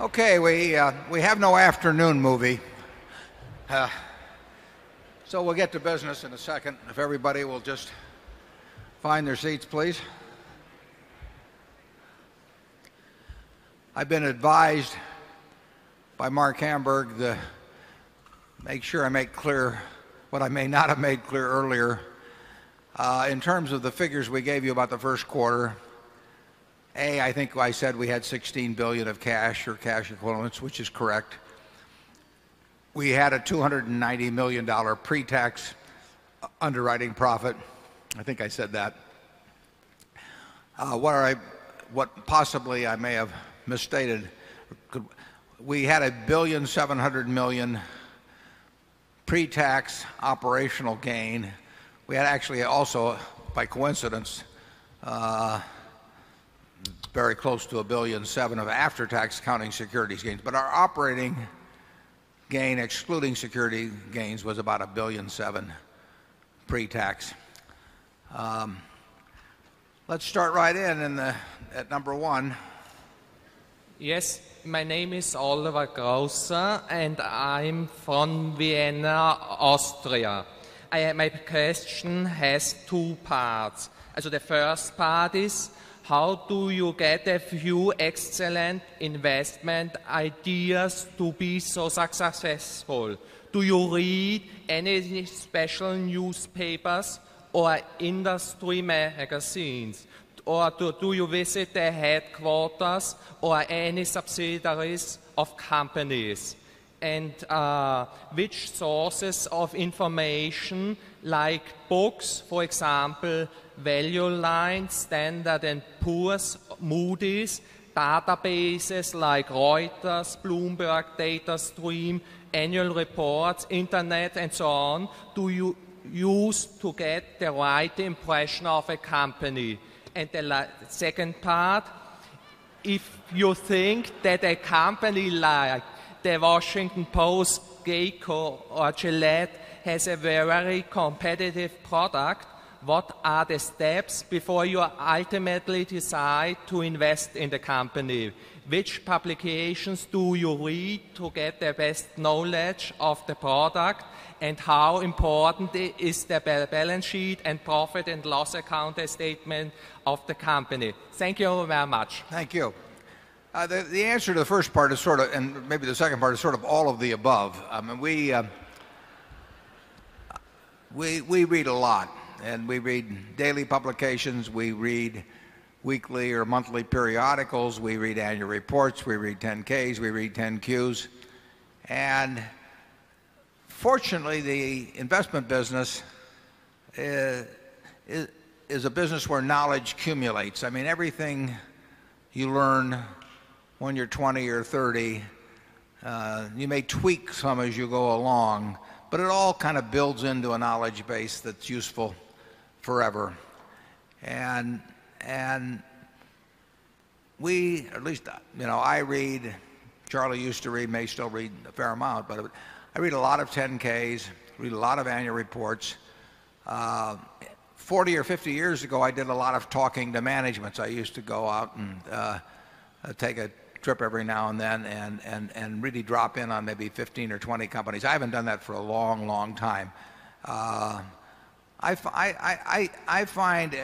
Okay. We have no afternoon movie. So we'll get to business in a second. If everybody will just find their seats, please. I've been advised by Mark Hamburg to make sure I make clear what I may not have made clear earlier. In terms of the figures we gave you about the Q1, A, I think I said we had $16,000,000,000 of cash or cash equivalents, which is correct. We had a $290,000,000 pretax underwriting profit. I think I said that. What possibly I may have misstated, We had a $1,700,000,000 pretax operational gain. We had actually also by coincidence very close to $1,700,000,000 of after tax accounting securities gains. But our operating gain excluding security gains was about $1,700,000,000 pretax. Let's start right in at number 1. Yes. My name is Oliver and I'm from Vienna, Austria. My question has 2 parts. So the first part is, how do you get a few excellent investment ideas to be so successful? Do you read any special newspapers or industry magazines or do you visit the headquarters or any subsidiaries of companies? And which sources of information like books, for example, Value Line, Standard and Poor's, Moody's, databases like Reuters, Bloomberg, Data Stream, Annual Reports, Internet, and so on, do you use to get the right impression of a company? And the second part, if you think that a company like the Washington Post, GEICO or Gillette has a very competitive product, what are the steps before you ultimately decide to invest in the company? Which publications do you read to get the best knowledge of the product? And how important is the balance sheet and profit and loss account statement of the company? Thank you very much. Thank you. The answer to the first part is sort of and maybe the second part is sort of all of the above. I mean, we read a lot and we read daily publications. We read And fortunately, the investment business is a business where knowledge cumulates. I mean, everything you learn when you're 20 or 30, you may tweak some as you go along we at least I read, Charlie used to read, may still read a fair amount, but I read a lot of 10 ks's, read a lot of annual reports. 40 or 50 years ago I did a lot of talking to management. So I used to go out and take a trip every now and then and and really drop in on maybe 15 or 20 companies. I haven't done that for a long long time. I find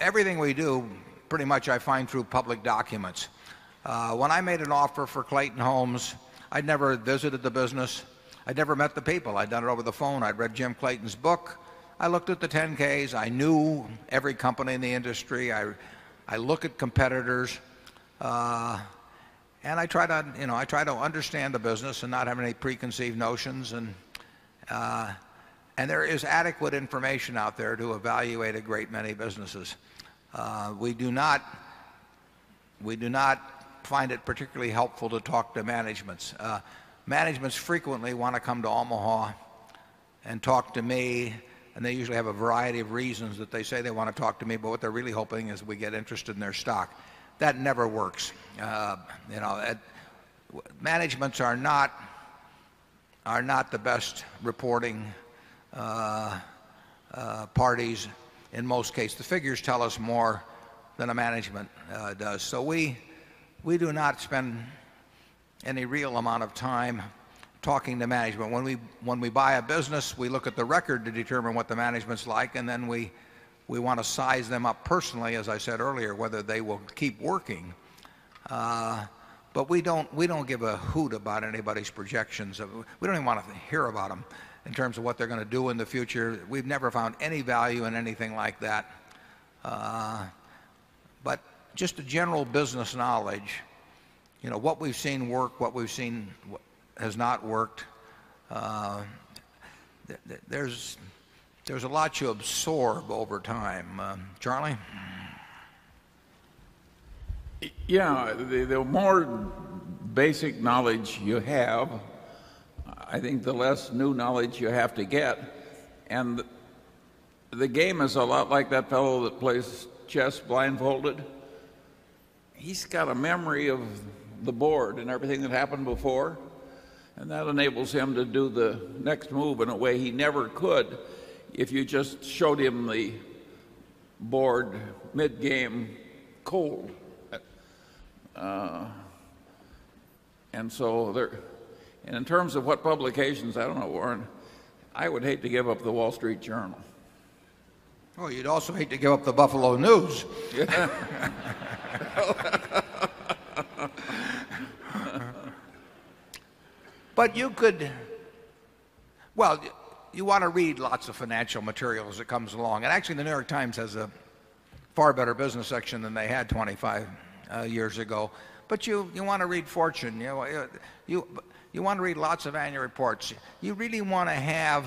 everything we do pretty much I find through public documents. When I made an offer for Clayton Homes, I'd never visited the business. I'd never met the people. I'd done it over the phone. I'd read Jim Clayton's book. I looked at the 10 ks's. I knew every company in the industry. I I look at competitors. And I try to understand the business and not have any preconceived notions. And there is adequate information out there to evaluate a great many businesses. We do not find it particularly helpful to talk to managements. Managements frequently want to come to Omaha and talk to me and they usually have a variety of reasons that they say they want to talk to me, but what they're really hoping is we get interested in their stock. That never works. Managements are not the best reporting parties in most cases. The figures tell us more than a management does. So we do not spend any real amount of time talking to management. When we buy a business, we look at the record to determine what the management's like and then we want to size them up personally as I said earlier whether they will keep working. But we don't give a hoot about anybody's projections. We don't even want to hear about them in terms of what they're going to do in the future. We've never found any value in anything like that. But just a general business knowledge, what we've seen work, what we've seen has not worked. There's a lot to absorb over time. Charlie? Yeah. The more basic knowledge you have, I think the less new knowledge you have to get. And the game is a lot like that fellow that plays chess blindfolded. He's got a memory of the board and everything that happened before And that enables him to do the next move in a way he never could if you just showed him the board mid game cold. And so there and in terms of what publications, I don't know Warren, I would hate to give up the Wall Street Journal. Oh, you'd also hate to give up the Buffalo News. Well, you want to read lots of financial materials that comes along. And actually the New York Times has a far better business section than they had 25 years ago. But you you want to read fortune. You know, you you want to read lots of annual reports. You really want to have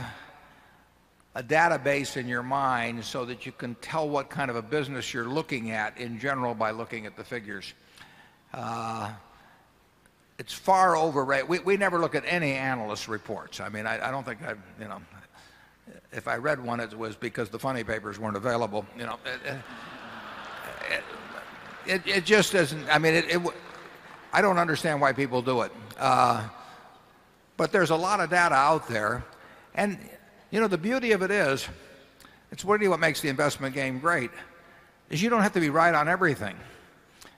a database in your mind so that you can tell what kind of a business you're looking at in general by looking at the figures. It's far over right. We never look at any analyst reports. I mean, I don't think I've you know, if I read one it was because the funny papers weren't available. You know, it just doesn't I mean, I don't understand why people do it. But there's a lot of data out there. And you know the beauty of it is it's really what makes the investment game great. You don't have to be right on everything.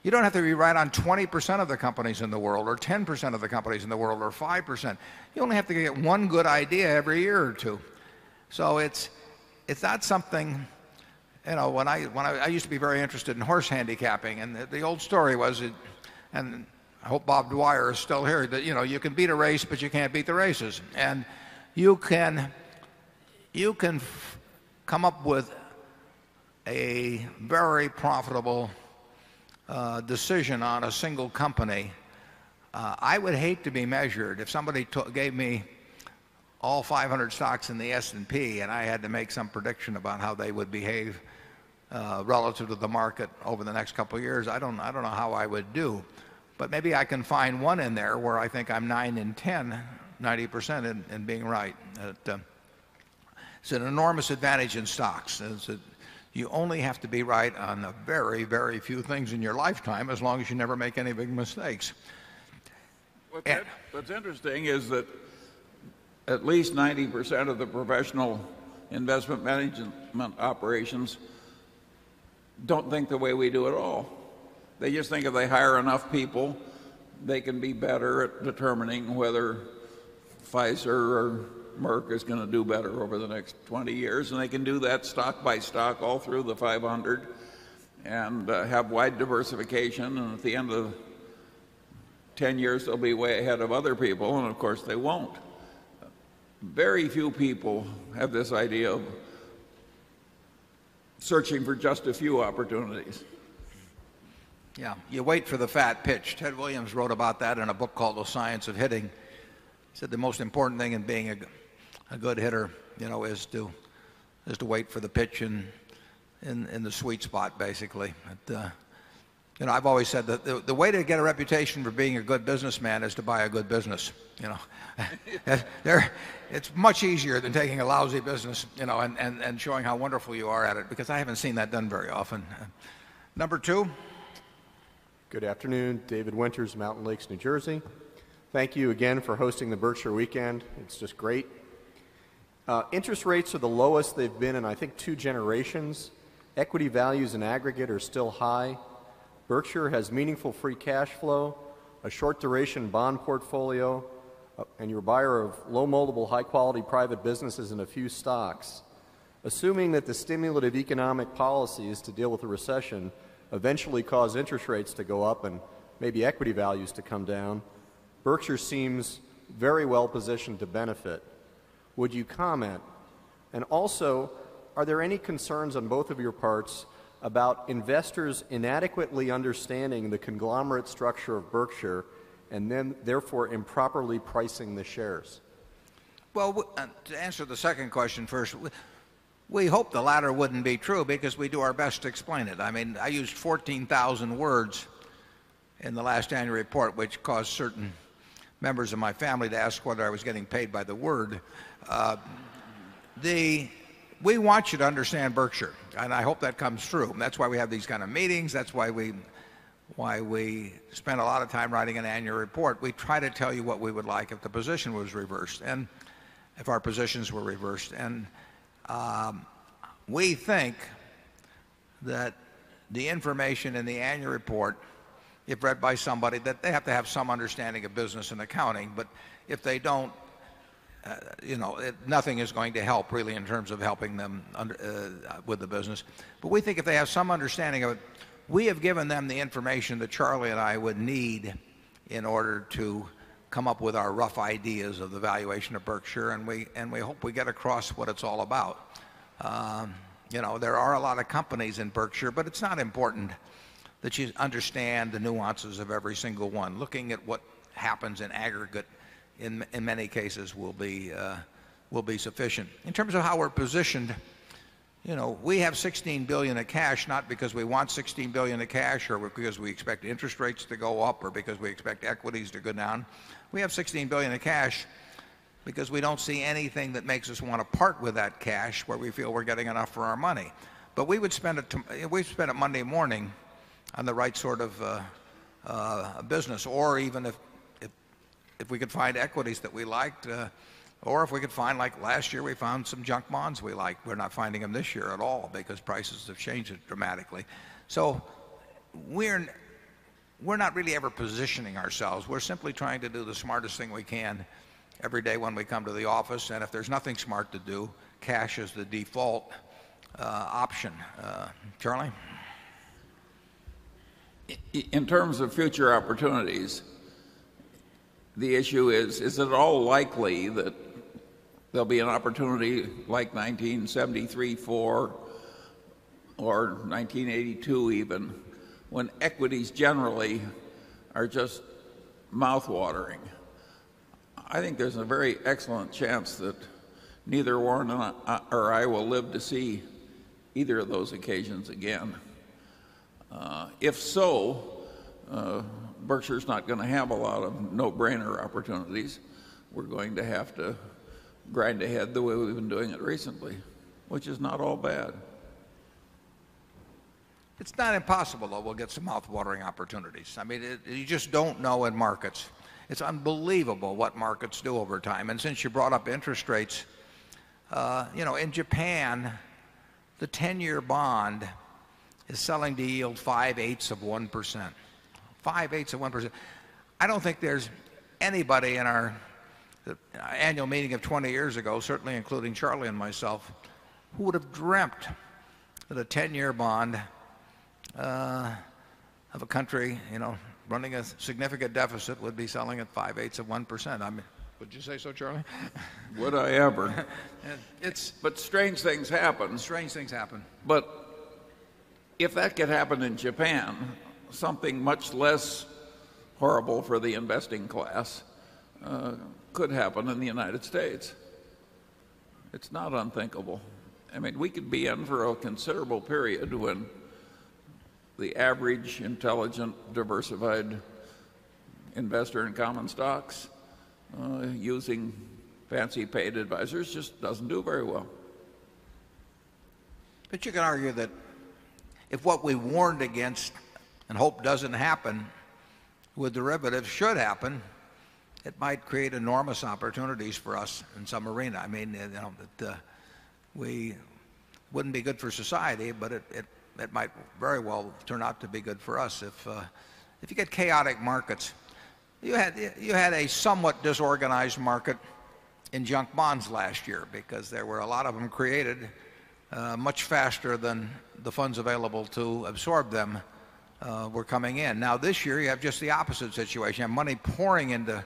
You don't have to be right on 20% of the companies in the world or 10% of the companies in the world or 5%. You only have to get one good idea every year or 2. So it's, it's not something, you know, when I, when I, I used to be very interested in horse handicapping and the old story was it and I hope Bob Dwyer is still here that, you know, you can beat a race, but you can't beat the races. And you can you can come up with a very profitable, decision on a single company. I would hate to be measured if somebody gave me all 500 stocks in the S and P and I had to make some prediction about how they would behave relative to the market over the next couple of years. I don't know how I would do. But maybe I can find one in there where I think I'm 9 and 10, 90% in being right. It's an enormous advantage in stocks. You only have to be right on very, very few things in your lifetime as long as you never make any big mistakes. Ed? What's interesting is that at least 90% of the professional investment management operations don't think the way we do at all. They just think if they hire enough people, they can be better at determining whether Pfizer or Merck is going to do better over the next 20 years and they can do that stock by stock all through the 500 and have wide diversification. And at the end of 10 years, they'll be way ahead of other people. And of course, they won't. Very few people have this idea of searching for just a few opportunities. Yes. You wait for the fat pitch. Ted Williams wrote about that in a book called The Science of Hitting. Said the most important thing in being a good hitter, you know, is to is to wait for the pitch in in in the sweet spot basically. I've always said that the way to get a reputation for being a good businessman is to buy a good business. It's much easier than taking a lousy business and showing how wonderful you are at it because I haven't seen that done very often. Number 2. Good afternoon. David Winters, Mountain Lakes, New Jersey. Thank you again for hosting the Berkshire Weekend. It's just great. Interest rates are the lowest they've been in, I think, 2 generations. Equity values in aggregate are still high. Berkshire has meaningful free cash flow, a short duration bond portfolio and you're a buyer of low moldable high quality private businesses and a few stocks. Assuming that the stimulative economic policies to deal with the recession eventually cause interest rates to go up and maybe equity values to come down, Berkshire seems very well positioned to benefit. Would you comment? And also, are there any concerns on both of your parts about investors inadequately understanding the conglomerate structure of Berkshire and then therefore improperly pricing the shares? Well, to answer the second question first, we hope the latter wouldn't be true because we do our best to explain it. I mean, I used 14,000 words in the last annual report, which caused certain members of my family to ask whether I was getting paid by the word. We want you to understand Berkshire, and I hope that comes true. And that's why we have these kind of meetings. That's why we spend a lot of time writing an annual report. We try to tell you what we would like if the position was reversed and if our positions were reversed. And we think that the information in the annual report, if read by somebody, they have to have some understanding of business and accounting. But if they don't, nothing is going to help really in terms of helping them with the business. But we think if they have some understanding of it, we have given them the information that Charlie and I would need in order to come up with our rough ideas of the valuation of Berkshire and we hope we get across what it's all about. There are a lot of companies in Berkshire but it's not important that you understand the nuances of every single one. Looking at what happens in aggregate in many cases will be will be sufficient. In terms of how we're positioned, we have $16,000,000,000 of cash not because we want $16,000,000,000 of cash or because we expect interest rates to go up or because we expect equities to go down. We have $16,000,000,000 of cash because we don't see anything that makes us want to part with that cash where we feel we're getting enough for our money. But we would spend it we've spent it Monday morning on the right sort of business or even if if we could find equities that we liked or if we could find like last year we found some junk bonds we like we're not finding them this year at all because prices have changed dramatically. So we're not really ever positioning ourselves. We're simply trying to do the smartest thing we can every day when we come to the office. And if there's nothing smart to do, cash is the default option. Charlie? In terms of future opportunities, the issue is, is it all likely that there'll be an opportunity like 1973 or 1982 even when equities generally are just mouthwatering. I think there's a very excellent chance that neither Warren or I will live to see either of those occasions again. If so, Berkshire is not going to have a lot of no brainer opportunities. We're going to have to grind ahead the way we've been doing it recently, which is not all bad. It's not impossible that we'll get some mouthwatering opportunities. I mean, you just don't know in markets. It's unbelievable what markets do over time. And since you brought up interest rates, in Japan, the 10 year bond is selling to yield 5 eights of 1%. 5 eights of 1%. I don't think there's anybody in our annual meeting of 20 years ago certainly including Charlie and myself who would have dreamt of the 10 year bond of a country you know running a significant deficit would be selling at 5 eighths of 1%. I mean would you say so Charlie? Would I ever. It's But strange things happen. Strange things happen. But if that could happen in Japan, something much less horrible for the investing class could happen in the United States. It's not unthinkable. I mean, we could be in for a considerable period when the average intelligent diversified investor in common stocks using fancy paid advisors just doesn't do very well. But you can argue that if what we warned against and hope doesn't happen with derivatives should happen, it might create enormous opportunities for us in some arena. I mean, you know, that we wouldn't be good for society but it might very well turn out to be good for us if you get chaotic markets. You had a somewhat disorganized market in junk bonds last year because there were a lot of them created much faster than the funds available to absorb them were coming in. Now this year you have just the opposite situation. Money pouring into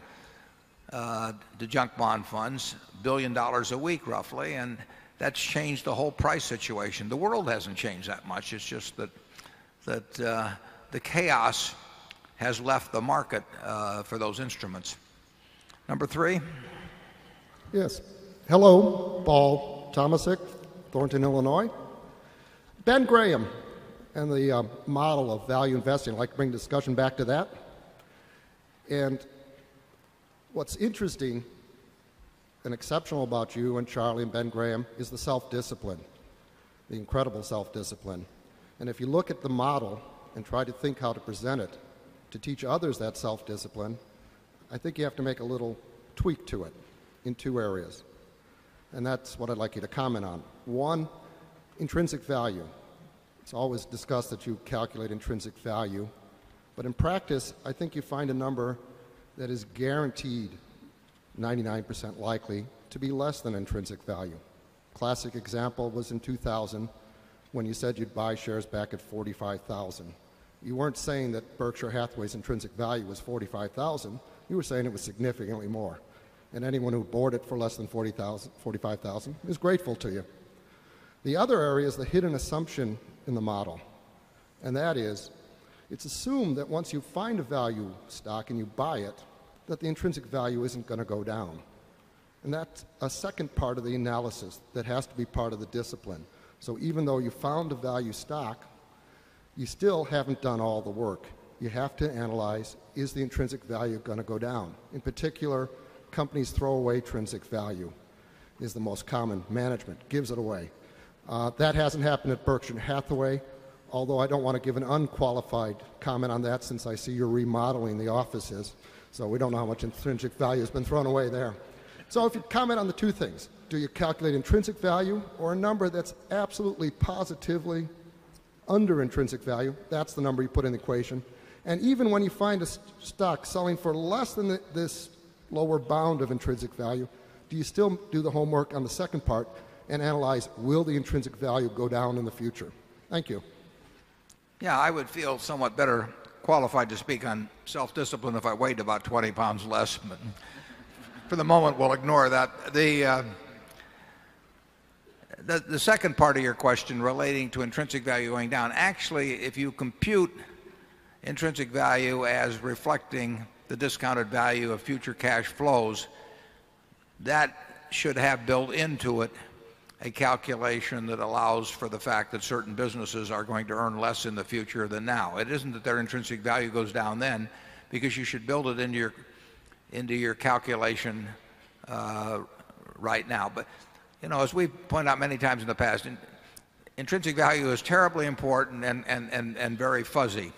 the junk bond funds $1,000,000,000 a week roughly and that's changed the whole price situation. The world hasn't changed that much. It's just that that the chaos has left the market for those instruments. Number 3. Yes. Hello, Paul Thomasick, Thornton, Illinois. Ben Graham and the model of value investing, I'd like to bring discussion back to that. And what's interesting and exceptional about you and Charlie and Ben Graham is the self discipline, the incredible self discipline. And if you look at the model and try to think how to present it to teach others that self discipline, I think you have to make a little tweak to it in 2 areas. And that's what I'd like you to comment on. 1, intrinsic value. It's always discussed that you calculate intrinsic value. But in practice, I think you find a number that is guaranteed 99% likely to be less than intrinsic value. Classic example was in 2000 when you said you'd buy shares back at 45,000. You weren't saying that Berkshire Hathaway's intrinsic value was $45,000 You were saying it was significantly more. And anyone who bought it for less than 45,000 is grateful to you. The other area is the hidden assumption in the model. And that is the key thing that we're going to do is to make sure that we're going to do that. And that's a second part of the analysis that has to be part of the discipline. So even though you found a value stock, you still haven't done all the work. You have to analyze is the intrinsic value going to go down in particular companies throw away. Trinsic value is the most common management gives it away. That hasn't happened at Berkshire Hathaway, although I don't want to give an unqualified comment on that since I see you're remodeling the offices. So we don't know how much intrinsic value has been thrown away there. So if you comment on the 2 things, do you calculate intrinsic value or a number that's absolutely positively under intrinsic value? That's the number you put in the equation. And even when you find a stock selling for less than this lower bound of intrinsic value, do you still do the homework on the second part and analyze will the intrinsic value go down in the future? Thank you. Yeah. I would feel somewhat better qualified to speak on self discipline if I weighed about £20 less. For the moment, we'll ignore that. The second part of your question relating to intrinsic value going down. Actually, if you compute intrinsic value as reflecting the discounted value of future cash flows, that should have built into it a calculation that allows for the fact that certain businesses are going to earn less in the future than now. It isn't that their intrinsic value goes down then because you should build it into your calculation right now. But as we've pointed out many times in the past, intrinsic value is terribly important and very fuzzy.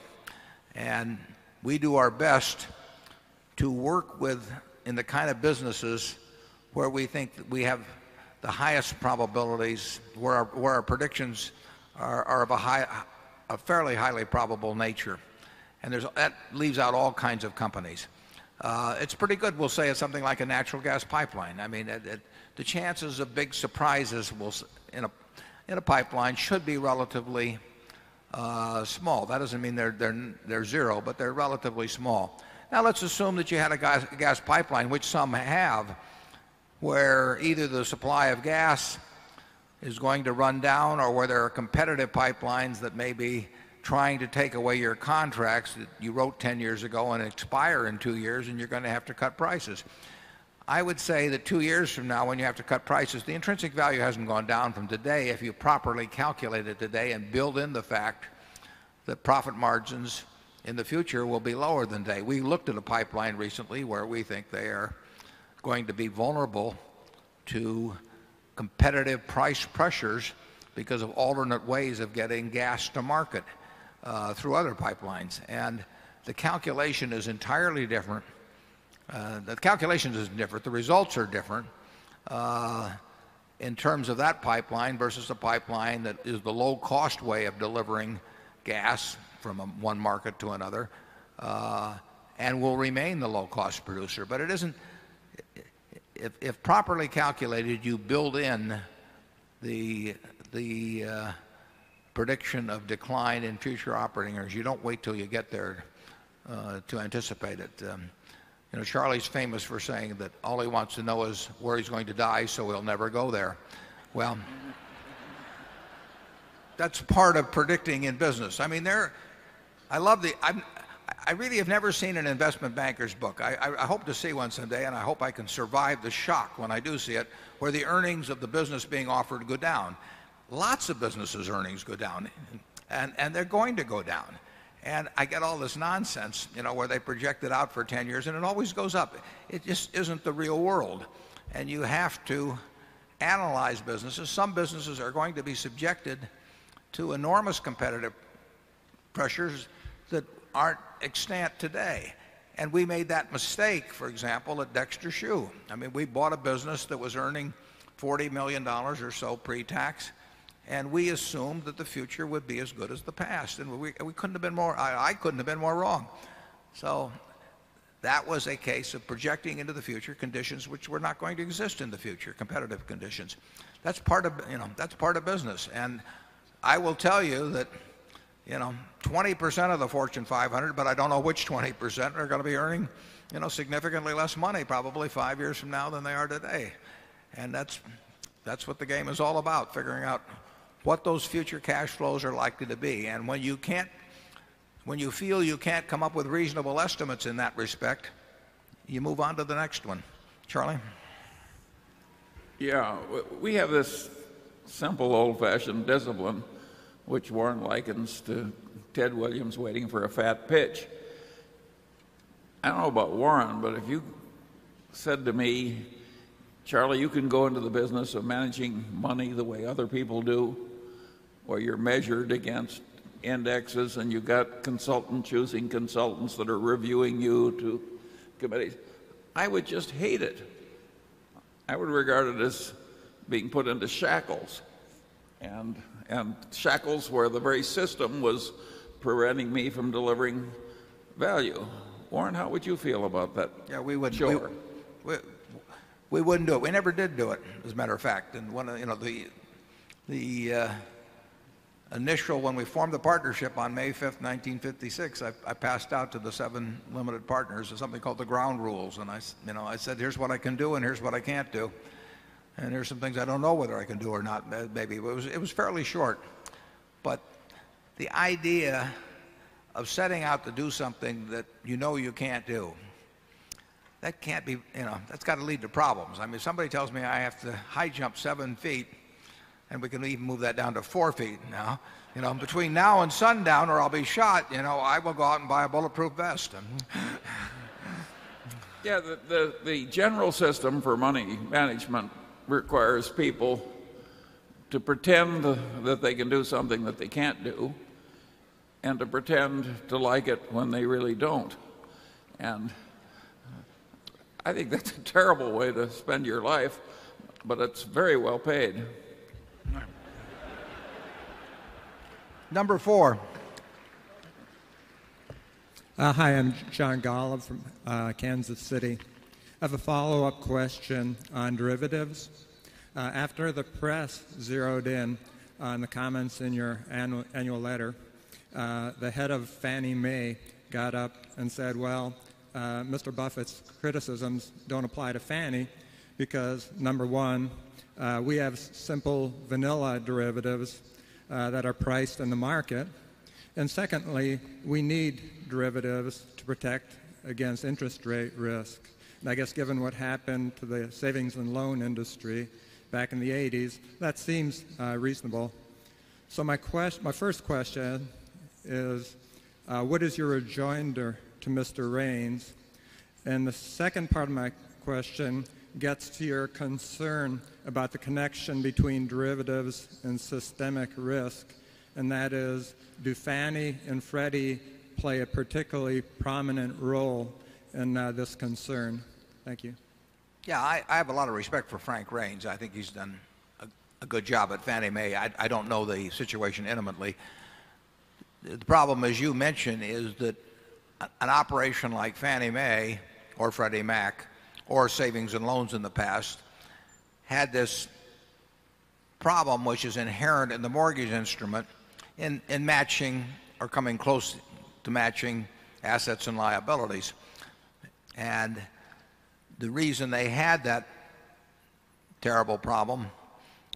And we do our best to work with in the kind of businesses where we think that we have the highest probabilities where our predictions are of a fairly highly probable nature. And there's that leaves out all kinds of companies. It's pretty good we'll say it's something like a natural gas pipeline. I mean, the chances of big surprises will in a pipeline should be relatively, small. That doesn't mean they're they're they're 0, but they're relatively small. Now let's assume that you had a gas pipeline, which some have, where either the supply of gas is going to run down or where there are competitive pipelines that may be trying to take away your contracts that you wrote 10 years ago and expire in 2 years and you're going to have to cut prices. I would say that 2 years from now when you have cut prices, the intrinsic value hasn't gone down from today. If you properly calculate it today and build in the fact that profit margins in the future will be lower than today. We looked at a pipeline recently where we think they are going to be vulnerable to competitive price pressures because of alternate ways of getting gas to market through other pipelines. And the calculation is entirely different. The calculation is different. The results are different. In terms of that pipeline versus a pipeline that is the low cost way of delivering gas from one market to another. And will remain the low cost producer. But it isn't if properly calculated you build in the prediction of decline in future operating. You don't wait till you get there to anticipate it. Charlie is famous for saying that all he wants to know is where he's going to die so he'll never go there. Well, that's part of predicting in business. I mean there I love the I really have never seen an investment bankers book. I hope to see once in a day and I hope I can survive the shock when I do see it where the earnings of the business being offered go down. Lots of businesses earnings go down and they're going to go down. And I get all this nonsense where they project it out for 10 years and it always goes up. It just isn't the real world. And you have to analyze businesses. Some businesses are going to be subjected to enormous competitive pressures that aren't extent today. And we made that mistake, example, at Dexter Shoe. I mean, we bought a business that was earning $40,000,000 or so pretax and we assumed that the future would be as good as the past. And we couldn't have been more I couldn't have been more wrong. So that was a case of projecting into the future conditions which were not going to exist in the future, competitive conditions. That's part of, you know, that's part of business. And I will tell you that, you know, 20% of the Fortune 500, but I don't know which 20%, are going to be earning, significantly less money probably 5 years from now than they are today. And that's what the game is all about, figuring out what those future cash flows are likely to be. And when you can't, when you feel you can't come up with reasonable estimates in that respect, you move on to the next one. Charlie? Yes. We have this simple old fashioned discipline, which Warren likens to Ted Williams waiting for a fat pitch. I don't know about Warren, but if you said to me, Charlie, you can go into the business of managing money the way other people do or you're measured against indexes and you've got consultants choosing consultants that are reviewing you to committees. I would just hate it. I would regard it as being put into shackles and shackles where the very system was preventing me from delivering value. Warren, how would you feel about that? Yes, we wouldn't do it. We wouldn't do it. We never did do it, as a matter of fact. And the initial when we formed the partnership on May 5, 1956, I passed out to the 7 limited partners of something called the ground rules. And I said, here's what I can do and here's what I can't do. And there's some things I don't know whether I can do or not. Maybe it was fairly short. But the idea of setting out to do something that you know you can't do, that's got to lead to problems. I mean, somebody tells me I have to high jump 7 feet and we can even move that down to 4 feet now. Between now and sundown or I'll be shot, I will go out and buy a bulletproof vest. Yeah. The general system for money management requires people to pretend that they can do something that they can't do and to pretend to like it when they really don't. And I think that's a terrible way to spend your life, but it's very well paid. Number 4. Hi. I'm John Golub from Kansas City. I have a follow-up question on derivatives. After the press zeroed in on the comments in your annual letter, the head of Fannie Mae got up and said, well, Mr. Buffett's criticisms don't apply to Fannie because, number 1, we have simple vanilla derivatives that are priced in the market. And secondly, we need derivatives to protect against interest rate risk. And I guess given what happened to the savings and loan industry back in the '80s, that seems reasonable. So my first question is, what is your rejoinder to mister Raines? And the second part of my question gets to your concern about the connection between derivatives and systemic risk. And that is, do Fannie and Freddie play a particularly prominent role in this concern? Thank you. Yes. I have a lot of respect for Frank Raines. I think he's done a good job at Fannie Mae. I don't know the situation intimately. The problem, as you mentioned, is that an operation like Fannie Mae or Freddie Mac or savings and loans in the past had this problem which is inherent in the mortgage instrument in matching or coming close to matching assets and liabilities. And the reason they had that terrible problem,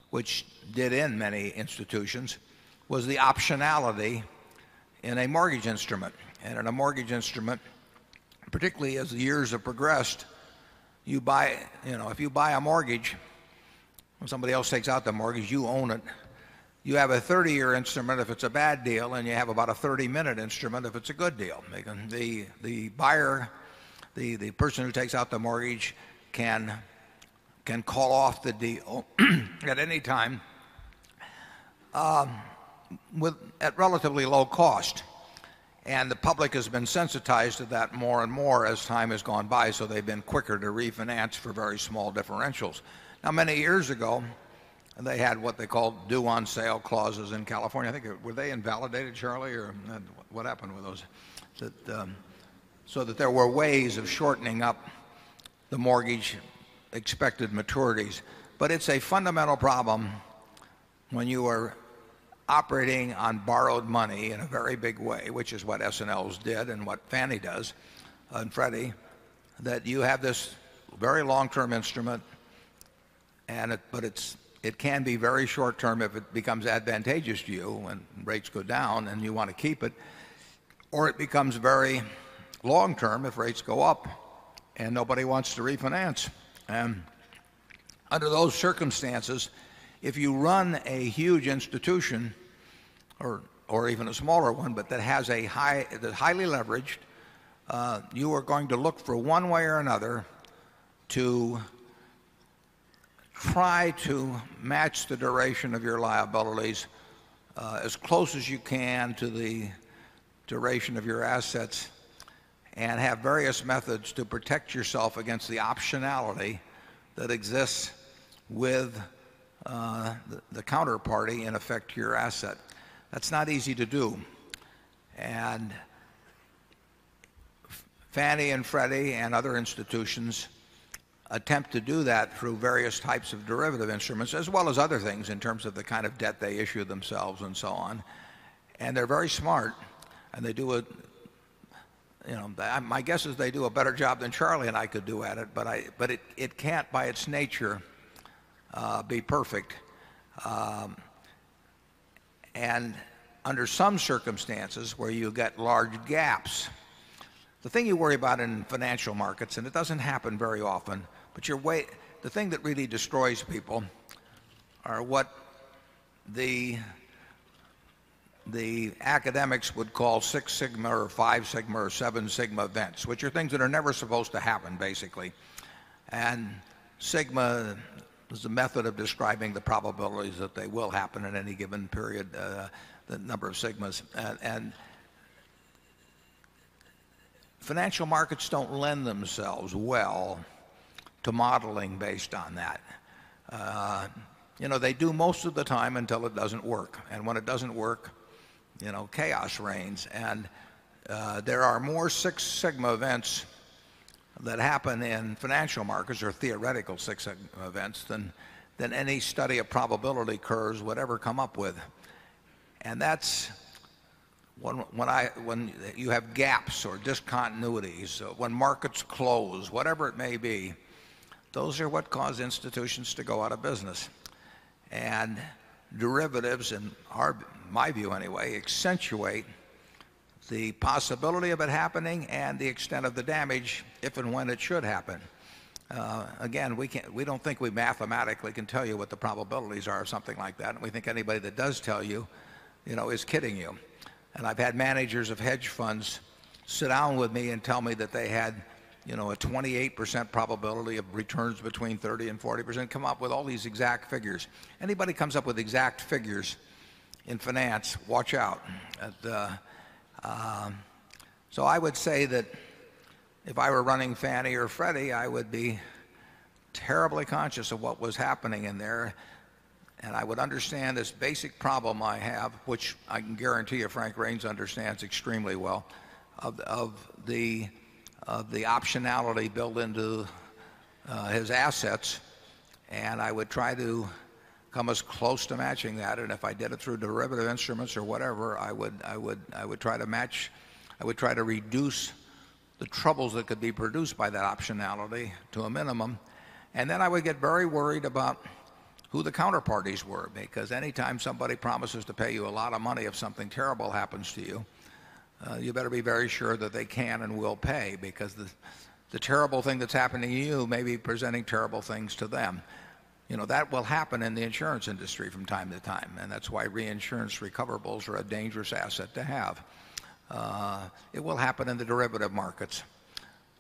which did in many institutions, was the optionality in a mortgage instrument. And in a mortgage instrument, particularly as the years have progressed, you buy, you know, if you buy a mortgage, when somebody else takes out the mortgage, you own it. You have a 30 year instrument if it's a bad deal and you have about a 30 minute instrument if it's a good deal. The buyer, the person who takes out the mortgage can call off the deal at any time at relatively low cost. And the public has been sensitized to that more and more as time has gone by. So they've been quicker to refinance for very small differentials. Now many years ago, they had what they called due on sale clauses in California. I think were they invalidated, Charlie? Or what happened with those? So that there were ways of shortening up the mortgage expected maturities. But it's a fundamental problem when you are operating on borrowed money in a very big way, which is what S and L's did and what Fannie does and Freddie, that you have this very long term instrument and it but it can be very short term if it becomes advantageous to you when rates go down and you want to keep it or it becomes very long term if rates go up and nobody wants to refinance. And under those circumstances, if you run a huge institution or even a smaller one, but that has a high that's highly leveraged, you are going to look for one way or another to try to match the duration of your liabilities as close as you can to the duration of your assets and have various methods to protect yourself against the optionality that exists with, the counterparty in effect to your asset. That's not easy to do. And Fannie and Freddie and other institutions attempt to do that through various types of derivative instruments as well as other things in terms of the kind of debt they issue themselves and so on. And they're very smart and they do it. My guess is they do a better job than Charlie and I could do at it. But it can't, by its nature, be perfect. And under some circumstances where you get large gaps, the thing you worry about in financial markets and it doesn't happen very often but your way the thing that really destroys people are what the academics would call 6 Sigma or 5 Sigma or 7 Sigma events, which are things that are never supposed to happen basically. And Sigma was the method of describing the probabilities that they will happen in any given period, the number of Sigmas. And financial markets don't lend themselves well to modeling based on that. You know, they do most of the time until it doesn't work. And when it doesn't work, you know, chaos reigns. And there are more 6 sigma events that happen in financial markets or theoretical 6 sigma events than than any study of probability curves would ever come up with. And that's when when I when you have gaps or discontinuities, when markets close, whatever it may be, those are what cause institutions to go out of business. And derivatives, in my view anyway, accentuate the possibility of it happening and the extent of the damage if and when it should happen. Again, we don't think we mathematically can tell you what the probabilities are or something like that. And we think anybody that does tell you is kidding you. And I've had managers of hedge funds sit down with me and tell me that they had a 28% probability of returns between 30 40% come up with all these exact figures. Anybody comes up with exact figures in finance, watch out. So I would say that if I were running Fannie or Freddie, I would be terribly conscious of what was happening in there. And I would understand this basic problem I have, which I can guarantee you Frank Raines understands extremely well of the optionality built into his assets. And I would try to come as close to matching that. And if I did it through derivative instruments or whatever, I would try to match. I would try to reduce the troubles that could be produced by that optionality to a minimum. And then I would get very worried about who the counterparties were because anytime somebody promises to pay you a lot of money, if something terrible happens to you, you better be very sure that they can and will pay because the terrible thing that's happening to you may be presenting terrible things to them. You know, that will happen in the insurance industry from time to time. And that's why reinsurance recoverables are a dangerous asset to have. It will happen in the derivative markets.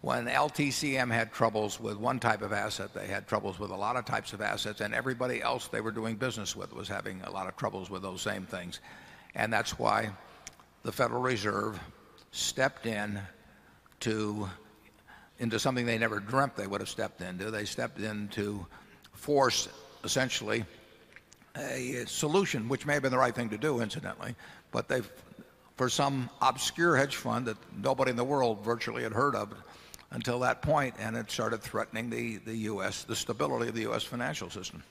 When LTCM had troubles with one type of asset, they had troubles with a lot of types of assets and everybody else they were doing business with was having a lot of troubles with those same things. And that's why the Federal Reserve stepped in to into something they never dreamt they would have stepped into. They stepped in to force essentially a solution which may have been the right thing to do incidentally, but they've for some obscure hedge fund that nobody in the world virtually had heard of until that point. And it started threatening the U. S, the stability of the U. S. Financial system.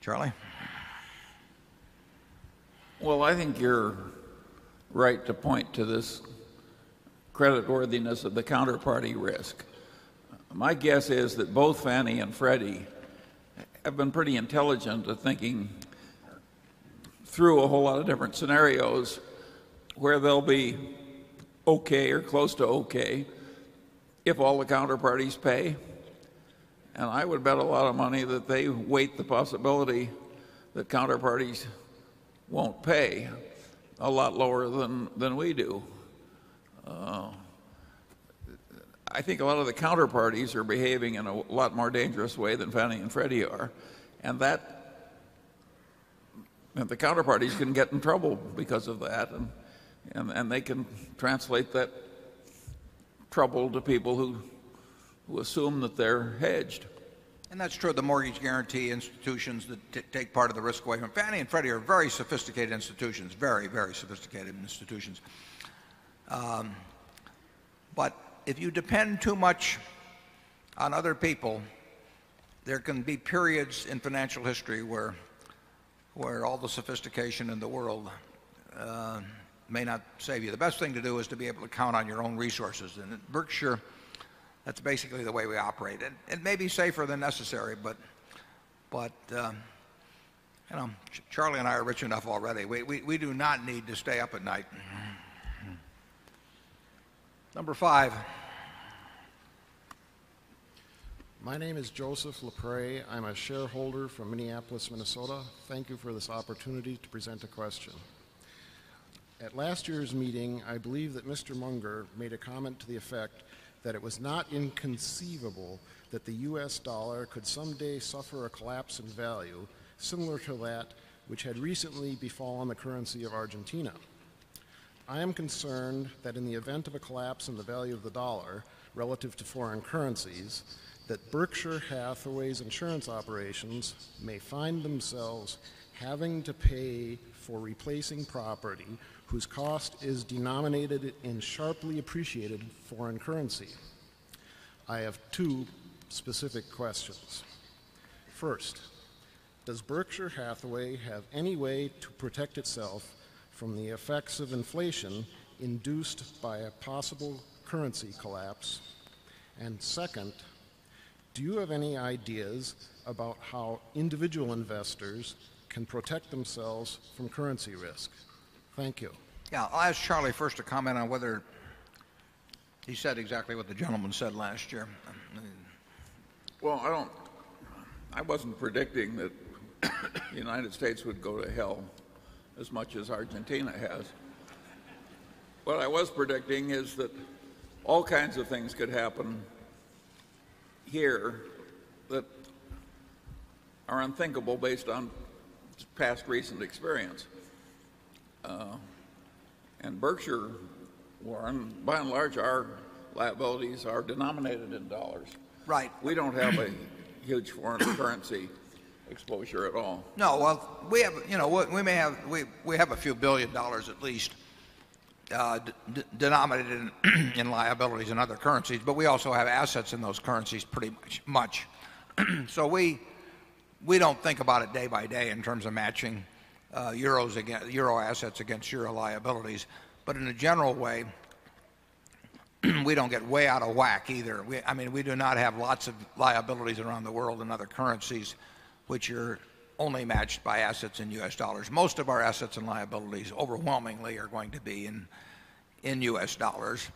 Charlie? Well, I think you're right to point to this creditworthiness of the counterparty risk. My guess is that both Fannie and Freddie have been pretty intelligent at thinking through a whole lot of different scenarios where they'll be okay or close to okay if all the counterparties pay. And I would bet a lot of money that they weight the possibility that counterparties won't pay a lot lower than we do. I think a lot of the counterparties are behaving in a lot more dangerous way than Fannie and Freddie are and that the counterparties can get in trouble because of that and they can translate that trouble to people who assume that they're hedged. And that's true of the mortgage guarantee institutions that take part of the risk away. Fannie and Freddie are very sophisticated institutions, very sophisticated institutions. But if you depend too much on other people, there can be periods in financial history where all the sophistication in the world may not save you. The best thing to do is to be able to count on your own resources. And Berkshire, that's basically the way we operate. And it may be safer than necessary, but Charlie and I are rich enough already. We do not need to stay up at night. Number 5. My name is Joseph Lepre. I'm a shareholder from Minneapolis, Minnesota. Thank you for this opportunity to present a question. At last year's meeting, I believe that Mr. Munger made a comment to the effect that it was not inconceivable that the U. S. Dollar could someday suffer a collapse in value similar to that which had recently befallen the currency of Argentina. I am concerned that in the event of a collapse in the value of the dollar relative to foreign currencies, that Berkshire Hathaway's insurance operations may find themselves having to pay for replacing property whose cost is denominated and sharply appreciated foreign currency. I have 2 specific questions. First, does Berkshire Hathaway have any way to protect itself from the effects of inflation induced by a possible currency collapse? And second, do you have any ideas about how individual investors can protect themselves from currency risk? Thank you. Yes. I'll ask Charlie first to comment on whether he said exactly what the gentleman said last year. Well, I don't I wasn't predicting that United States would go to hell as much as Argentina has. What I was predicting is that all kinds of things could happen here that are unthinkable based on past recent experience. And Berkshire, Warren, by and large, our liabilities are denominated in dollars. Right. We don't have a huge foreign currency exposure at all. No. Well, we may have a few $1,000,000,000 at least denominated in liabilities and other currencies, but we also have assets in those currencies pretty much. So we don't think about it day by day in terms of matching euro assets against euro liabilities. But in a general way, we don't get way out of whack either. We do not have lots of liabilities around the world and other currencies, which are only matched by assets in U. S. Dollars. Most of our assets and liabilities overwhelmingly are going to be in U. S. Dollars.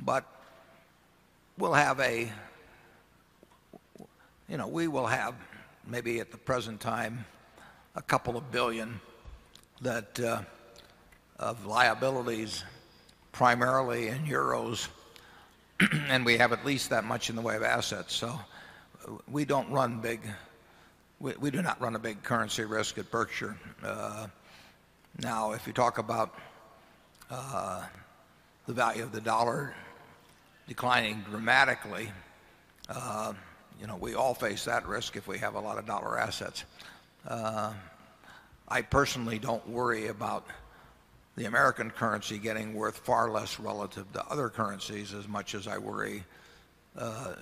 But we'll have a you know, we will have maybe at the present time a couple of billion that, of liabilities primarily in euros and we have at least that much in the way of assets. So we don't run big. We do not run a big currency risk at Berkshire. Now if you talk about the value of the dollar declining dramatically, we all face that risk if we have a lot of dollar assets. I personally don't worry about the American currency getting worth far less relative to other currencies as much as I worry. I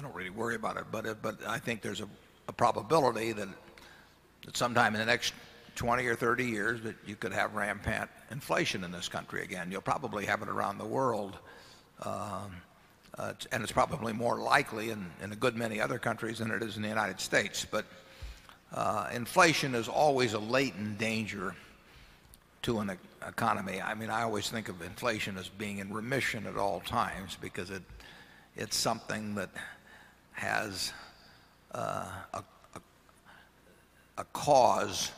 don't really worry about it, but it, but I think there's a probability that that sometime in the next 20 or 30 years that you could have rampant inflation in this country again. You'll probably have it around the world. And it's probably more likely in a good many other countries than it is in the United States. But inflation is always a latent danger to an economy. I mean, I always think of inflation as being in remission at all times because it's something that has a cause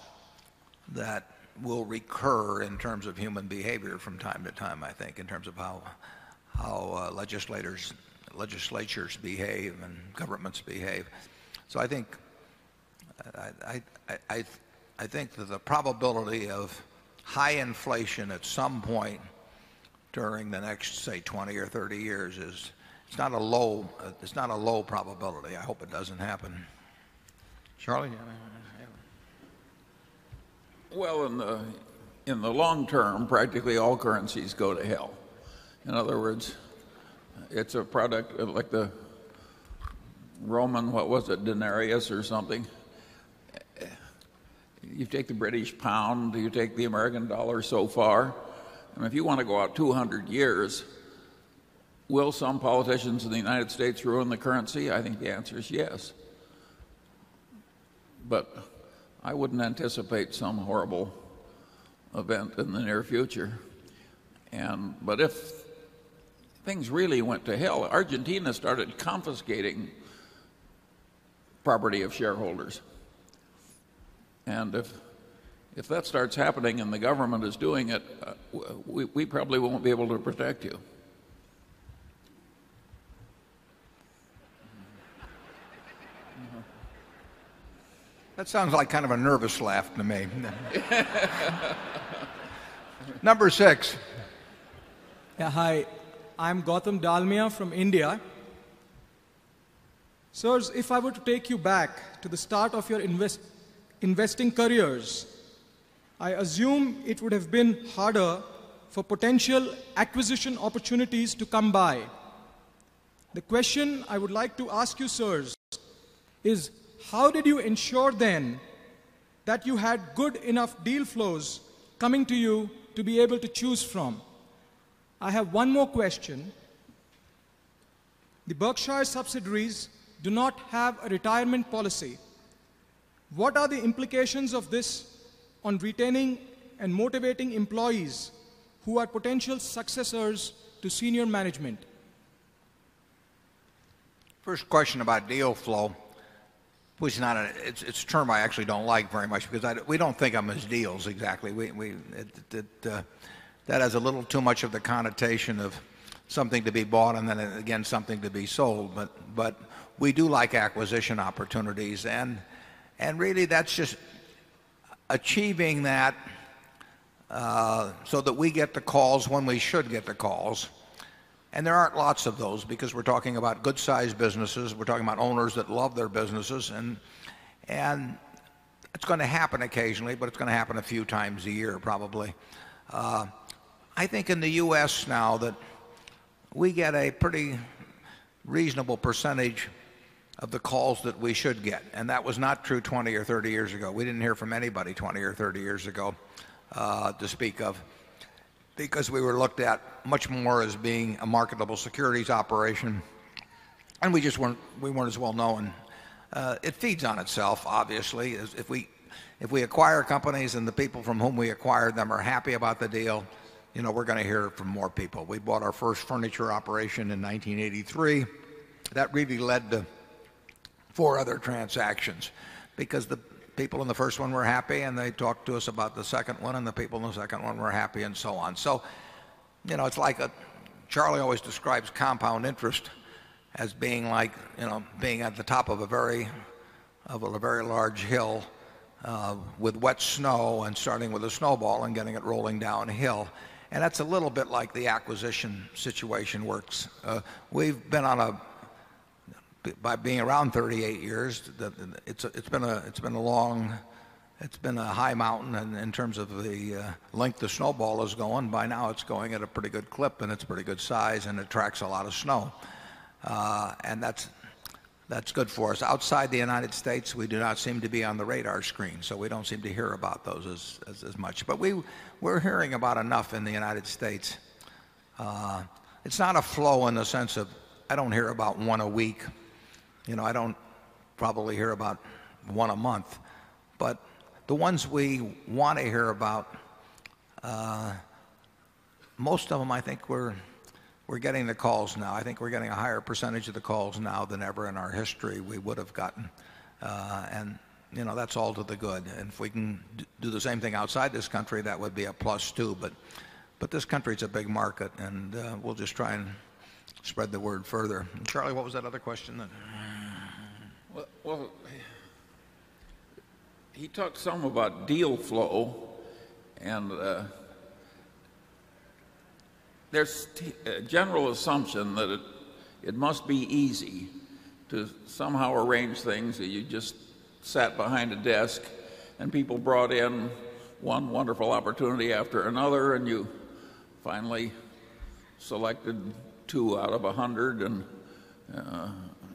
that will recur in terms of human behavior from time to time, I think, in terms of how legislators behave and governments behave. So I think that the probability of high inflation at some point during the next say 20 or 30 years is it's not a low probability. I hope it doesn't happen. Charlie? Well, in the long term, practically all currencies go to hell. In other words, it's a product like the Roman, what was it, denarius or something. You take the British pound, you take the American dollar so far. And if you want to go out 200 years, will some politicians in the United States ruin the currency? I think the answer is yes. But I wouldn't anticipate some horrible event in the near future. And, but if things really went to hell, Argentina started confiscating property of shareholders. And if that starts happening and the government is doing it, we probably won't be able to protect you. That sounds like kind of a nervous laugh to me. Number 6. Hi. I'm Gautam Dalmia from India. Sirs, if I were to take you back to the start of your investing careers, I assume it would have been harder for potential acquisition opportunities to come by. The question I would like to ask you, sir, is how did you ensure then that you had good enough deal flows coming to you to be able to choose from. I have one more question. The Berkshire Subsidiaries do not have a retirement policy. What are the implications of this on retaining and motivating employees who are potential successors to senior management? First question about deal flow, which is not it's a term I actually don't like very much because we don't think I miss deals exactly. We that has a little too much of the connotation of something to be bought and then again something to be sold. But we do like acquisition opportunities. And really that's just achieving that so that we get the calls when we should get the calls. It's going to happen occasionally, but it's going to happen a few times a year probably. I think in the US now that we get a pretty reasonable percentage of the calls that we should get. And that was not true 20 or 30 years ago. We didn't hear from anybody 20 or 30 years ago, to speak of because we were looked at much more as being a marketable securities operation and we just weren't as well known. It feeds on itself obviously. If we acquire companies and the people from whom we acquired them are happy about the deal, you know, we're going to hear from more people. We bought our first furniture operation in 1983. That really led to 4 other transactions because the people in the first one were happy and they talked to us about the second one and the people in the second one were happy and so on. So you know, it's like Charlie always describes compound interest as being like you know being at the top of a very of a very large hill with wet snow and starting with a snowball and getting it rolling downhill. And that's a little bit like the acquisition situation works. We've been on a by being around 38 years, it's been a long it's been a high mountain in terms of the length the snowball is going by now, it's going at a pretty good clip and it's pretty good size and attracts a lot of snow. And that's that's good for us. Outside the United States, we do not seem to be on the radar screen. So we don't seem to hear about those as as as much. But we we're hearing about enough in the United States. It's not a flow in the sense of I don't hear about 1 a week. You know, I don't probably hear about 1 a month. But the ones we want to hear about, most of them I think we're we're getting the calls now. I think we're getting a higher percentage of the calls now than ever in our history we would have gotten. And, that's all to the good. And if we can do the same thing outside this country, that would be a plus too. But but this country is a big market and, we'll just try and spread the word further. Charlie, what was that other question? Well, he talked some about deal flow and there's a general assumption that it must be easy to somehow arrange things that you just sat behind a desk and people brought in one wonderful opportunity after another and you finally selected 2 out of 100 and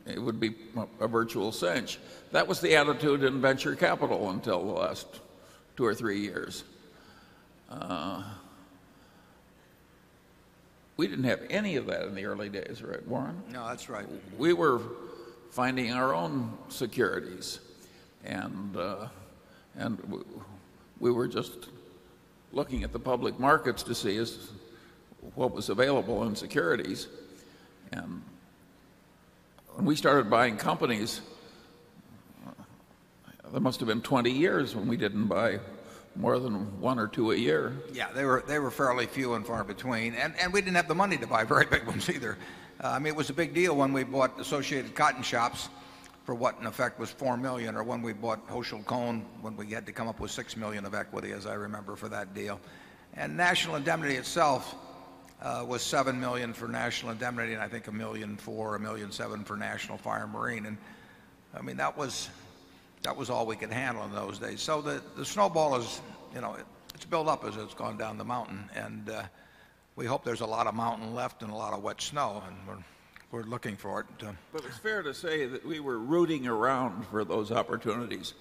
it would be a virtual cinch. That was the attitude in venture capital until the last 2 or 3 years. We didn't have any of that in the early days, right Warren? No, that's right. We were finding our own securities and we were just looking at the public markets to see what was available in securities. And when we started buying companies, it must have been 20 years when we didn't buy more than 1 or 2 a year. Yes, they were fairly few and far between. And we didn't have the money to buy very big ones either. I mean, it was a big deal when we bought associated cotton shops for what in effect was $4,000,000 or when we bought Hochul Cohn when we had to come up with $6,000,000 of equity as I remember for that deal. And National Indemnity itself was $7,000,000 for National Indemnity and I think $1,400,000 $1,700,000 for National Fire and Marine. And I mean, that was that was all we could handle in those days. So the the snowball is, you know, it's built up as it's gone down the mountain. And, we hope there's a lot of mountain left and a lot of wet snow and we're looking for it to But it's fair to say that we were rooting around for those opportunities.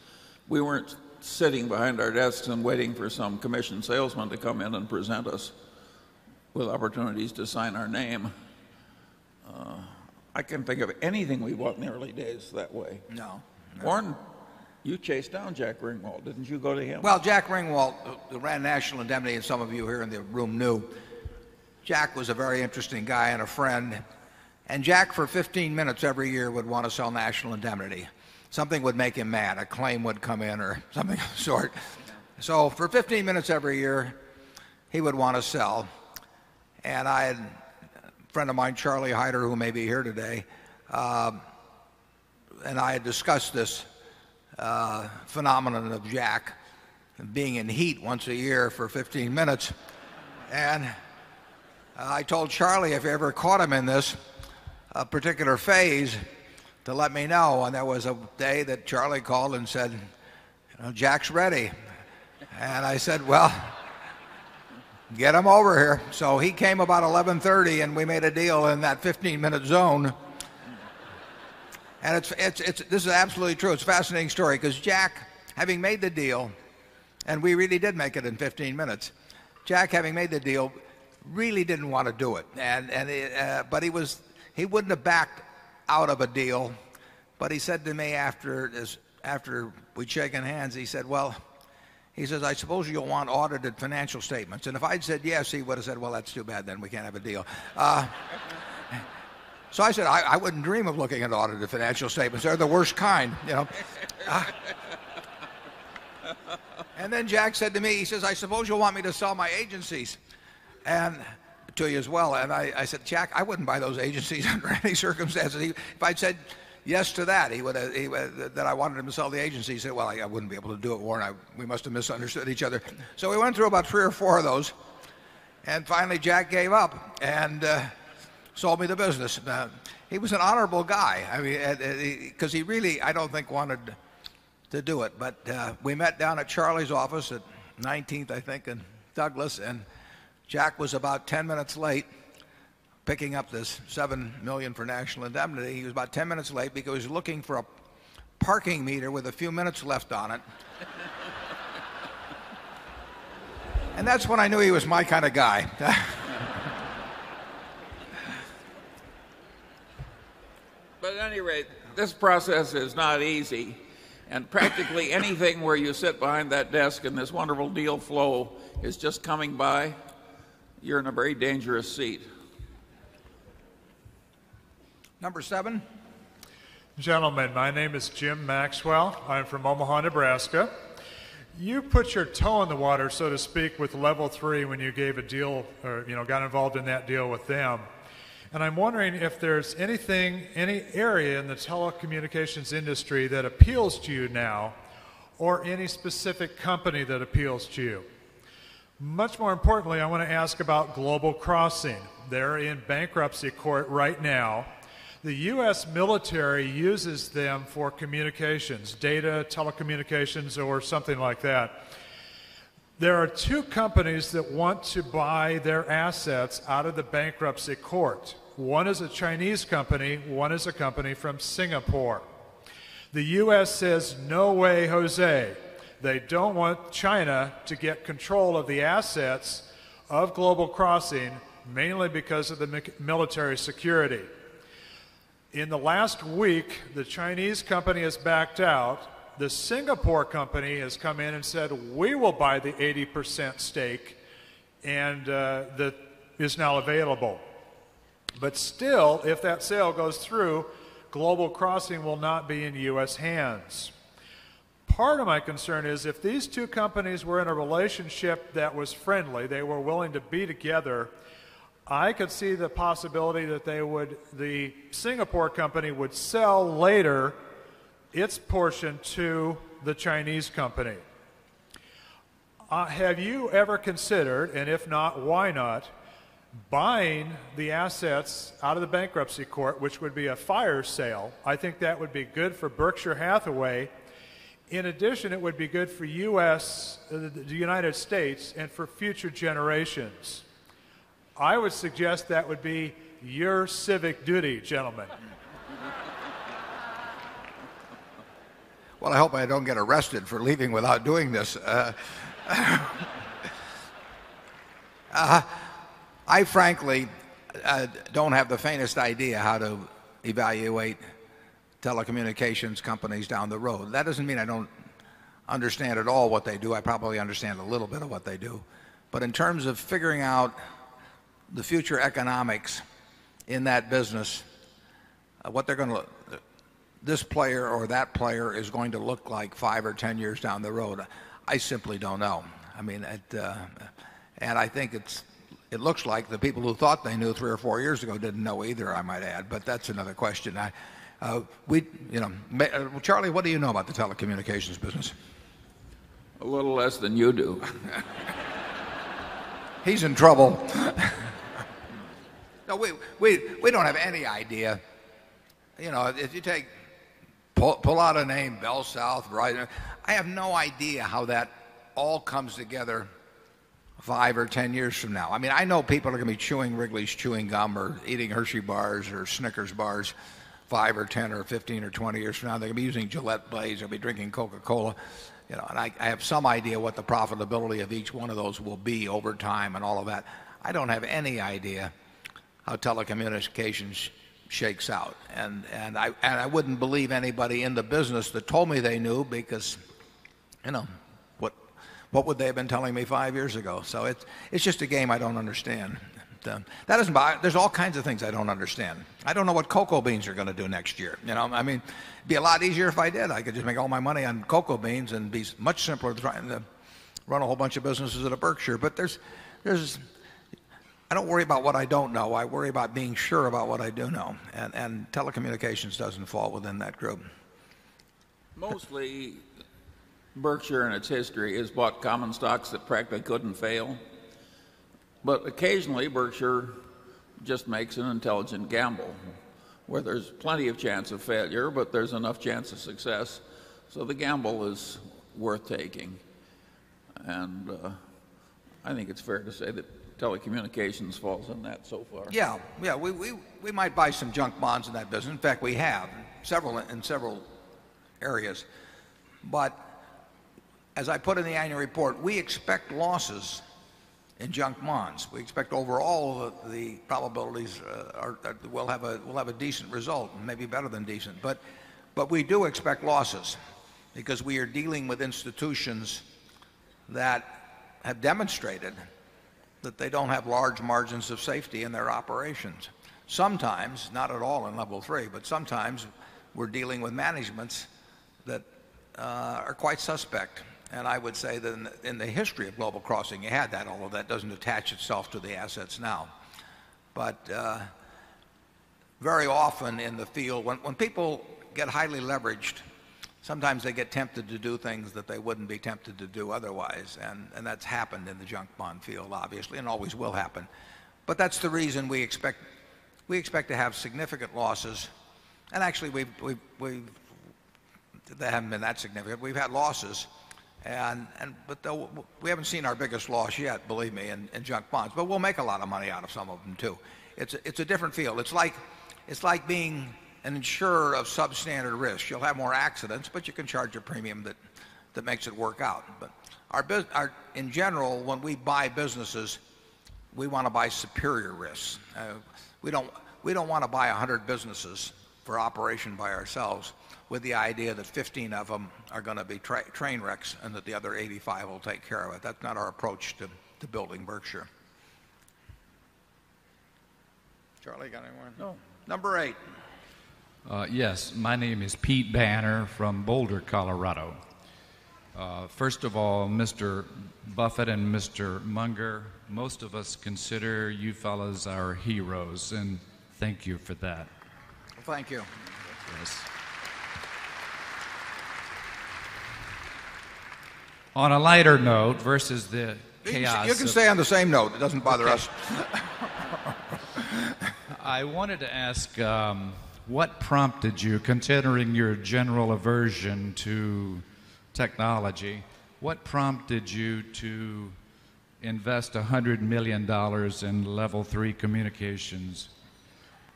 We weren't sitting behind our desks and waiting for some commission salesmen to come in and present us with opportunities to sign our name. I can't think of anything we bought in the early days that way. Warren, you chased down Jack Ringwald, didn't you go to him? Well, Jack Ringwald ran National Indemnity and some of you here in the room knew. Jack was a very interesting guy and a friend. And Jack for 15 minutes every year would want to sell National Indemnity. Something would make him mad. A claim would come in or something of sort. So for 15 minutes every year, he would want to sell. And a friend of mine, Charlie Hyder, who may be here today, and I had discussed this phenomenon of Jack being in heat once a year for 15 minutes. And I told Charlie if you ever caught him in this particular phase to let me know. And that was a day that Charlie called and said, Jack's ready. And I said, well, get him over here. So he came about 11:30 and we made a deal in that 15 minute zone. And this is absolutely true. It's a fascinating story because Jack, having made the deal, and we really did make it in 15 minutes. Jack having made the deal really didn't want to do it and but he was he wouldn't have backed out of a deal But he said to me after this after we shaking hands, he said, well, he says, I suppose you'll want audited financial statements. And if I'd said, yes, he would have said, well, that's too bad then we can't have a deal. So I said, I wouldn't dream of looking at audited financial statements. They're the worst kind. And then Jack said to me, he says, I suppose you want me to sell my agencies and to you as well. And I said, Jack, I wouldn't buy those agencies under any circumstances. If I'd said yes to that, he would that I wanted him to sell the agencies. Well, I wouldn't be able to do it, Warren. We must have misunderstood each other. So we went through about 3 or 4 of those. And finally, Jack gave up and sold me the business. He was an honorable guy. I mean, because he really, I don't think wanted to do it. But, we met down at Charlie's office at 19th, I think, in Douglas. And Jack was about 10 minutes late picking up this $7,000,000 for national indemnity. He was about 10 minutes late because he was looking for a parking meter with a few minutes left on it. And that's when I knew he was my kind of guy. But at any rate, this process is not easy. And practically anything where you sit behind that desk and this wonderful deal flow is just coming by, you're in a very dangerous seat. Number 7. Gentlemen, my name is Jim Maxwell. I'm from Omaha, Nebraska. You put your toe in the water, so to speak, with Level 3 when you gave a deal or got involved in that deal with them. And I'm wondering if there's anything, any area in the telecommunications industry that appeals to you now or any specific company that appeals to you. Much more importantly, I wanna ask about Global Crossing. They're in bankruptcy court right now. The US military uses them for communications, data, telecommunications, or something like that. There are 2 companies that want to buy their assets out of the bankruptcy court. 1 is a Chinese company, 1 is a company from Singapore. The US says no way, Jose. They don't want China to get control of the assets of Global Crossing mainly because of the military security. In the last week, the Chinese company has backed out. The Singapore company has come in and said, we will buy the 80% stake and that is now available. But still, if that sale goes through, Global Crossing will not be in U. S. Hands. Part of my concern is if these two companies were in a relationship that was friendly, they were willing to be together, I could see the possibility that they would, the Singapore company would sell later its portion to the Chinese company. Have you ever considered, and if not, why not, buying the assets out of the bankruptcy court, which would be a fire sale? I think that would be good for Berkshire Hathaway. In addition, it would be good for US, the United States and for future generations. I would suggest that would be your civic duty, gentlemen. Well, I hope I don't get arrested for leaving without doing this. I frankly don't have the faintest idea how to evaluate telecommunications companies down the road. That doesn't mean I don't understand at all what they do. I probably understand a little bit of what they do. But in terms of figuring out the future economics in that business, what they're going to this player or that player is going to look like 5 or 10 years down the road. I simply don't know. I mean, and I think it looks like the people who thought they knew 3 or 4 years ago didn't know either, I might add. But that's another question. Charlie, what do you know about the telecommunications business? A little less than you do. He's in trouble. No, we don't have any idea. If you take pull out a name Bell South, right, I have no idea how that all comes together 5 or 10 years from now. I know people are going to be chewing Wrigley's chewing gum or eating Hershey bars or Snickers bars 5 or 10 or 15 or 20 years from now. They're going to be using Gillette Blaze. They'll be drinking Coca Cola. And I have some idea what the profitability of each one of those will be over time and all of that. I don't have any idea how telecommunications shakes out. And I wouldn't believe anybody in the business that told me they knew because you know what would they have been telling me 5 years ago. So it's just a game I don't understand. That doesn't bother. There's all kinds of things I don't understand. I don't know what cocoa beans are going to do next year. I mean, it'd be a lot easier if I did. I could just make all my money on cocoa beans and be much simpler than trying to run a whole bunch of businesses at a Berkshire. But there's I don't worry about what I don't know. I worry about being sure about what I do know. And telecommunications doesn't fall within that group. Mostly, that group. Mostly Berkshire in its history has bought common stocks that practically couldn't fail. But occasionally, Berkshire just makes an intelligent gamble where there's plenty of chance of failure, but there's enough chance of success. So the gamble is worth taking. And I think it's fair to say that telecommunications falls in that so far. Yes. We might buy some junk bonds in that business. In fact, we have in several areas. But as I put in the annual report, we expect losses in junk bonds. We expect overall the probabilities will have a decent result maybe better than decent. But we do expect losses because we are dealing with institutions that have demonstrated that they don't have large margins of safety in their operations. Sometimes, not at all in level 3, but sometimes we're dealing with managements that are quite suspect. And I would say that in the history of global crossing you had that although that doesn't attach itself to the assets now. But very often in the field, when people get highly leveraged, sometimes they get tempted to do things that they wouldn't be tempted to do otherwise. And that's happened in the junk bond field obviously and always will happen. But that's the reason we expect to have significant losses and actually we've they haven't been that significant. We've had losses and but we haven't seen our biggest loss yet, believe me, in junk bonds. But we'll make a lot of money out of some of them too. It's a different field. It's like being an insurer of substandard risk. You'll have more accidents, but you can charge a premium that makes it work out. But our in general, when we buy businesses, we want to buy superior risks. We don't want to buy 100 businesses for operation by ourselves with the idea that 15 of them are going to be train wrecks and that the other 85 will take care of it. That's not our approach to building Berkshire. Charlie got anyone? No. Number 8. Yes. My name is Pete Banner from Boulder, Colorado. First of all, Mr. Buffet and Mr. Munger, most of us consider you fellows our heroes, and thank you for that. Thank you. On a lighter note versus the chaos. You can stay on the same note. It doesn't bother us. I wanted to ask, what prompted you, considering your general aversion to technology, what prompted you to invest $100,000,000 in level 3 communications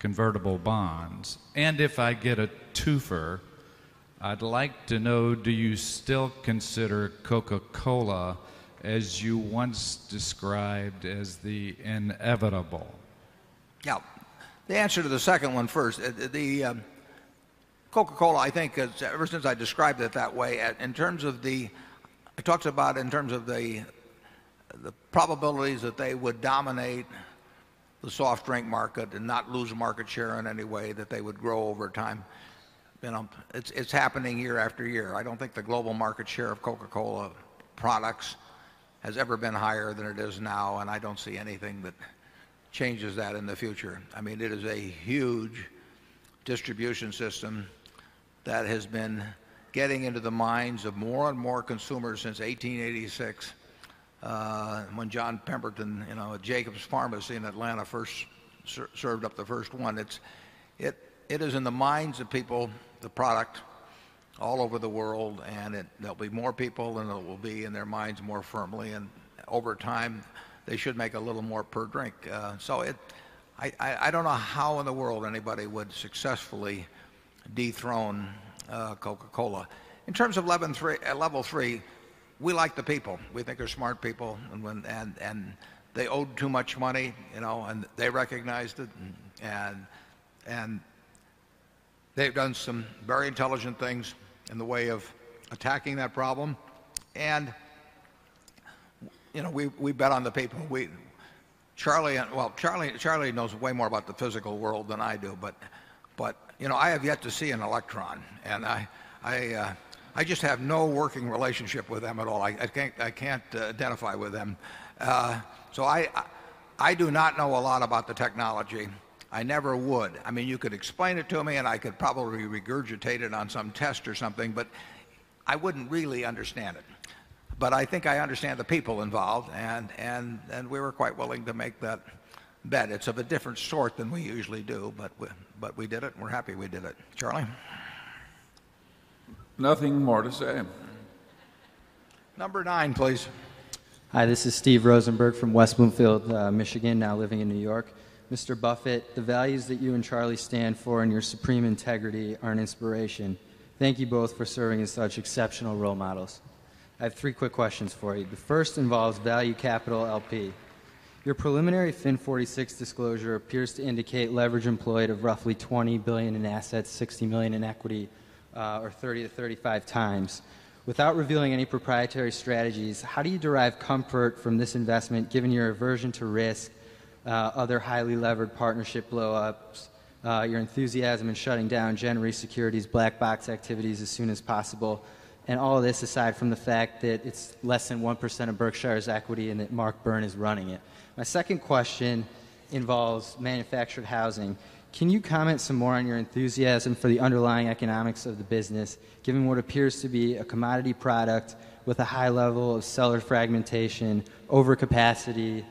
convertible bonds? And if I get a 2fer, Now the answer to the second one first. The Coca Cola I think has ever since I described it that way in terms of the I talked about in terms of the probabilities that they would dominate the soft drink market and not lose market share in any way that they would grow over time. It's happening year after year. I don't think the global market share of Coca Cola products has ever been higher than it is now and I don't see anything that changes that in the future. I mean, it is a huge distribution system that has been getting into the minds of more and more consumers since 18/86. When John Pemberton, you know, at Jacobs Pharmacy in Atlanta first served up the first one. It's It is in the minds of people, the product all over the world and there'll be more people than it will be in their minds more firmly and over time they should make a little more per drink. So it I don't know how in the world anybody would successfully dethrone Coca Cola. In terms So it I don't know how in the world anybody would successfully dethrone Coca Cola. In terms of level 3, we like the people. We think they're smart people and they owed too much money, you know, and they recognized it and they've done some very intelligent things in the way of attacking that problem. And we bet on the people. We Charlie knows way more about the physical world than I do. But I have yet to see an electron. And I just have no working relationship with them at all. I can't identify with them. So I do not know a lot about the technology. I never would. I mean, you could explain it to me and I could probably regurgitate it on some test or something, but I wouldn't really understand it. But I think I understand the people involved and we were quite willing to make that bet. It's of a different sort than we usually do, but we did it and we're happy we did it. Charlie? Nothing more to say. Number 9, please. Hi. This is Steve Rosenberg from West Bloomfield, Michigan now living in New York. Mr. Buffet, the values that you and Charlie stand for and your supreme integrity are an inspiration. Thank you both for serving as such exceptional role models. I have 3 quick questions for you. The first involves Value Capital LP. Your preliminary FIN 46 disclosure appears to indicate leverage employed of roughly 20,000,000,000 in assets, 60,000,000 in equity or 30 to 35 times. Without revealing any proprietary strategies, how do you derive comfort from this investment given your aversion to risk, other highly levered partnership blow ups, your enthusiasm in shutting down January Securities black box activities as soon as possible? And all of this aside from the fact that it's less than 1% of Berkshire's equity and that Mark Byrne is running it? My second question involves manufactured housing. Can you comment some more on your enthusiasm for the underlying economics of the business given what appears to be a commodity product with a high level of seller fragmentation, overcapacity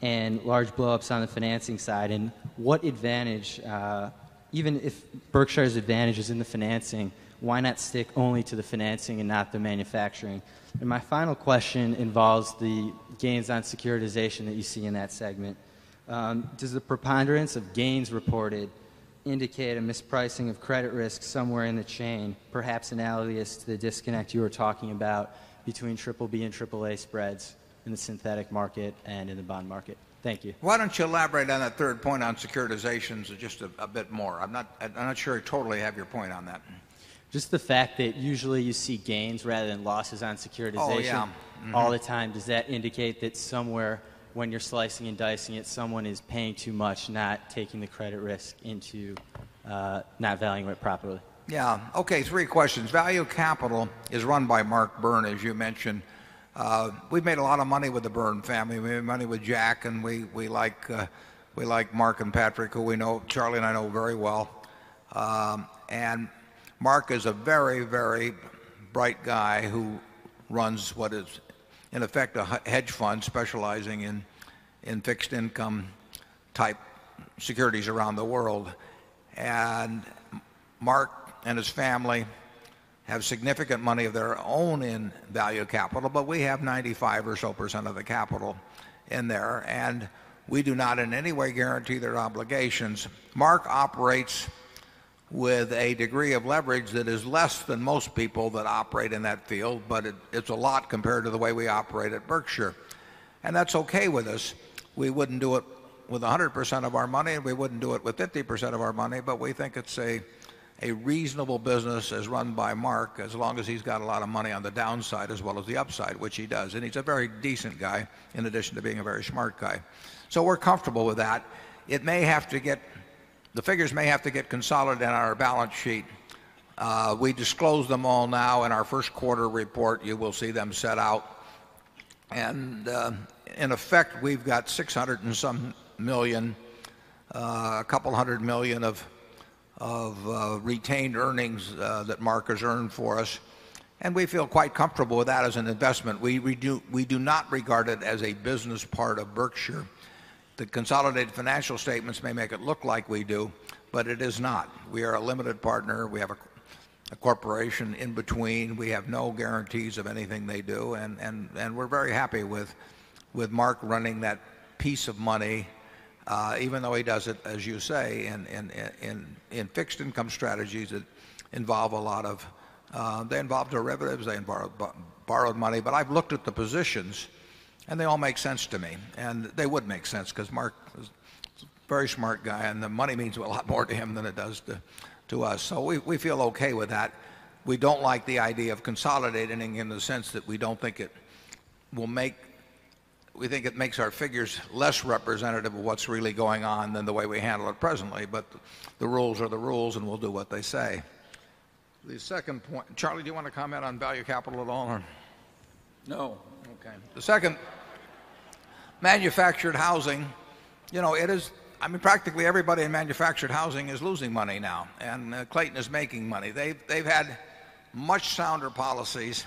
and large blow ups on the financing side and what advantage even if Berkshire's advantage is in the financing, why not stick only to the financing and not the manufacturing? And my final question involves the gains on securitization that you see in that segment. Does the preponderance of gains reported indicate a mispricing of credit risk somewhere in the chain, perhaps analogous to the disconnect you were talking about between BBB and AAA spreads in the synthetic market and in the bond market? Thank you. Why don't you elaborate on that 3rd point on securitizations just a bit more? I'm not sure I totally have your point on that. Just the fact that usually you see gains rather than losses on securitization all the time. Does that indicate that somewhere when you're slicing and dicing it, someone is paying too much, not taking the credit risk into not valuing it properly? Yeah. Okay. Three questions. Value Capital is run by Mark Byrne as you mentioned. We've made a lot of money with the Byrne family. We made money with Jack and we like Mark and Patrick who we know Charlie and I know very well. And Mark is a very, very bright guy who runs what is in effect a hedge fund specializing in fixed income type securities around the world. And Mark and his family have significant money of their own in value capital, but we have 95 or so percent of the capital in there and we do not in any way guarantee their obligations. Mark operates with a degree of leverage that is less than most people that operate in that field, but it's a lot compared to the way we operate at Berkshire. And that's okay with us. We wouldn't do it with 100% of our money and we wouldn't do it with 50% of our money. But we think it's a reasonable business as run by Mark as long as he's got a lot of money on the downside as well as the upside, which he does. And he's a very decent guy in addition to being a very smart guy. So we're comfortable with that. It may have to get the figures may have to get consolidated in our balance sheet. We disclosed them all now in our first quarter report. You will see them set out. And in effect, we've got 600 and some million, a couple of 100,000,000 of retained earnings that Mark has earned for us. And we feel quite comfortable with that as an investment. We do not regard it as a business part of Berkshire. The consolidated financial statements may make it look like we do, but it is not. We are a limited partner. We have a corporation in between. We have no guarantees of anything they do. And we're very happy with Mark running that piece of money, even though he does it, as you say, in fixed income strategies that involve a lot of, they involve derivatives, they borrowed money. But I've looked at the positions and they all make sense to me. And they would make sense because Mark is a very smart guy and the money means a lot more to him than it does to us. So we feel okay with that. We don't like the idea of consolidating in the sense that we don't think it will make we think it makes our figures less representative of what's really going on than the way we handle it presently. But the rules are the rules and we'll do what they say. The second point, Charlie, do you want to comment on value capital at all? No. Okay. The second, manufactured housing. Practically everybody in manufactured housing is losing money now and Clayton is making money. They've had much sounder policies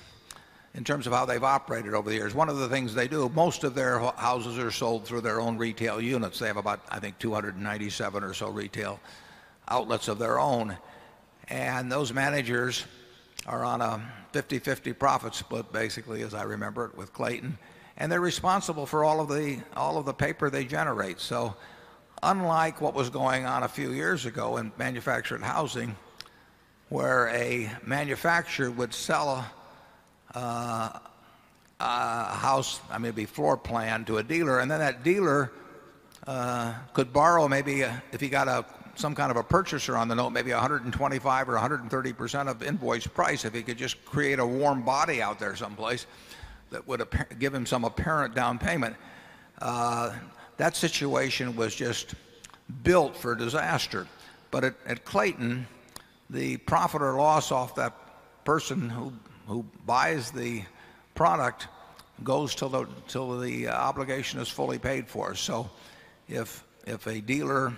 in terms of how they've operated over the years. One of the things they do, most of their houses are sold through their own retail units. They have I think, 297 or so retail outlets of their own. And those managers are on a fifty-fifty profit split, basically, as I remember it with Clayton. And they're responsible for all of the paper they generate. So unlike what was going on a few years ago in manufactured housing where a manufacturer would sell a house, maybe floor plan to a dealer and then that dealer could borrow maybe if he got some kind of a purchaser on the note, maybe 125% or 130% of invoice price. If he could just create a warm body out there some place that would give him some apparent down payment. That situation was just built for disaster. But at Clayton, the profit or loss of that person who buys the product goes to the obligation is fully paid for. So if a dealer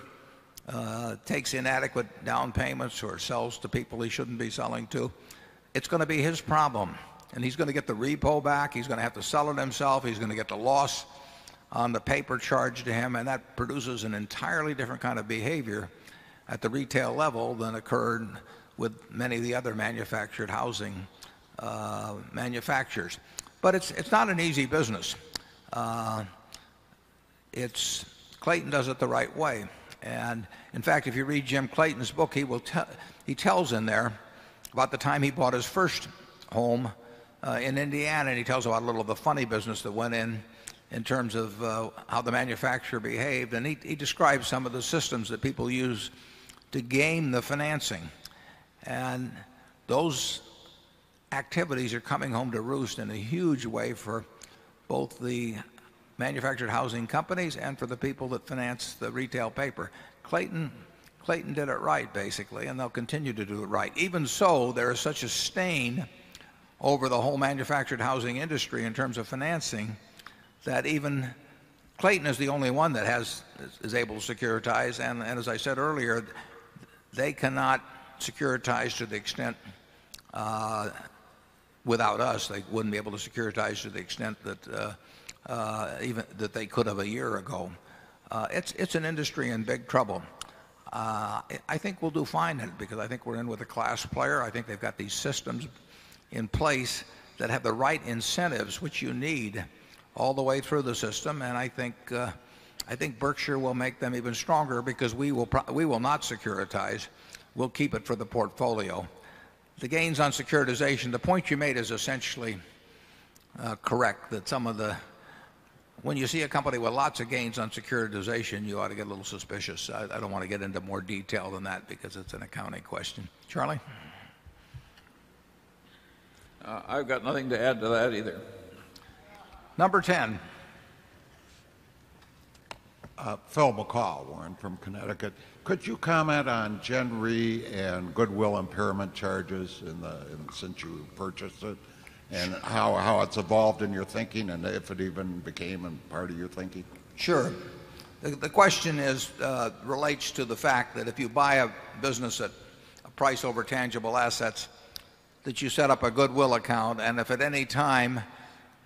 takes inadequate down payments or sells to people he shouldn't be selling to, it's going to be his problem. And he's going to get the repo back. He's going to have to sell it himself. He's going to get the loss on the paper charged to him. And that produces an entirely different kind of behavior at the retail level than occurred with many of the other manufactured housing, manufacturers. But it's not an easy business. It's Clayton does it the right way. And in fact, if you read Jim Clayton's book, he will tell he tells in there about the time he bought his first home in Indiana. And he tells about a little of the funny business that went in in terms of how the manufacturer behaved. And he describes some of the systems that people use to gain the financing. And those activities are coming home to roost in a huge way for both the manufactured housing companies and for the people that finance the retail paper. Clayton Clayton did it right basically and they'll continue to do it right. Even so, there is such a stain over the whole manufactured housing industry in terms of financing that even Clayton is the only one that is able to securitize. And as I said earlier, they cannot securitize to the extent without us. They wouldn't be able to securitize to the extent that even that they could have a year ago. It's it's an industry in big trouble. I think we'll do fine then because I think we're in with a class player. I think they've got these systems in place that have the right incentives, which you need all the way through the system. And I think, I think Berkshire will make them even stronger because we will not securitize. We'll keep it for the portfolio. The gains on securitization, the point you made is essentially correct that some of the when you see a company with lots of gains on securitization, you ought to get a little suspicious. I don't want to get into more detail than that because it's an accounting question. Charlie? I've got nothing to add to that either. Number 10. Phil McCall, Warren from Connecticut. Could you comment on Gen Re and goodwill impairment charges since you purchased it? And how it's evolved in your thinking and if it even became part of your thinking? Sure. The question is, relates to the fact that if you buy a business at a price over tangible assets, that you set up a goodwill account. And if at any time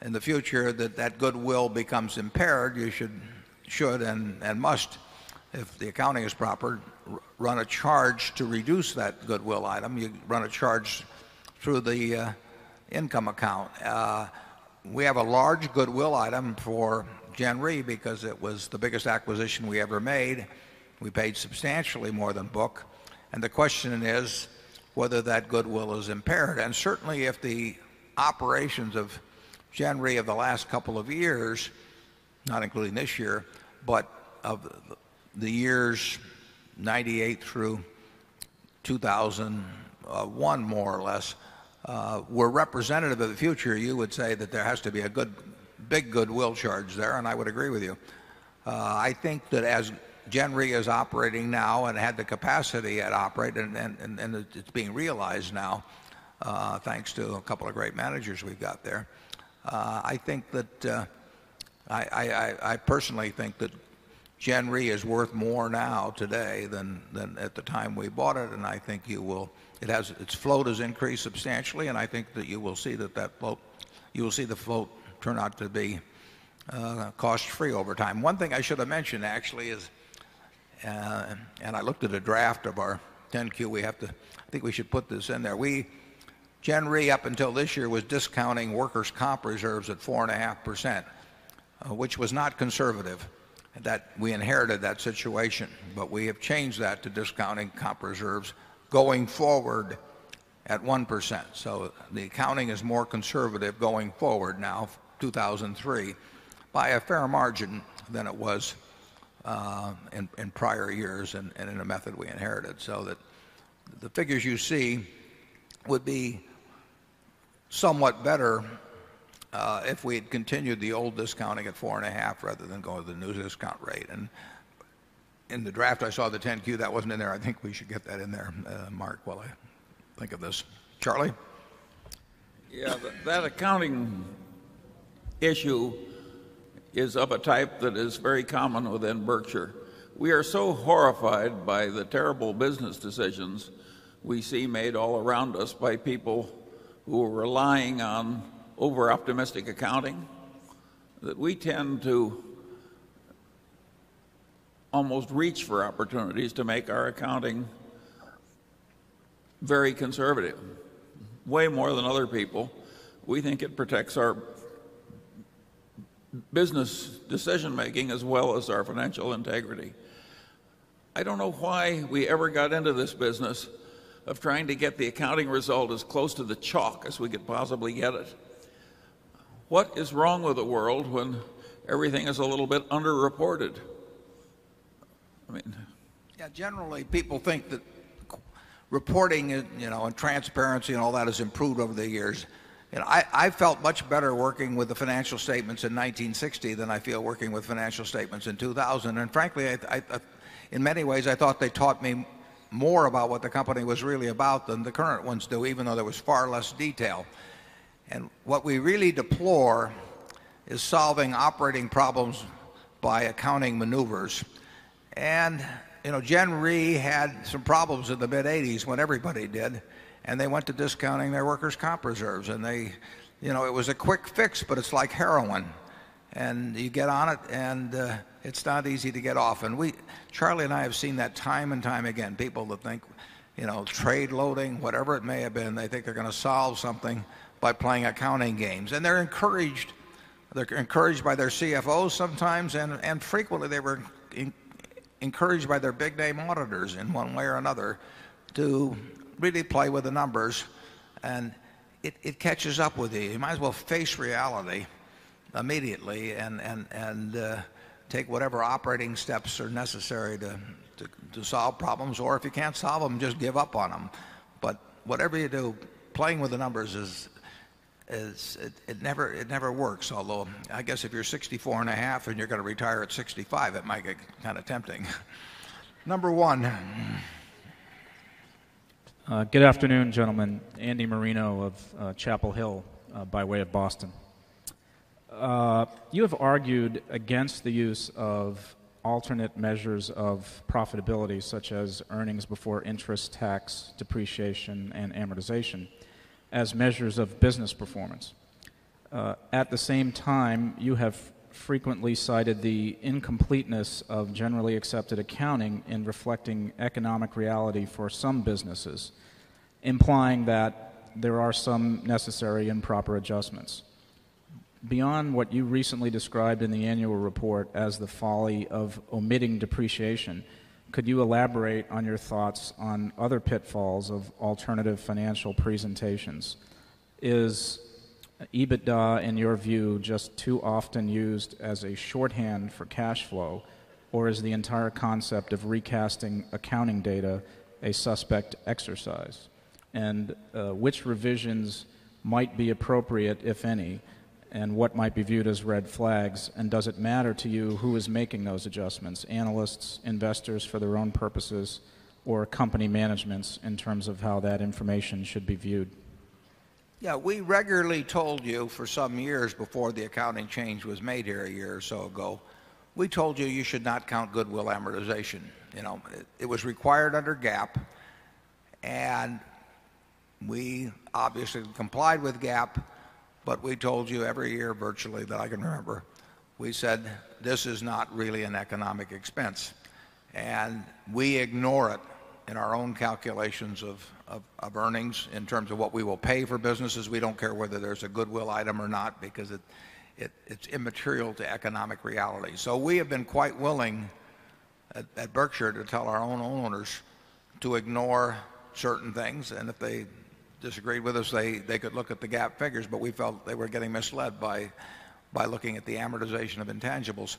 in the future that that goodwill becomes impaired, you should and must, if the accounting is proper, run a charge to reduce that goodwill item. You run a charge through the income account. We have a large goodwill item for Jan Re because it was the biggest acquisition we ever made. We paid substantially more than book. And the question is whether that goodwill is impaired. And certainly, if the operations of January of the last couple of years, not including this year, but of the years '98 through 2,001 more or less were representative of the future, you would say that there has to be a good big goodwill charge there and I would agree with you. I think that as JENRI is operating now and had the capacity operating and it's being realized now, thanks to a couple of great managers we've got there. I think that I personally think that January is worth more now today than at the time we bought it. And I think you will it has its float has increased substantially. And I think that you will see that that float you will see the float turn out to be cost free over time. One thing I should have mentioned actually is, and I looked at a draft of our 10 Q, we have to I think we should put this in there. We January up until this year was discounting workers' comp reserves at 4.5%, which was not conservative that we inherited that situation. But we have changed that to discounting comp reserves going forward at 1%. So the accounting is more conservative going forward now, 2,003 by a fair margin than it was in prior years and in a method we inherited. So that the figures you see would be somewhat better if we had continued the old discounting at 4.5 rather than go to the new discount rate. And in the draft, I saw the 10 Q. That wasn't in there. I think we should get that in there, Mark, while I think of this. Charlie? Yeah. That accounting issue is of a type that is very common within Berkshire. We are so horrified by the terrible business decisions we see made all around us by people who are relying on over optimistic accounting that we tend to almost reach for opportunities to make our accounting very conservative way more than other people. We think it protects our business decision making as well as our financial integrity. I don't know why we ever got into this business of trying to get the accounting result as close to the chalk as we could possibly get it. What is wrong with the world when everything is a little bit underreported? I mean Yes. Generally, people think that reporting and transparency and all that has improved over the years. I felt much better working with the financial statements in 1960 than I feel working with financial statements in 2000. And frankly, in many ways, I thought they taught me more about what the company was really about than the current ones do, even though there was far less detail. And what we really deplore is solving operating problems by accounting maneuvers. And you know, Gen Re had some problems in the mid 80s when everybody did and they went to discounting their workers' comp reserves and they you know it was a quick fix but it's like heroin. And you get on it and it's not easy to get off. And we Charlie and I have seen that time and time again. People that think you know trade loading whatever it may have been they think they're going to solve something by playing accounting games and they're encouraged. They're encouraged by their CFOs sometimes and frequently they were encouraged by their big day monitors in one way or another to really play with the numbers and it catches up with the might as well face reality immediately and take whatever operating steps are necessary to solve problems or if you can't solve them, just give up on them. But whatever you do, playing with the numbers is it never works. Although I guess if you're 64.5 and you're going to retire at 65, it might get kind of tempting. Number 1. Good afternoon, gentlemen. Andy Marino of Chapel Hill by way of Boston. You have argued against the use of alternate measures of profitability such as earnings before interest, tax, depreciation and amortization as measures of business performance. At the same time, you have frequently cited the incompleteness of generally accepted accounting in reflecting economic reality for some businesses, implying that there are some necessary and proper adjustments. Beyond what you recently described in the annual report as the folly of omitting depreciation, could you elaborate on your thoughts on other pitfalls of alternative financial presentations? Is EBITDA in your view just too often used as a shorthand for cash flow or is the entire concept of recasting accounting data a suspect exercise? And which revisions might be appropriate, if any, and what might be viewed as red flags? And does it matter to you who is making those adjustments, analysts, investors for their own purposes, or company managements in terms of how that information should be viewed? Yes. We regularly told you for some years before the accounting change was made here a year or or so ago, we told you you should not count goodwill amortization. It was required under GAAP and we obviously complied with GAAP, but we told you every year virtually that I can remember. We said this is not really an economic expense. And we ignore it in our own calculations of earnings in terms of what we will pay for businesses. We don't care whether there's a goodwill item or not because it's immaterial to economic reality. So we have been quite willing at Berkshire to tell our own owners to ignore certain things. And if they disagreed with us, they could look at the GAAP figures. But we felt they were getting misled by looking at the amortization of intangibles.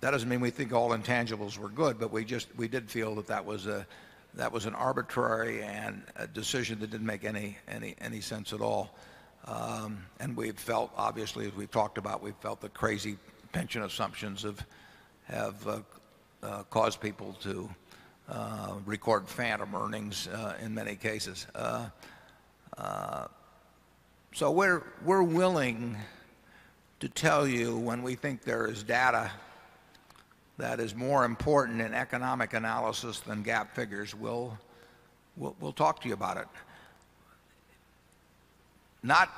That doesn't mean we think all intangibles were good, but we did feel that that was an arbitrary and a decision that didn't make any sense at all. And we've felt, obviously, as we've talked about, we've felt the crazy pension assumptions have caused people to record phantom earnings in many cases. So we're willing to tell you when we think there is data that is more important in economic analysis than GAAP figures. We'll talk to you about it. Not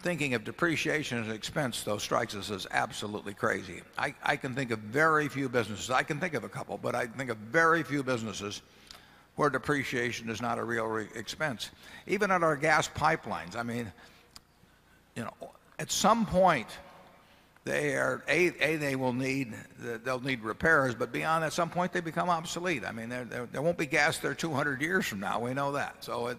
thinking of depreciation as an expense though strikes us as absolutely crazy. I can think of very few businesses. I can think of a couple, but I think of very few businesses where depreciation is not a real expense. Even at our gas pipelines. I mean, you know, at some point they are a, a, they will need they'll need repairs. But beyond at some point they become obsolete. I mean there won't be gas there 200 years from now. We know that. So it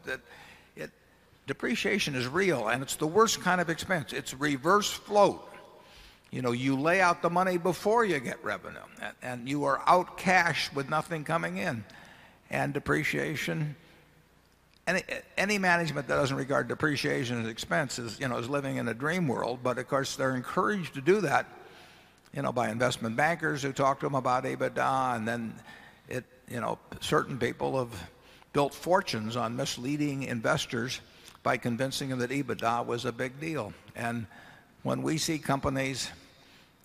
depreciation is real and it's the worst kind of expense. It's reverse float. You lay out the money before you get revenue and you are out cash with nothing coming in. And depreciation and any management that doesn't regard depreciation and expenses is living in a dream world. But of course they're encouraged to do that by investment bankers who talk to them about EBITDA and then it you know certain people have built fortunes on misleading investors by convincing them that EBITDA was a big deal. And when we see companies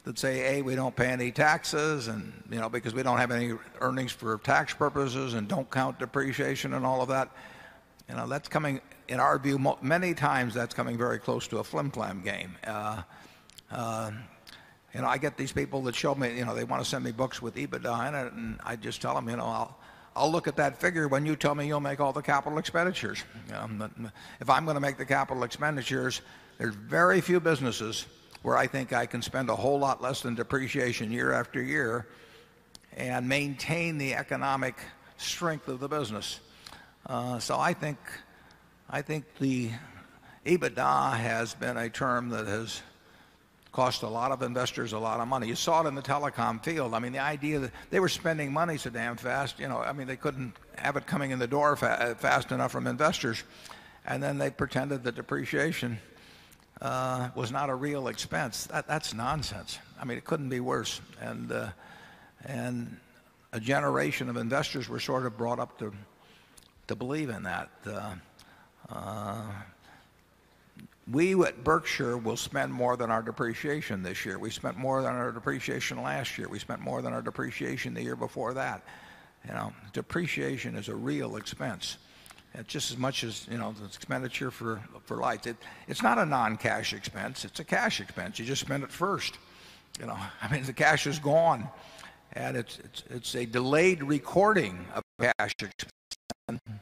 that say, hey, we don't pay any taxes and, you know, because we don't have any earnings for tax purposes and don't count depreciation and all of that, You know, that's coming, in our view, many times that's coming very close to a flimflam game. I get these people that show me, they want to send me books with EBITDA in it and I just tell them, I'll look at that figure when you tell me you'll make all the capital expenditures. If I'm going to make the capital expenditures, there's very few businesses where I think I can spend a whole lot less than depreciation year after year and maintain the economic strength of the business. So I think I think the EBITDA has been a term that has cost a lot of investors a lot of money. You saw it in the telecom field. I mean the idea that they were spending money so damn fast, you know, I mean, they couldn't have it coming in the door fast enough from investors. And then they pretended that depreciation, was not a real expense. That's nonsense. I mean, it couldn't be worse. And a generation of investors were sort of brought up to believe in that. We at Berkshire will spend more than our depreciation this year. We spent more than our depreciation last year. We spent more than our depreciation the year before that. Depreciation is a real expense. Just as much as expenditure for life. It's not a non cash expense. It's a cash expense. You just spend it first. I mean, the cash is gone. And it's a delayed recording of cash expense.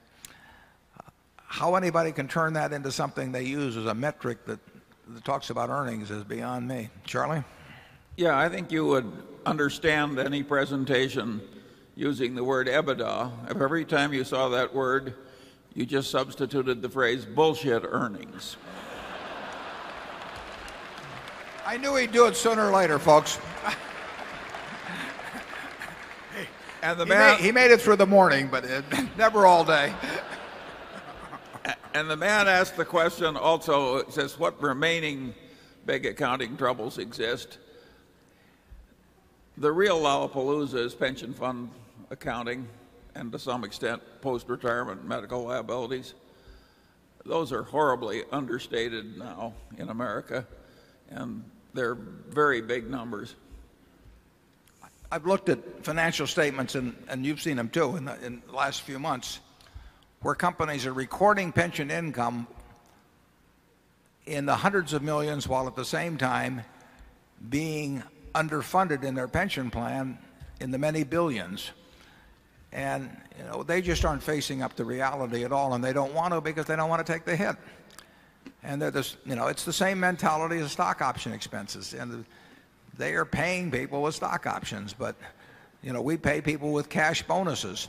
How anybody can turn that into something they use as a metric talks about earnings is beyond me. Charlie? Yeah. I think you would understand any presentation using the word EBITDA. If every time you saw that word, you just substituted the phrase bullshit earnings. I knew he'd do it sooner or later, folks. And the man he made it through the morning, but never all day. And the man asked the question also, says, what remaining big accounting troubles exist? The real Lollapalooza is pension fund accounting and to some extent, post retirement medical liabilities. Those are horribly understated now in America and they're very big numbers. I've looked at financial statements, and you've seen them too, in the last few months, where companies are recording pension income in the 100 of 1,000,000 while at the same time being underfunded in their pension plan in the many billions. And they just aren't facing up the reality at all. And they don't want to because they don't want to take the hit. And it's the same mentality as stock option expenses. And they are paying people with stock options. But we pay people with cash bonuses.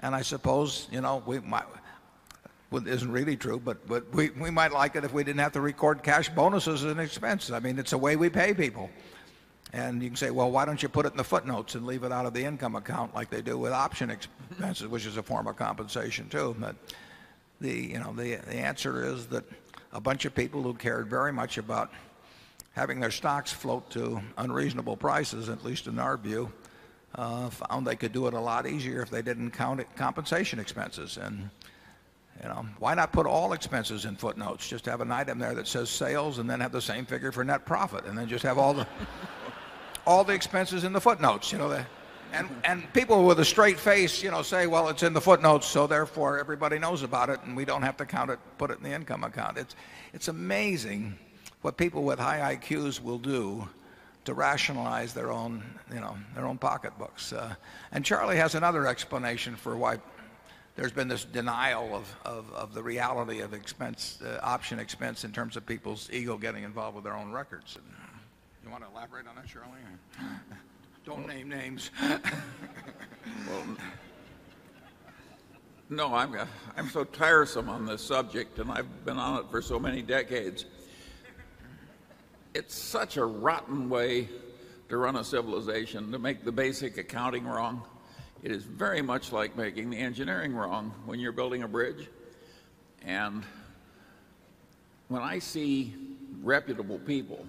And I suppose we might well, it isn't really true, but we might like it if we didn't have to record cash bonuses and expenses. I mean, it's a way we pay people. And you can say, well, why don't you put it in the footnotes and leave it out of the income account like they do with option expenses, which is a form of compensation too. But the you know, the answer is that a bunch of people who cared very much about having their stocks float to unreasonable prices, at least in our view, found they could do it a lot easier if they didn't count compensation expenses. And why not put all expenses in footnotes? Just have an item there that says sales and then have the same figure for net profit. And then just have all the expenses in the footnotes. And and people with a straight face, you know, say, well, it's in the footnotes. So therefore, everybody knows about it and we don't have to count it, put it in the income account. It's It's amazing what people with high IQs will do to rationalize their own pocket books. And Charlie has another explanation for why there's been this denial of the reality of expense option expense in terms of people's ego getting involved with their own records. Do you want to elaborate on that, Shirley? Don't name names. No, I'm so tiresome on this subject and I've been on it for so many decades. It's such a rotten way to run a civilization, to make the basic accounting wrong. It is very much like making the engineering wrong when you're building a bridge. And when I see reputable people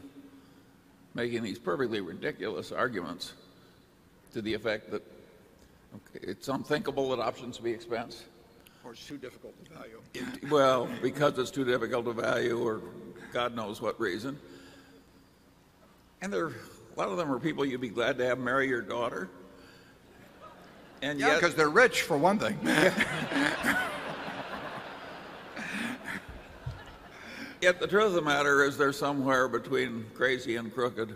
making these perfectly ridiculous arguments to the effect that it's unthinkable that options we expense. Or it's too difficult to value. Well, because it's too difficult to value or God knows what reason. And there are a lot of them are people you'd be glad to have marry your daughter. And yet Because they're rich for one thing. Yet the truth of the matter is they're somewhere between crazy and crooked.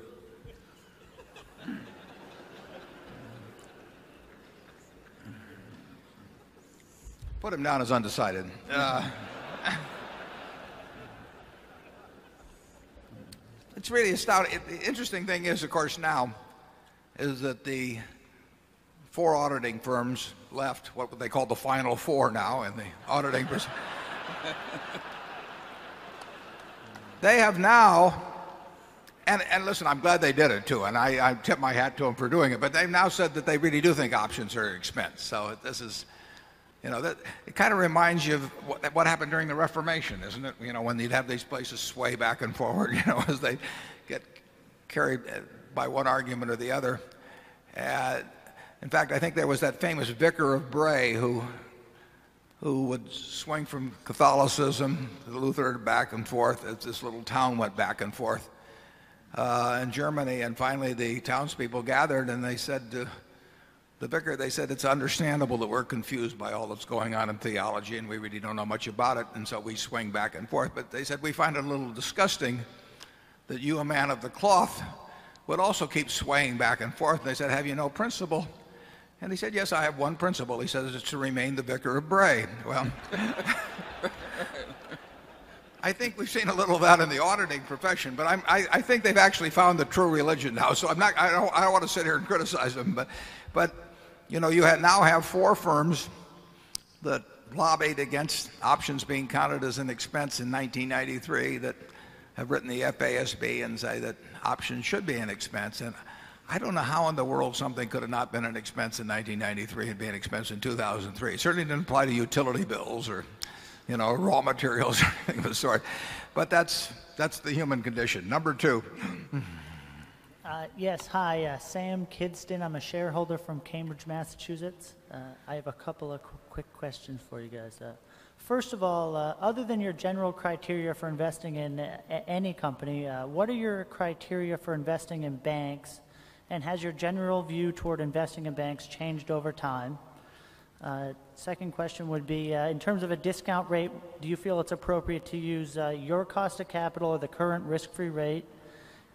It's really astounding. The interesting thing is, of course, now is that the 4 auditing firms left what they call the final 4 now and the auditing. And listen, I'm glad they did it too. I I tip my hat to them for doing it, but they've now said that they really do think options are expense. So this is, you know, that it kind of reminds you of what happened during the reformation, isn't it? You know, when you have these places sway back and forward, you know, as they get carried by one argument or the other. In fact, I think there was that famous Vicar of Bray who would swing from Catholicism, Luther, back and forth. It's this little town went back and forth, in Germany. And finally, the townspeople gathered and they said to the vicar they said, it's understandable that we're confused by all that's going on in theology and we really don't know much about it. And so we swing back and forth. But they said, we find it a little disgusting that you, a man of the cloth, would also keep swaying back and forth. And they said, have you no principle? And they said, yes, I have one principle. He said, it is to remain the Vicar of Bray. Well, I think we've seen a little of that in the auditing profession. But I think they've actually found the true religion now. So I'm not I don't want to sit here and criticize them. But you now have 4 firms that lobbied against options being counted as an expense in 1993 that have written the FASB and say that option should be an expense. And I don't know how in the world something could have not been an expense in 1993 and be an expense in 2003. It certainly didn't apply to utility bills or raw materials or anything of the sort. But that's the human condition. Number 2. Yes. Hi. Sam Kidston, I'm a shareholder from Cambridge, Massachusetts. I have a couple of quick questions for you guys. First of all, other than your general criteria for investing in any company, what are your criteria for investing in banks? And has your general view toward investing in banks changed over time? Second question would be, in terms of a discount rate, do you feel it's appropriate to use your cost of capital or the current risk free rate?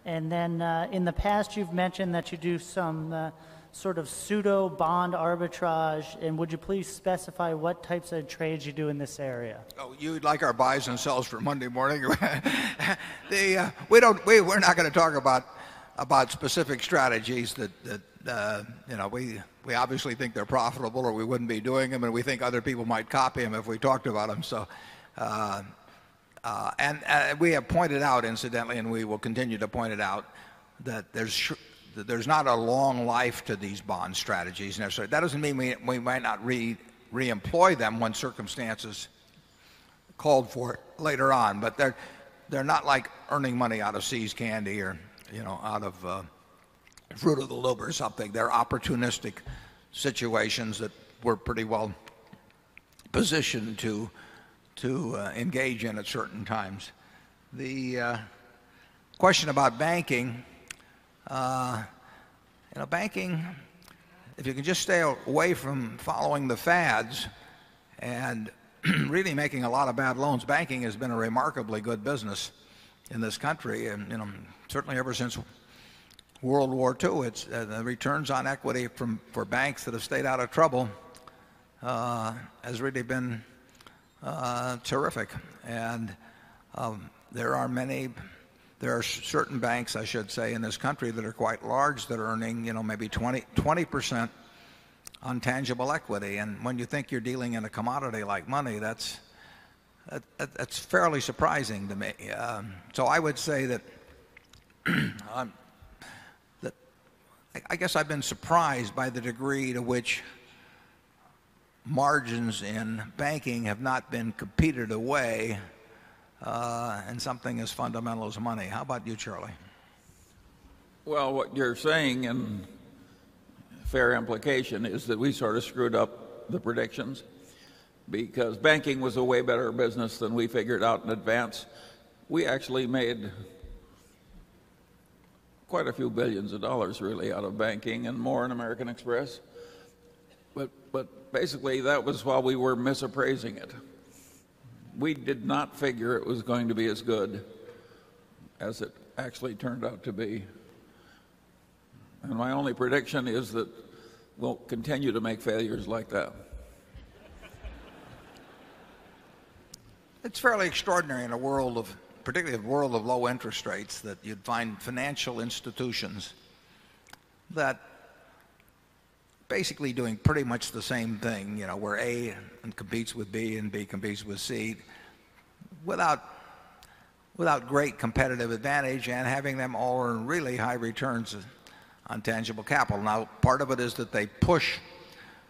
And then in the past, you've mentioned that you do some sort of pseudo bond arbitrage. And would you please specify what types of trades you do in this area? You would like our buys and sells for Monday morning. We don't we're not going to talk about specific strategies that we obviously think they're profitable or we wouldn't be doing them and we think other people might copy them if we talked about them. So and we have pointed out incidentally and we will continue to point it out that there's not a long life to these bond strategies. So that doesn't mean we might not reemploy them when circumstances called for later on. But they're not like earning money out of See's Candy or out of Fruit of the Lube or something. They're opportunistic situations that we're pretty well positioned to engage in at certain times. The question about banking, banking, if you can just stay away from following the fads and really making a lot of bad loans, banking has been a remarkably good business in this country. And certainly ever since World War II, it's the returns on equity from for banks that have stayed out of trouble, has really been, terrific. And there are many there are certain banks, I should say, in this country that are quite large that are earning maybe 20% on tangible equity. And when you think you're dealing in a commodity like money, that's that's fairly surprising to me. So I would say that I guess I've been surprised by the degree to which margins in banking have not been competed away, and something as fundamental as money. How about you, Charlie? Well, what you're saying and fair implication is that we sort of screwed up the predictions because banking was a way better business than we figured out in advance. We actually made quite a few 1,000,000,000 of dollars really out of banking and more in American Express. But basically, that was why we were misappraising it. We did not figure it was going to be as good as it actually turned out to be. And my only prediction is that we'll continue to make failures like that. It's fairly extraordinary in a world of particularly a world of low interest rates that you'd find financial institutions that basically doing pretty much the same thing you know where A competes with B and B competes with C without without great competitive advantage and having them all earn really high returns on tangible capital. Now part of it is that they push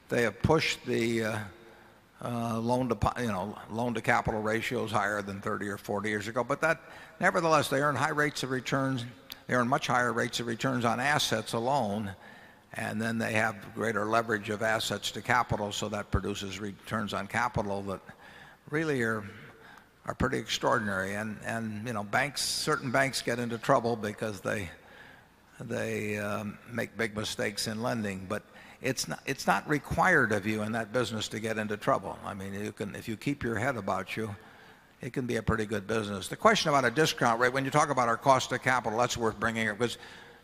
they have pushed the loan to capital ratios higher than 30 or 40 years ago. But that nevertheless they earn high rates of returns. They earn much higher rates of returns on assets alone and then they have greater leverage of assets to capital. So that produces returns on capital that really are pretty extraordinary. And banks, certain banks get into trouble because they make big mistakes in lending. But it's not required of you in that business to get into trouble. I mean, you can if you keep your head about you, it can be a pretty good business. The question about a discount rate, when you talk about our cost of capital, that's worth bringing up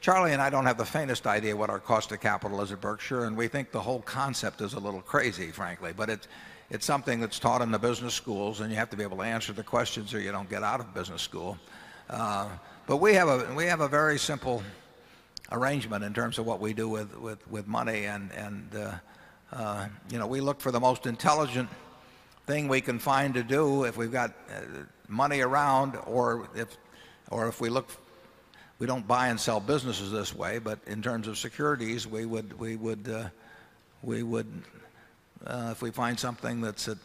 because Charlie and I don't have the faintest idea what our cost of capital is at Berkshire. And we think the whole concept a little crazy, frankly. But it's something that's taught in the business schools and you have to be able to answer the questions or you don't get out of business school. But we have a we have a very simple arrangement in terms of what we do with with with money and and, we look for the most intelligent thing we can find to do if we've got money around or if we look we don't buy and sell businesses this way. But in terms of securities, we would we would we would if we find something that's at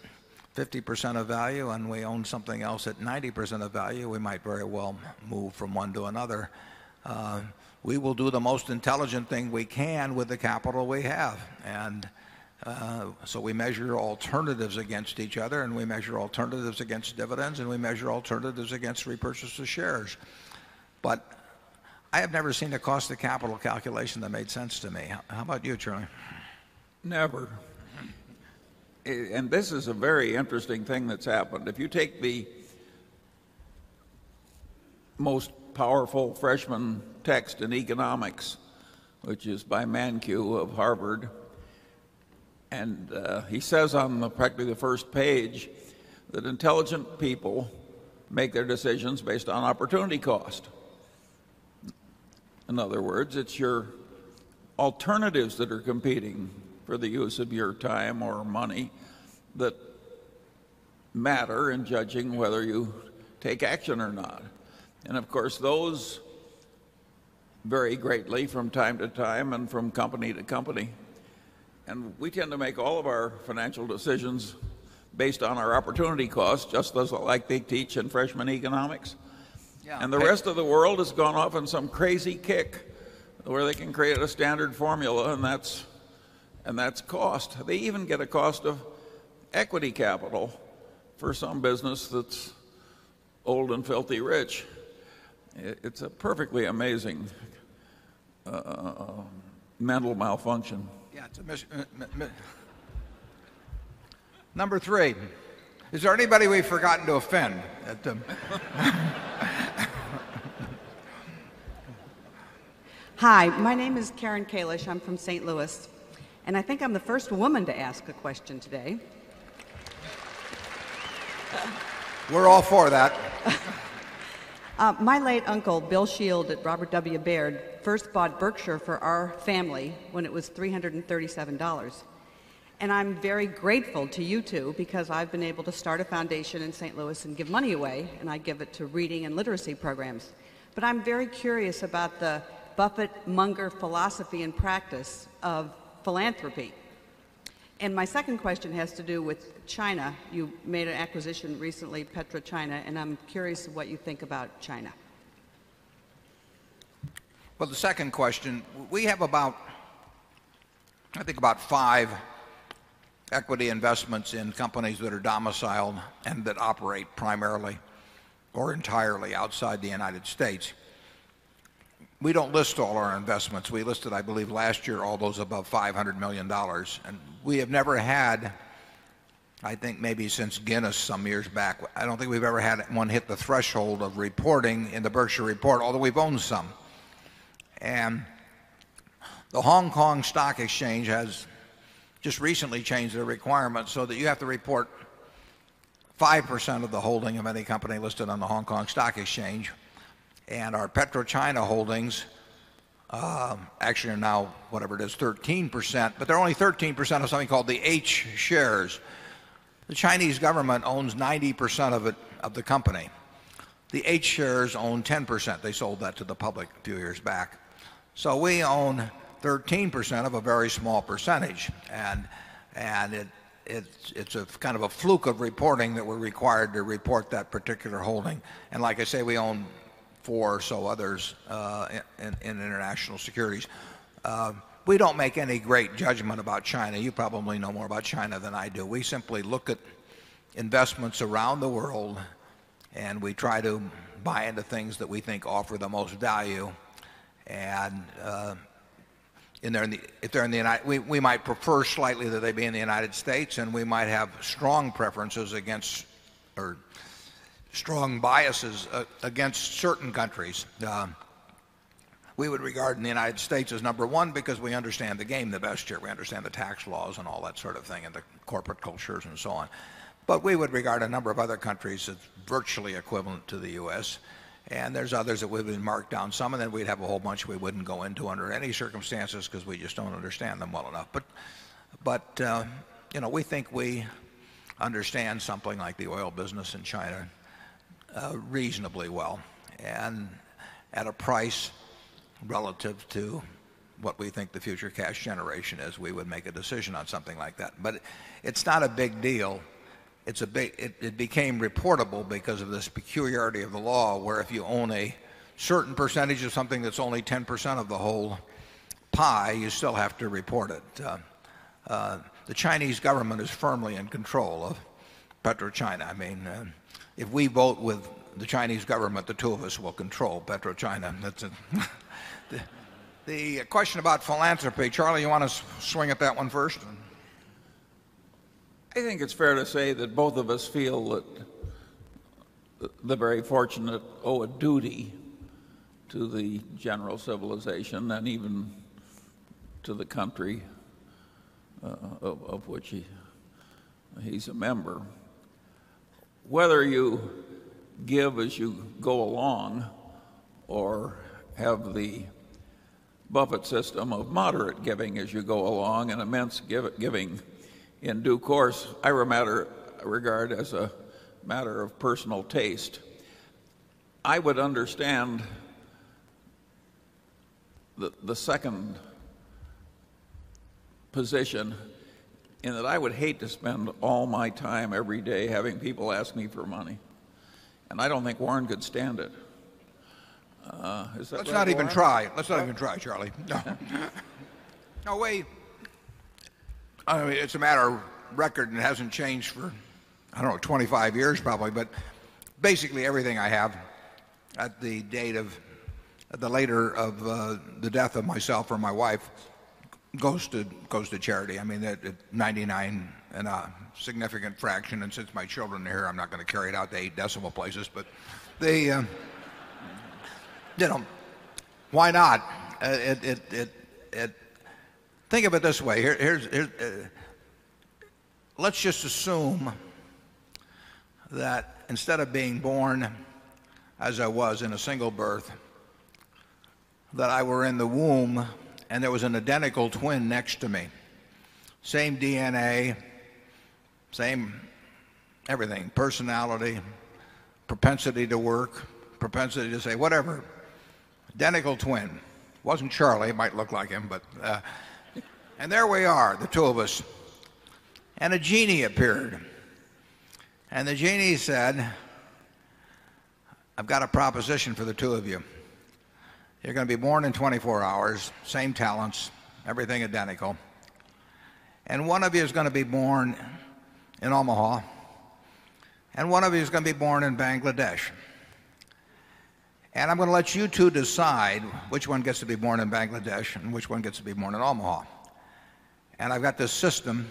50% of value and we own something else at 90% of value, we might very well move from one to another. We will do the most intelligent thing we can with the capital we have. And, so we measure alternatives against each other and we measure alternatives against dividends and we measure alternatives against repurchase of shares. But I have never seen the cost of capital calculation that made sense to me. How about you, Charlie? Never. And this is a very interesting thing that's happened. If you take the most powerful freshman text in economics, which is by Mankiw of Harvard. And, he says on practically the first page that intelligent people make their decisions based on opportunity cost. In other words, it's your alternatives that are competing for the use of your time or money that matter in judging whether you take action or not. And of course, those vary greatly from time to time and from company to company. And we tend to make all of our financial decisions based on our opportunity costs just as like they teach in freshman economics. And the rest of the world has gone off in some crazy kick where they can create a standard formula and that's cost. They even get a cost of equity capital for some business that's old and filthy rich. It's a perfectly amazing mental malfunction. Number 3, is there anybody we've forgotten to offend? Hi. My name is Karen Kalish. I'm from St. Louis. And I think I'm the first woman to ask a question today. We're all for that. My late uncle, Bill Shield at Robert W. Baird, first bought Berkshire for our family it was $337 And I'm very grateful to you 2 because I've been able to start a foundation in St. Louis and give money away, and I give it to reading and literacy programs. But I'm very curious about the Buffett monger philosophy and practice of philanthropy. And my second question has to do with China. You made an acquisition recently, PetroChina, and I'm curious what you think about China. Well, the second question, we have about, I think, about 5 equity investments in companies that are domiciled and that operate primarily or entirely outside the United States. We don't list all our investments. We listed I believe last year all those above $500,000,000 and we have never had I think maybe since Guinness some years back, I don't think we've ever had one hit the threshold of reporting in the Berkshire report, although we've owned some. And the Hong Kong Stock Exchange has just recently changed their requirements so that you have to report 5% of the holding of any company listed on the Hong Kong Stock Exchange. And our PetroChina holdings actually are now whatever it is 13%, but they're only 13% of something called the H Shares. The Chinese government owns 90% of the company. The 8 shares own 10%. They sold that to the public a few years back. So we own 13% of a very small percentage. And it's kind of a fluke of reporting that we're required to report that particular holding. And like I say, we own 4 or so others in international securities. We don't make any great judgment about China. You probably know more about China than I do. We simply look at investments around the world and we try to buy into things that we think offer the most value. And in there in the if they're in the united we might prefer slightly that they be in the United States and we might have strong preferences against or strong biases against certain countries. We would regard the United States as number 1 because we understand the game the best year. We understand the tax laws and all that sort of thing and the corporate cultures and so on. But we would regard a number of other countries as virtually equivalent to the US And there's others that would have been marked down. Some of them, we'd have a whole bunch we wouldn't go into under any circumstances because we just don't understand them well enough. But we think we understand something like the oil business in China reasonably well and at a price relative to what we think the future cash generation is. We would make a decision on something like that. But it's not a big deal. It's a big it became reportable because of the superiority of the law where if you own a certain percentage of something that's only 10% of the whole pie, you still have to report it. The Chinese government is firmly in control of PetroChina. I mean, if we vote with the Chinese government, the 2 of us will control PetroChina. The question about philanthropy, Charlie, you want to swing at that one first? I think it's fair to say that both of us feel that the very fortunate owe a duty to the general civilization and even to the country of which he's a member. Whether you give as you go along or have the buffet system of moderate giving as you go along and immense giving in due course, I regard as a matter of personal taste. I would understand the second position in that I would hate to spend all my time every day having people ask me for money. I don't think Warren could stand it. Let's not even try. Let's not even try, Charlie. No way. I mean, it's a matter of record and it hasn't changed for, I don't know, 25 years probably, but basically everything I have at the date of the later of the death of myself or my wife goes to charity. I mean that 99 and a significant fraction. And since my children are here, I'm not going to carry it out to 8 decimal places. But they did them. Why not? Think of it this way. Let's just assume that instead of being born as I was in a single birth that I were in the womb and there was an identical twin next to me. Same DNA, same everything, personality, propensity to work, propensity to say whatever identical twin. Wasn't Charlie, it might look like him, but and there we are, the 2 of us. And a genie appeared. And the genie said, I've got a proposition for the 2 of you. You're going to be born in 24 hours, same talents, everything identical. And one of you is going to be born in Omaha, and one of you is going to be born in Bangladesh. And I'm going to let you 2 decide which one gets to be born in Bangladesh and which one gets to be born in Omaha. And I've got this system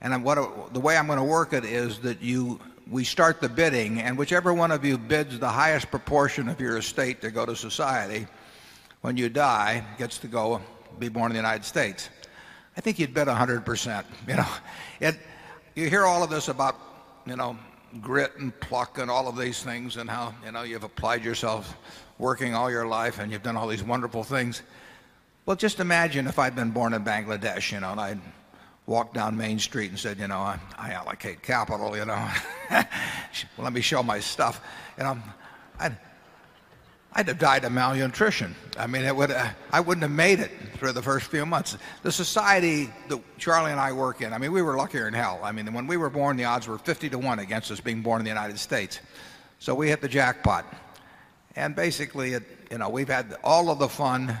and what the way I'm going to work it is that you we start the bidding and whichever one of you bids the highest proportion of your estate to go to society when you die gets to go be born in the United States. I think you'd bet a 100%. You hear all of this about, grit and pluck and all of these things and how you have applied yourself working all your life and you've done all these wonderful things. Well, just imagine if I had been born in Bangladesh and I walked down Main Street and said, you know, I allocate capital, you know, Let me show my stuff. And I'd have died of malnutrition. I mean, I wouldn't have made it through the 1st few months. The society that Charlie and I work in, I mean, we were luckier than hell. I mean, when we were born, the odds were 50 to 1 against us being born in the United States. So we hit the jackpot. And basically we've had all of the fun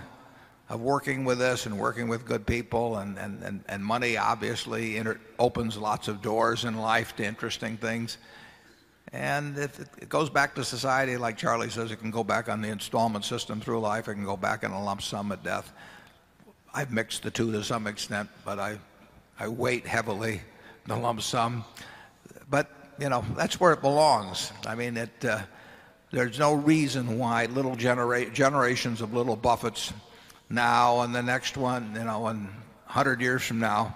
of working with us and working with good people and money obviously opens lots of doors in life to interesting things. And if it goes back to society like Charlie says, it can go back on the installment system through life. It can go back in a lump sum of death. I've mixed the 2 to some extent, but I I weighed heavily in a lump sum. But that's where it belongs. I mean, there's no reason why little generations of little Buffet's now and the next one 100 years from now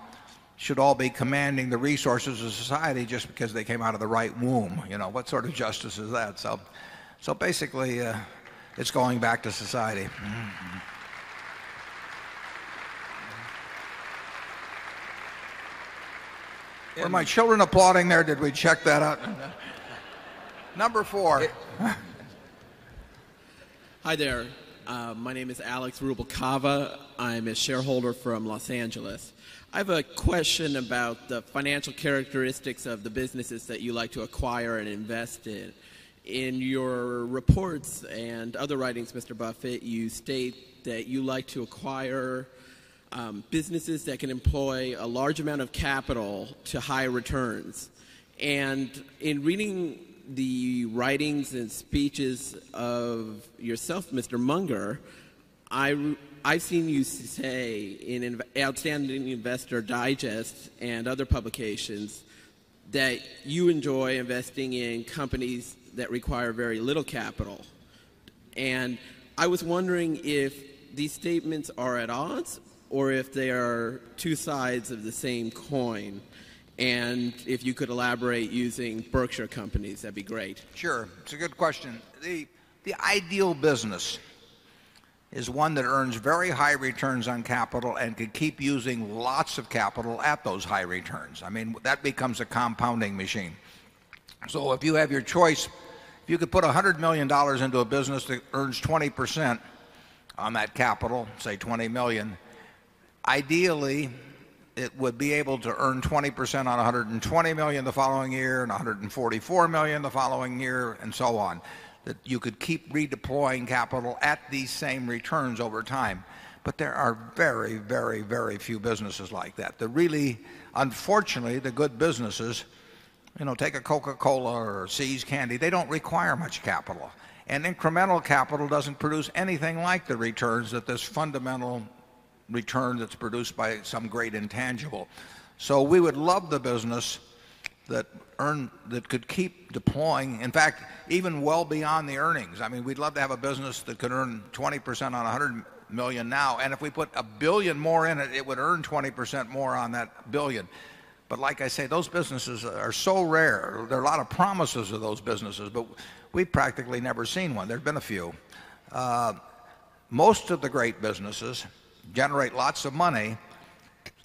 should all be commanding the resources of society just because they came out of the right womb. You know, what sort of justice is that? So basically, it's going back to society. Hi, there. My name is Alex Rubalcava. I am a shareholder from Los Angeles. I have a question about the financial characteristics of the businesses that you like to acquire and invest in. In your reports and other writings, Mr. Buffett, you state that you like to acquire businesses that can employ a large amount of capital to high returns. In reading the writings and speeches of yourself, Mr. Munger, I've seen you say in Outstanding Investor Digest and other publications that you enjoy investing in companies that require very little capital, and I was wondering if these statements are at odds or if they are two sides of the same coin, And if you could elaborate using Berkshire Companies, that would be great. Sure. It's a good question. The ideal business is one that earns very high returns on capital and could keep using lots of capital at those high returns. I mean, that becomes a compounding machine. So if you have your choice, you could put $100,000,000 into a business that earns 20% on that capital, say 20,000,000 dollars Ideally, it would be able to earn 20% on $120,000,000 the following year and $144,000,000 the following year and so on That you could keep redeploying capital at these same returns over time. But there are very, very, very few businesses like that. The really, unfortunately, the good businesses, take a Coca Cola or See's Candy, they don't require much capital. And incremental doesn't produce anything like the returns that this fundamental return that's produced by some great intangible. So we would love the business that earn that could keep deploying in fact, even well beyond the earnings. I mean, we'd love to have a business that could earn 20 percent on $100,000,000 now. And if we put a $1,000,000,000 more in it, it would earn 20% more on that $1,000,000,000 But like I say those businesses are so rare. There are a lot of promises of those businesses, but we've practically never seen one. There have been a few. Most of the great businesses generate lots of money.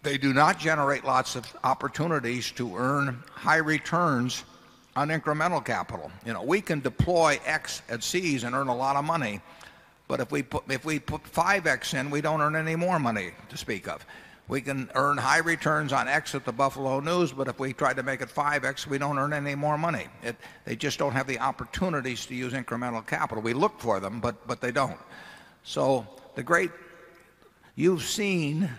They do not generate lots of opportunities to earn high returns on incremental capital. We can deploy X at seas and earn a lot of money. But if we put 5X in, we don't earn any more money to speak of. We can earn high returns on X at the Buffalo News but if we try to make it 5x we don't earn any more money. They just don't have the opportunities to use incremental capital. We look for them but they don't. So the great you've seen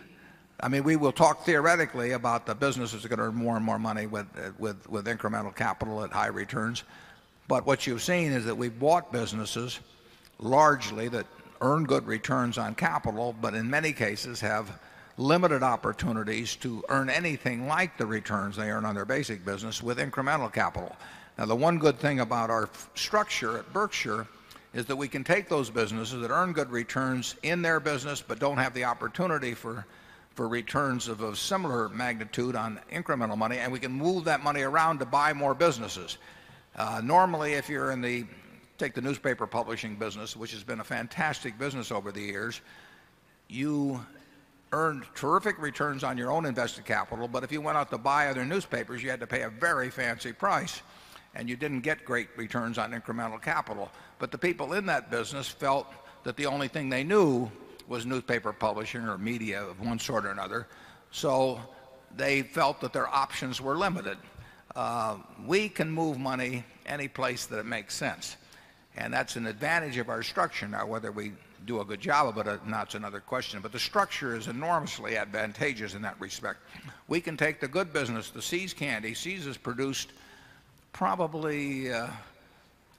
I mean we will talk theoretically about the businesses are going to earn more and more money with incremental capital at high returns. But what you've seen is that we've bought businesses largely that earn good returns on capital but in many cases have limited opportunities to earn anything like the returns they earn on their basic business with incremental capital. Now the one good thing about our structure at Berkshire is that we can take those businesses that earn good returns in their business but don't have the opportunity for returns of a similar magnitude on incremental money. And we can move that money around to buy more businesses. Normally if you're in the take the newspaper publishing business, which has been a fantastic business over the years, you earned terrific returns on your own invested capital. You earned terrific returns on your own invested capital. But if you went out to buy other newspapers, you had to pay a very fancy price and you didn't get great returns on incremental capital. But the people in that business felt that the only thing they knew was newspaper publishing or media of one sort or another. So they felt that their options were limited. We can move money any place that it makes sense. And that's an advantage of our structure. Now whether we do a good job of it or not is another question. But the structure is enormously advantageous in that respect. We can take the good business, the See's candy. See's has produced probably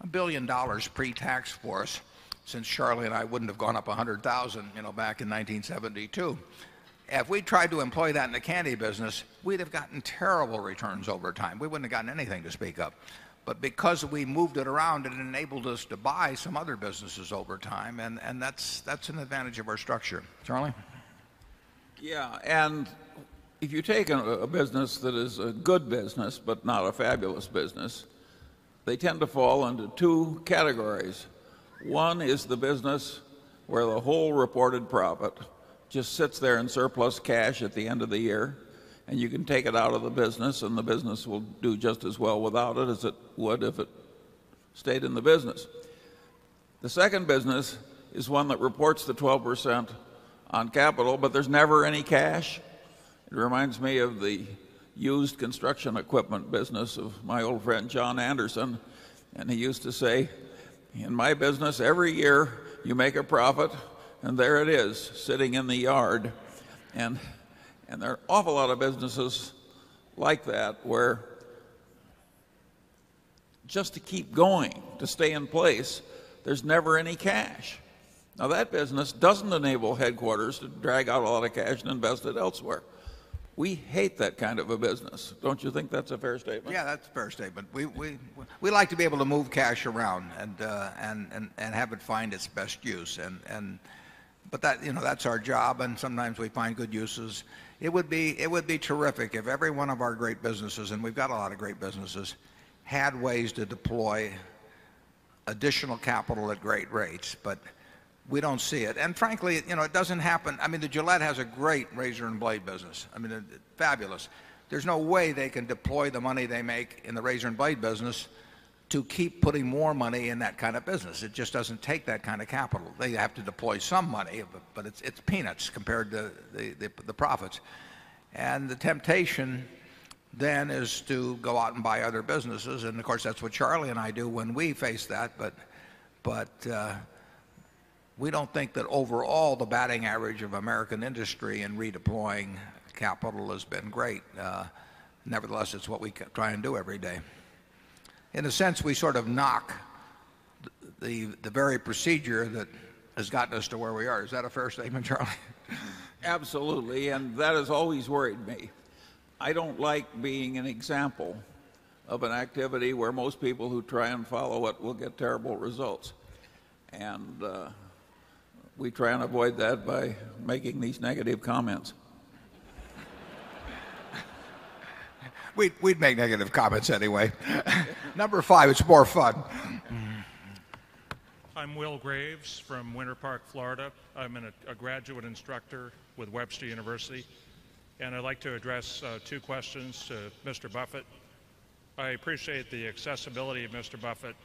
$1,000,000,000 pretax for us since Charlie and I wouldn't have gone up $100,000 you know, back in 1972. If we tried to employ that in the candy business, we'd have gotten terrible returns over time. We wouldn't have gotten anything to speak of. But because we moved it around, it enabled us to buy some other businesses over time and that's an advantage of our structure. Charlie? Yes. And if you take a business that is a good business but not a fabulous business, they tend to fall under 2 categories. 1 is the business where the whole reported profit just sits there in surplus cash at the end of the year and you can take it out of the business and the business will do just as well without it as it would if it stayed in the business. The second business is one that reports the 12% on capital, but there's never any cash. It reminds me of the used construction equipment business of my old friend, John Anderson. And he used to say, in my business, every year you make a profit and there it is sitting in the yard. And there are awful lot of businesses like that where just to keep going, to stay in place, there's never any cash. Now that business doesn't enable headquarters to drag out a lot of cash and invest it elsewhere. We hate that kind of a business. Don't you think that's a fair statement? Yes, that's a fair statement. We like to be able to move cash around and have it find its best use. And but that's our job and sometimes we find good uses. It would be terrific if every one of our great businesses, and we've got a lot of great businesses, had ways to deploy additional capital at great rates. But we don't see it. And frankly, it doesn't happen. I mean, the Gillette has a great razor and blade business. I mean, fabulous. There's no way they can deploy the money they make in the razor and blade business to keep putting more money in that kind of business. It just doesn't take that kind of capital. They have to deploy some money, but it's peanuts compared to the profits. And the temptation then is to go out and buy other businesses. And of course, that's what Charlie and I do when we face that. But we don't think that overall the batting average of American industry in redeploying capital has been great. Nevertheless, it's what we try and do every day. In a sense, we sort of knock the very procedure that has gotten us to where we are. Is that a fair statement, Charlie? Absolutely. And that has always worried me. I don't like being an example of an activity where most people who try and follow it will get terrible results and we try and avoid that by making these negative comments. We'd make negative comments anyway. Number 5, it's more fun. I'm Will Graves from Winter Park, Florida. I'm a graduate instructor with Webster University. I'd like to address 2 questions to Mr. Buffett. I appreciate the accessibility of Mr. Buffett.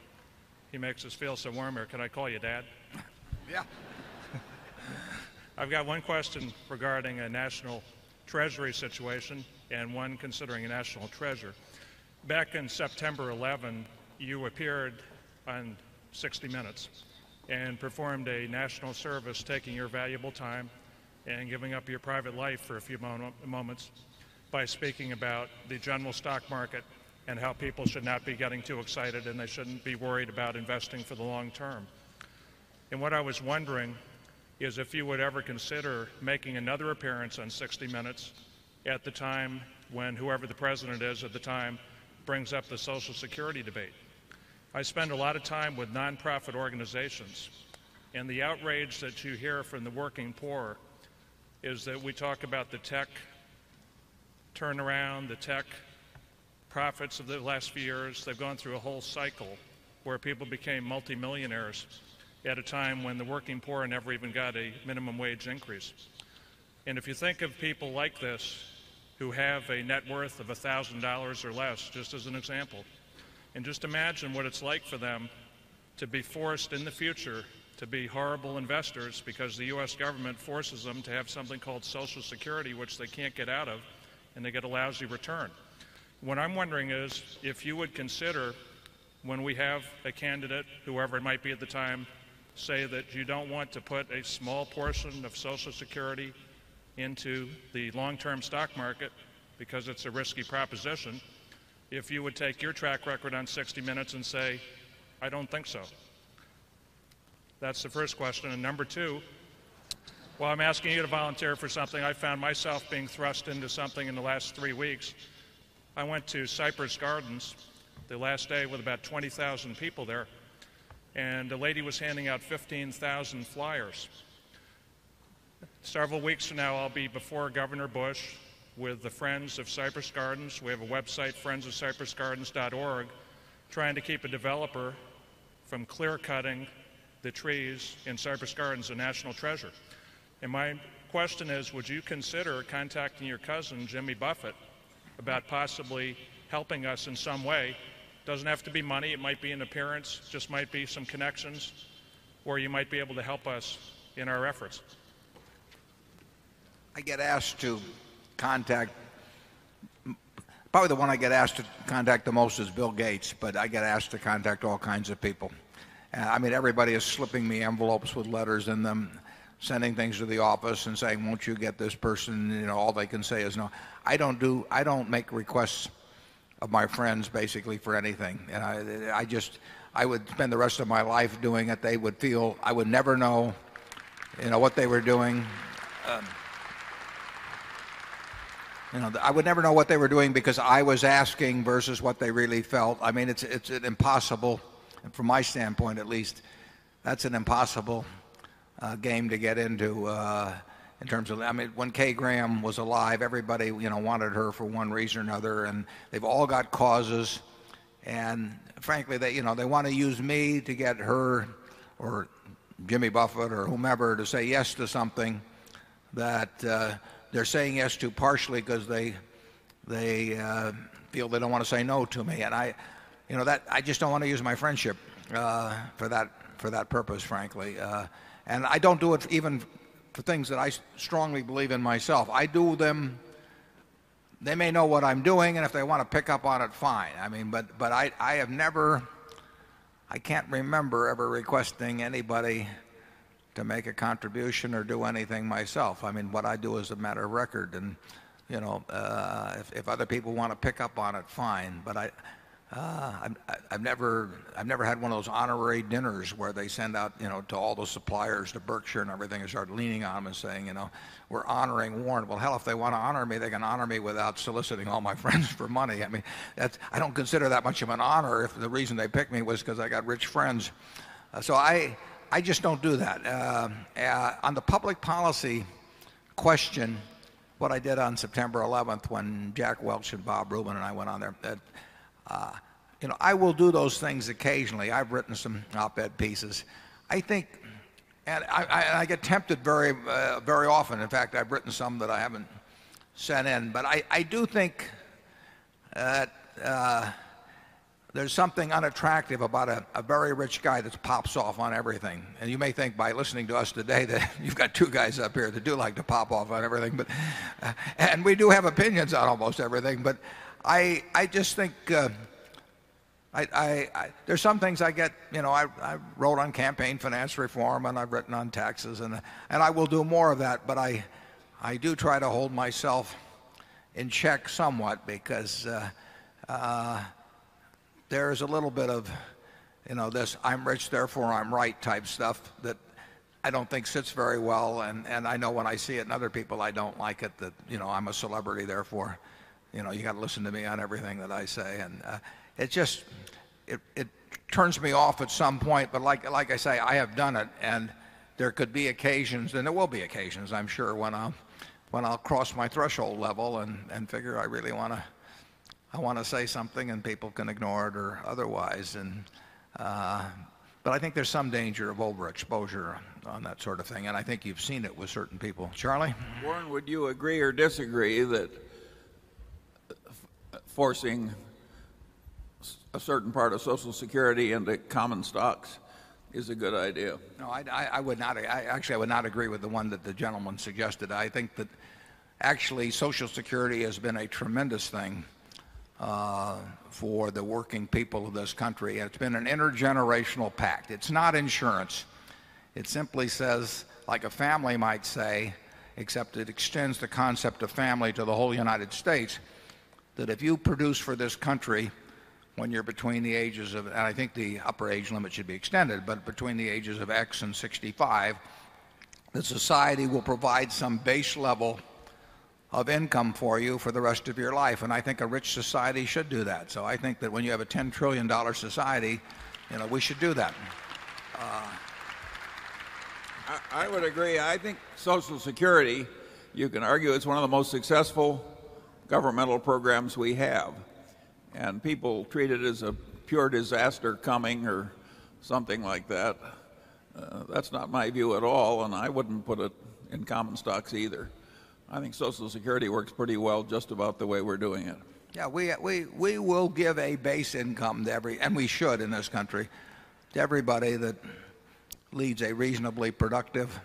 He makes us feel so warm here. Can I call you dad? Yes. I've got one question regarding a national treasury situation and one considering a national treasure. Back in September 11, you appeared on 60 Minutes and performed a national service, taking your valuable time and giving up your private life for a few moments by speaking about the general stock market and how people should not be getting too excited, and they shouldn't be worried about investing for the long term. What I was wondering is if you would ever consider making another appearance on 60 Minutes at the time when whoever the president is at the time brings up the Social Security debate. I spend a lot of time with nonprofit organizations, and the outrage that you hear from the working poor is that we talk about the tech turnaround, the tech profits of the last few years. They've gone through a whole cycle where people became multimillionaires at a time when the working poor never even got a minimum wage increase. And if you think of people like this who have a net worth of $1,000 or less, just as an example, and just imagine what it's like for them to be forced in the future to be horrible investors because the US government forces them to have something called social security, which they can't get out of, and they get a lousy return. What I'm wondering is if you would consider when we have a candidate, whoever it might be at the time, say that you don't want to put a small portion of social don't think so. That's the first question. And number 2, don't think so. That's the first question. Number 2, while I'm asking you to volunteer for something, I found myself being thrust into something in the last 3 weeks. I went to Cypress Gardens the last day with about 20,000 people there, and a lady was handing out 15,000 flyers. Several weeks from now, I'll be before Governor Bush with the Friends of Cypress Gardens. We have a website, friendsofcypressgardens.org, trying to keep a developer from clear cutting the trees in Cypress Gardens a national treasure. My question is, would you consider contacting your cousin, Jimmy Buffett, about possibly helping us in some way? It doesn't have to be money. It might be an appearance. It just might be some connections, where you might be able to help us in our efforts. I get asked to contact probably the one I get asked to contact the most is Bill Gates. But I get asked to contact all kinds of people. I mean, everybody is slipping the envelopes with letters in them, sending things to the office and saying, won't you get this person? All they can say is no. I don't do I don't make requests of my friends basically for anything. And I just I would spend the rest of my life doing it. They would feel I would never know, know what they were doing. I would never know what they were doing because I was asking versus what they really felt. I mean, it's impossible. And from my standpoint, at least, that's an impossible game to get into in terms of I mean, when Kay Graham was alive, everybody wanted her for one reason or another. And they've all got causes. And frankly, they, you know, they want to use me to get her or Jimmy Buffett or whomever to say yes to something that they're saying yes to partially because they feel they don't want to say no to me. And know, that I just don't want to use my friendship, for that for that purpose, frankly. And I don't do it even for things that I strongly believe in myself. I do them they may know what I'm doing and if they want to pick up on it, fine. I mean, but but I have never I can't remember ever requesting anybody to make a contribution or do anything myself. I mean what I do is a matter of record and you know, if if other people want to pick up on it, fine. But I, I've never I've never had one of those honorary dinners where they send out, you know, to all those suppliers, to Berkshire and everything, and start leaning on them and saying, you know, we're honoring Warren. Well, hell, if they want to honor me, they can honor me without soliciting all my friends for money. I mean, that's I don't consider that much of an honor if the reason they picked me was because I got rich friends. So I I just don't do that. On the public policy question, what I did on September 11th when Jack Welch and Bob Rubin and I went on there. You know, I will do those things occasionally. I've written some op ed pieces. I think and I get tempted very, very often. In fact, I've written some that I haven't sent in. But I do think that, there's something unattractive about a very rich guy that's pops off and we do have opinions on almost everything. But I I just think, I I I there's some things I get, you know, I I wrote on campaign finance reform and I've written on taxes and and I will do more of that. But I I do try to hold myself in check somewhat because, there's a little bit of this I'm rich, therefore I'm right type stuff that I don't think sits very well. And I know when I see it in other people, I don't like it that I'm a celebrity, therefore you got to listen to me on everything that I say. And it just it turns me off at some point. But like I say, I have done it and there could be occasions and there will be occasions I'm sure when I'll cross my threshold level and figure I really want to say something and people can ignore it or otherwise. And but I think there's some danger of overexposure on that sort of thing. And I think you've seen it with certain people. Charlie? Warren, would you agree or disagree that forcing a certain part of Social Security into common stocks is a good idea. No, I would not actually, I would not agree with the one that the gentleman suggested. I think that actually Social Security has been a tremendous thing for the working people of this country. And it's been an intergenerational pact. It's not insurance. It simply says, like a family might say, except it extends the concept of family to the whole United States, that if you produce for this country when you're between the ages of I think the upper age limit should be extended, but between the ages of X 65, the society will provide some base level of income for you for the rest of your life. And I think a rich society should do that. So I think that when you have a $10,000,000,000,000 society, we should do that. I would agree. I think Social Security, you can argue it's one of the most successful governmental programs we have. And people treat it as a pure disaster coming or something like that. That's not my view at all. And I wouldn't put it in common stocks either. I think Social Security works pretty well just about the way we're doing it. Yes. We will give a base income to every and we should in this country, to everybody that leads a reasonably productive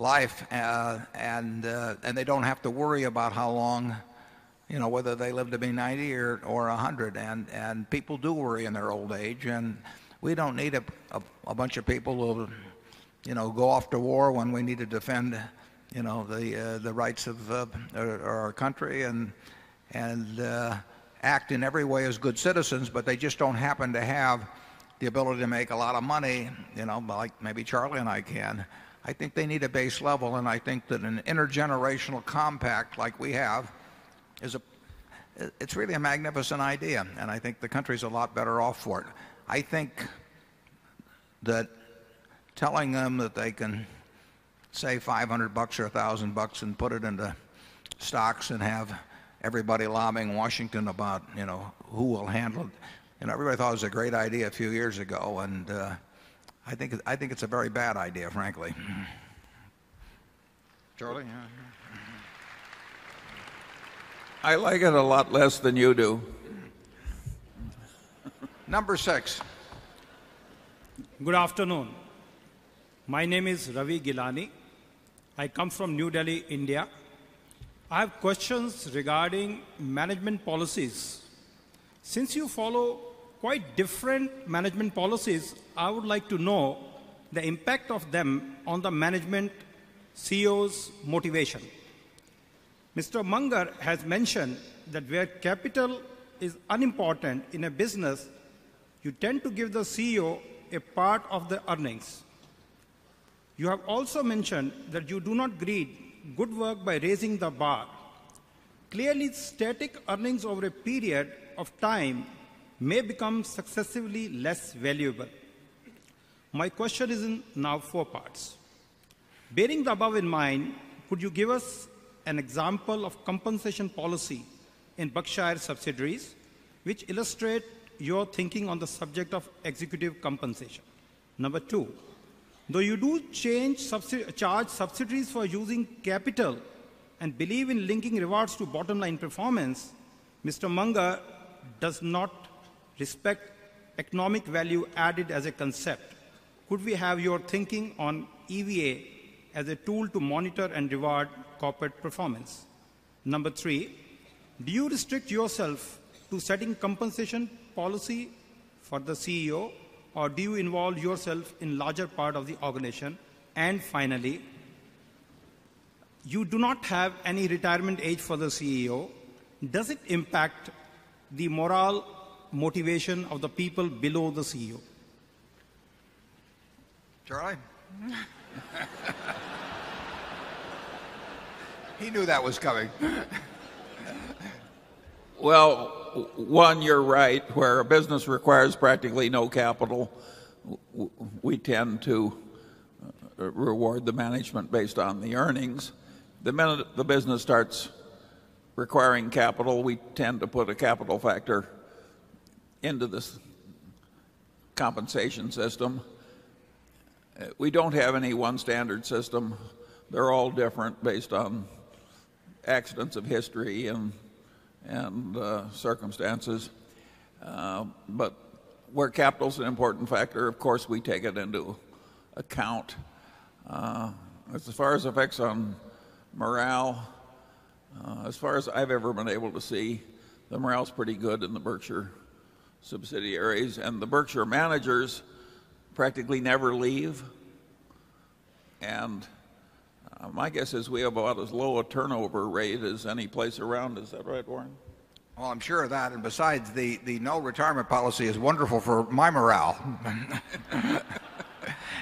life. And they don't have to worry about how long, you know, whether they live to be 90 or 100. And people do worry in their old age. And we don't need a bunch of people who will, you know, go off to war when we need to defend, you know, the rights of our country and act in every way as good citizens, but they just don't happen to have the ability to make a lot of money, you know, like maybe Charlie and I can. I think they need a base level. And I think that an intergenerational compact like we have is a it's really a magnificent idea. And I think the country is a lot better off for it. I think that telling them that they can save $500 or $1,000 and put it into stocks and have everybody lobbying Washington about, you know, who will handle it. And everybody thought it was a great idea a few years ago. And, I think it's a very bad idea, frankly. Charlie? I like it a lot less than you do. Number 6. Good afternoon. My name is Ravi Gilani. I come from New Delhi, India. I have questions regarding management policies. Since you follow quite different management policies, I would like to know the impact of them on the management CEO's motivation. Mr. Munger has mentioned that where capital is unimportant in a business, you tend to give the CEO a part of the earnings. You have also mentioned that you do not greet good work by raising the bar. Clearly, static earnings over a period of time may become successively less valuable. My question is in now 4 parts. Bearing the above in mind, could you give us an example of compensation policy in Berkshire Subsidiaries, which illustrate your thinking on the subject of executive compensation? Number 2, though you do change charge subsidies for using capital and believe in linking rewards to bottom line performance, Mr. Munga does not respect economic value added as a concept. Could we have your thinking on EVA as a tool to monitor and reward corporate performance? Number 3, do you restrict yourself to setting compensation policy for the CEO? Or do you involve yourself in larger part of the organization? And finally, you do not have any retirement age for the CEO. Does it impact the moral motivation of the people below the CEO? Try. He knew that was coming. Well, one, you're right. Where a business requires practically no capital, we tend to reward the management based on the earnings. The minute the business starts requiring capital, we tend to put a capital factor into this compensation system. We don't have any one standard system. They're all different based on accidents of history and circumstances. But where capital is an important factor, of course, we take it into account. As far as effects on morale, as far as I've ever been able to see, the morale is pretty good in the Berkshire subsidiaries and the Berkshire managers practically never leave. And my guess is we have about as low a turnover rate as any place around. Is that right, Warren? Well, I'm sure of that. And besides, the no retirement policy is wonderful for my morale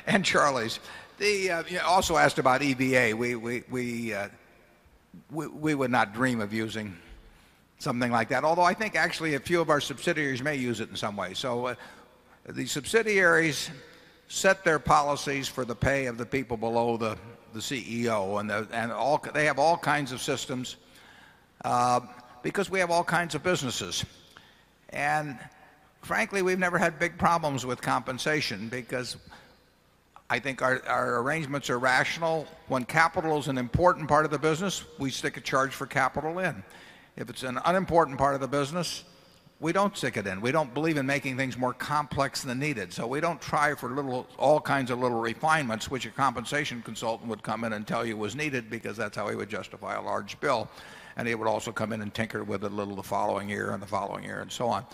and Charlie's. They also asked about EBA. We would not dream of using something like that, although I think actually a few of our subsidiaries may use it in some way. So the subsidiaries set their policies for the pay of the people below the CEO. And they have all kinds of systems because we have all kinds of businesses. And frankly, we've never had big problems with compensation because I think our arrangements are rational. When capital is an important part of the business, we stick a charge for capital in. If it's an unimportant part of the business, we don't stick it in. We don't believe in making things more complex than needed. So we don't try for little all kinds of little refinements, which a compensation consultant would come in and tell you was needed because that's how he would justify a large bill. And he would also come in and tinker with a little the following year and the following year and so on.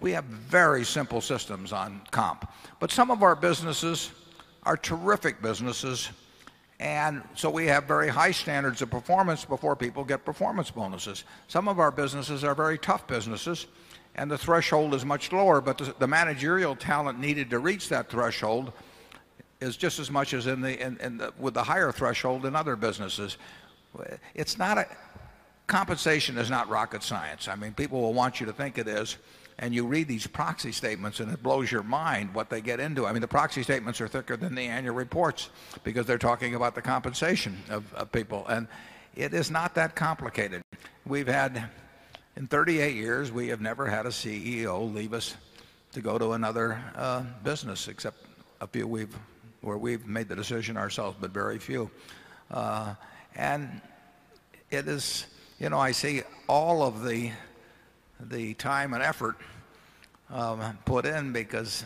We have very simple systems on comp. But some of our businesses are terrific businesses. And so we have very high standards of performance before people get performance bonuses. Some of our businesses are very tough businesses and the threshold is much lower. But the managerial talent needed to reach that threshold is just as much as in the with the higher threshold in other businesses. It's not compensation is not rocket science. I mean, people will want you to think it is. And you read these proxy statements and it blows your mind what they get into. I mean, the proxy statements are thicker than the annual reports because they're talking about the compensation of people. And it is not that complicated. We've had in 38 years, we have never had a CEO leave us to go to another, business except a few we've where we've made the decision ourselves, but very few. And it is, you know, I see all of the the time and effort put in because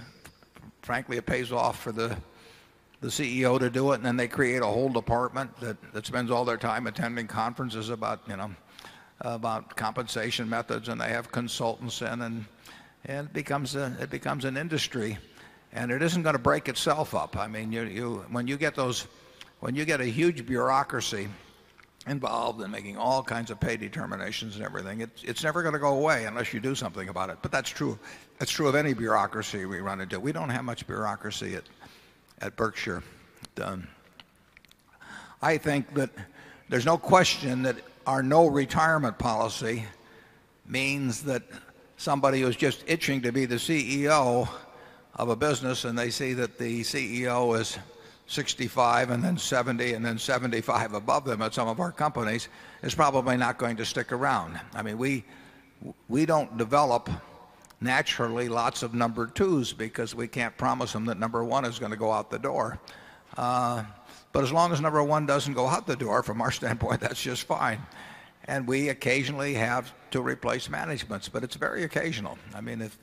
frankly it pays off for the CEO to do it and then they create a whole department that spends all their time attending conferences about, you know, about compensation methods and they have consultants and and becomes, it becomes an industry and it isn't going to break itself up. I mean, you you when you get those when you get a huge bureaucracy involved in making all kinds of pay determinations and everything, it's never going to go away unless you do something about it. But that's true. That's true of any bureaucracy we run into. We don't have much bureaucracy at Berkshire. I think that there's no question that our no retirement policy means that somebody who is just itching to be the CEO of a business and they see that the CEO is 65 and then 70 and then 75 above them at some of our companies is probably not going to stick around. I mean we don't develop naturally lots of number twos because we can't promise them that number 1 is going to go out the door. But as long as number 1 doesn't go out the door from our standpoint, that's just fine. And we occasionally have to replace managements. But it's very occasional. I mean, if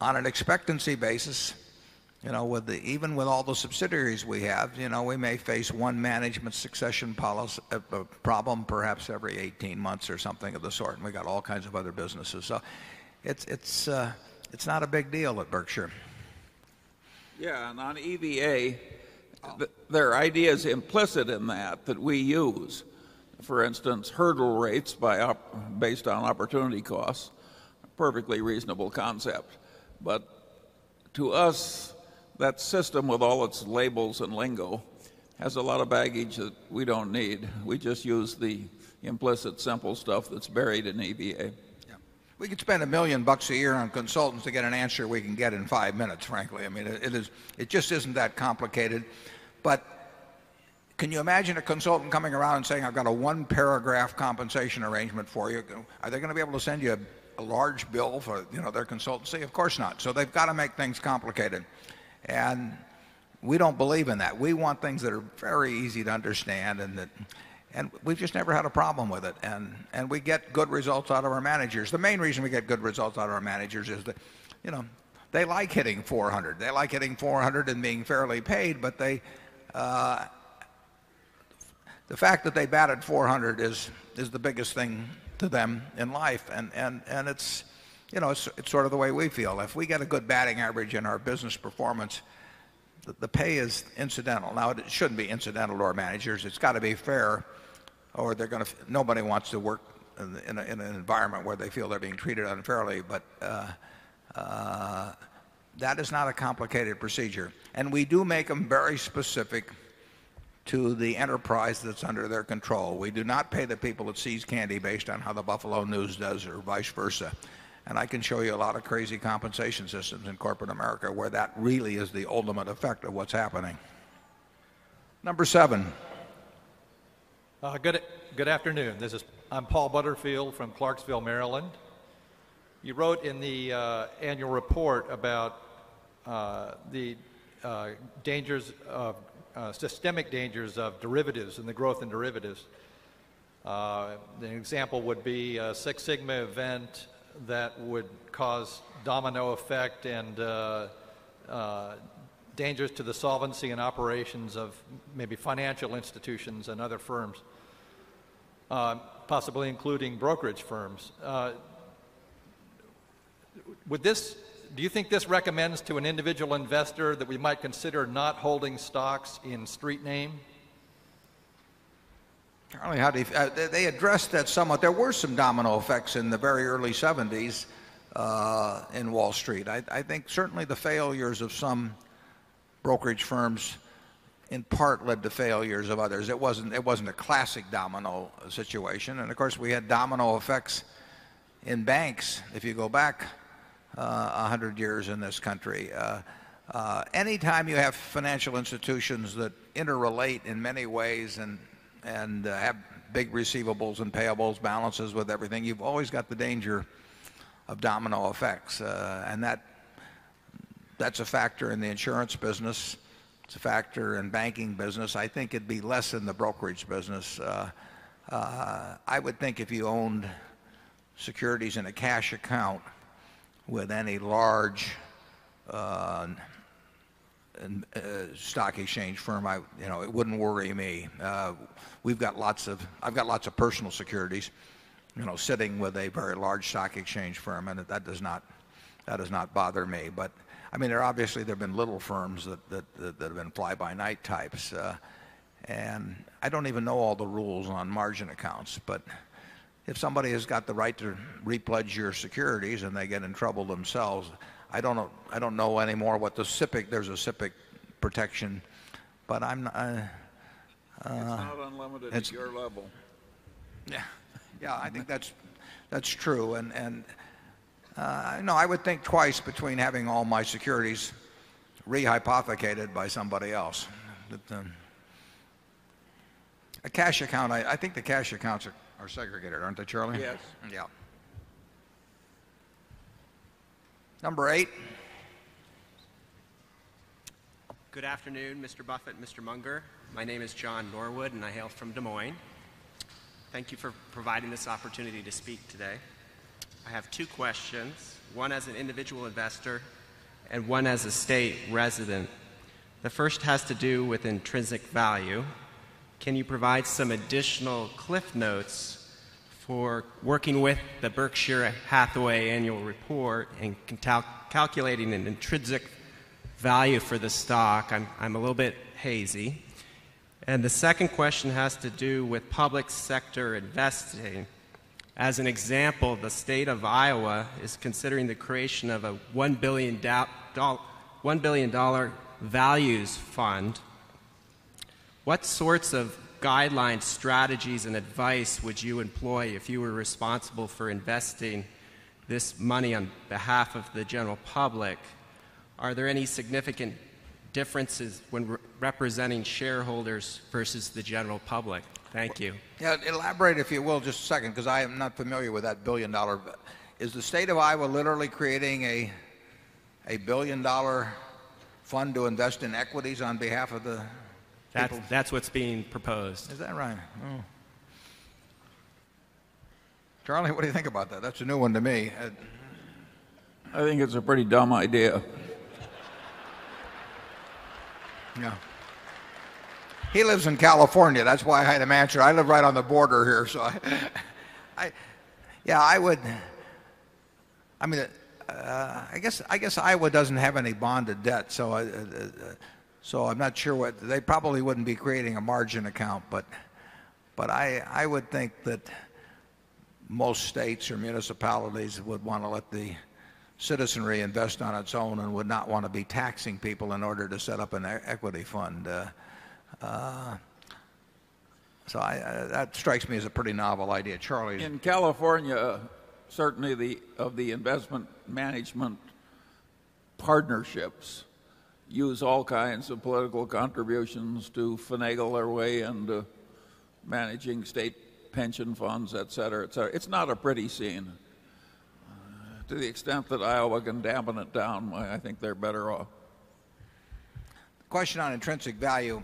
on an expectancy basis, you know, with the even with all the subsidiaries we have, you know, we may face one management succession policy problem perhaps every 18 months or something of the sort. And we got all kinds of other businesses. So it's not a big deal at Berkshire. Yes. And on EVA, there are ideas implicit in that that we use, For instance, hurdle rates based on opportunity costs, perfectly reasonable concept. But to us, that system with all its labels and lingo has a lot of baggage that we don't need. We just use the implicit simple stuff that's buried in the EBA. We could spend $1,000,000 a year on consultants to get an answer we can get in 5 minutes, frankly. I mean, it is it just isn't that complicated. But can you imagine a consultant coming around and saying I've got a 1 paragraph compensation arrangement for you. Are they going to be able to send you a large bill for their consultancy? Of course not. So they've got to make things complicated. And we don't believe in that. We want things that are very easy to understand and that and we've just never had a problem with it. And and we get good results out of our managers. The main reason we get good results out of our managers is that they like hitting 400. They like hitting 400 and being fairly paid. But they the fact that they batted 400 is the biggest thing to them in life. And it's sort of the way we feel. If we get a good batting average in our business performance, the pay is incidental. Now it shouldn't be incidental to our managers. It's got to be fair or they're going to nobody wants to work in an environment where they feel they're being treated unfairly. But, that is not a complicated procedure. And we do make them very specific to the enterprise that's under their control. We do not pay the people that sees candy based on how the Buffalo News does or vice versa. And I can show you a lot of crazy compensation systems in corporate America where that really is the ultimate effect of what's happening. Number 7. Good afternoon. I'm Paul Butterfield from Clarksville, Maryland. You wrote in the, annual report about, the dangers of, systemic dangers of derivatives and the growth in derivatives. An example would be a 6 sigma event that would cause domino effect and dangerous to the solvency and operations of maybe financial institutions and other firms, Possibly including brokerage firms. Would this, do you think this recommends to an individual investor that we might consider not holding stocks in street name? Charlie, how do you they addressed that somewhat. There were some domino effects in the very early 70s, in Wall Street. I think certainly the failures of some brokerage firms in part led to failures of others. It wasn't it wasn't a classic domino situation. And of course, we had domino effects in banks if you go back 100 years in this country. Anytime you have financial institutions that interrelate in many ways and have big receivables and payables, balances with everything, you've always got the danger of domino effects. And that's a factor in the insurance business. It's a factor in banking business. I think it'd be less in the brokerage business. I would think if you owned securities in a cash account with any large stock exchange firm, you know, it wouldn't worry me. We've got lots of I've got lots of personal securities sitting with a very large stock exchange firm and that does not bother me. But I mean obviously there have been little firms that have been fly by night types. And I don't even know all the rules on margin accounts. But if somebody has got the right to re pledge your securities and they get in trouble themselves, I don't know anymore what the SIPC there's a SIPC protection. But I'm It's not unlimited to your level. Yeah. Yeah. I think that's true. And no, I would think twice between having all my securities rehypothecated by somebody else. A cash account, I think the cash accounts are segregated, aren't they, Charlie? Yes. Yes. Number 8. Good afternoon, Mr. Buffet and Mr. Munger. My name is John Norwood, and I hail from Des Moines. Thank you for providing this opportunity to speak today. I have two questions, 1 as an individual investor and 1 as a state resident. The first has to do with intrinsic value. Can you provide some additional cliff notes for working with the Berkshire Hathaway annual report and calculating an intrinsic value for the stock? I'm a little bit hazy. And the second question has to do with public sector investing. As an example, the state of Iowa is considering the creation of a 1,000,000,000 strategies and advice would you employ if you were responsible for investing this money on behalf of the general public? Are there any significant differences when representing shareholders versus the general public? Thank you. Elaborate, if you will, just a second because I am not familiar with that $1,000,000,000 Is the state of Iowa literally creating a $1,000,000,000 fund to invest in equities on behalf of the That's what's being proposed. Is that right? Charlie, what do you think about that? That's a new one to me. I think it's a pretty dumb idea. He lives in California. That's why I had a mansion. I live right on the border here. So I yeah. I would I mean, I guess I guess Iowa doesn't have any bonded debt. So so I'm not sure what they probably wouldn't be creating a margin account. But but I would think that most states or municipalities would want to let the citizenry invest on its own and would not want to be taxing people in order to set up an equity fund. So that strikes me as a pretty novel idea. Charlie? In California, certainly of the investment management partnerships use all kinds of political contributions to finagle our way and managing state pension funds, etcetera, etcetera. It's not a pretty scene. To the extent that Iowa can dampen it down, I think they're better off. Question on intrinsic value.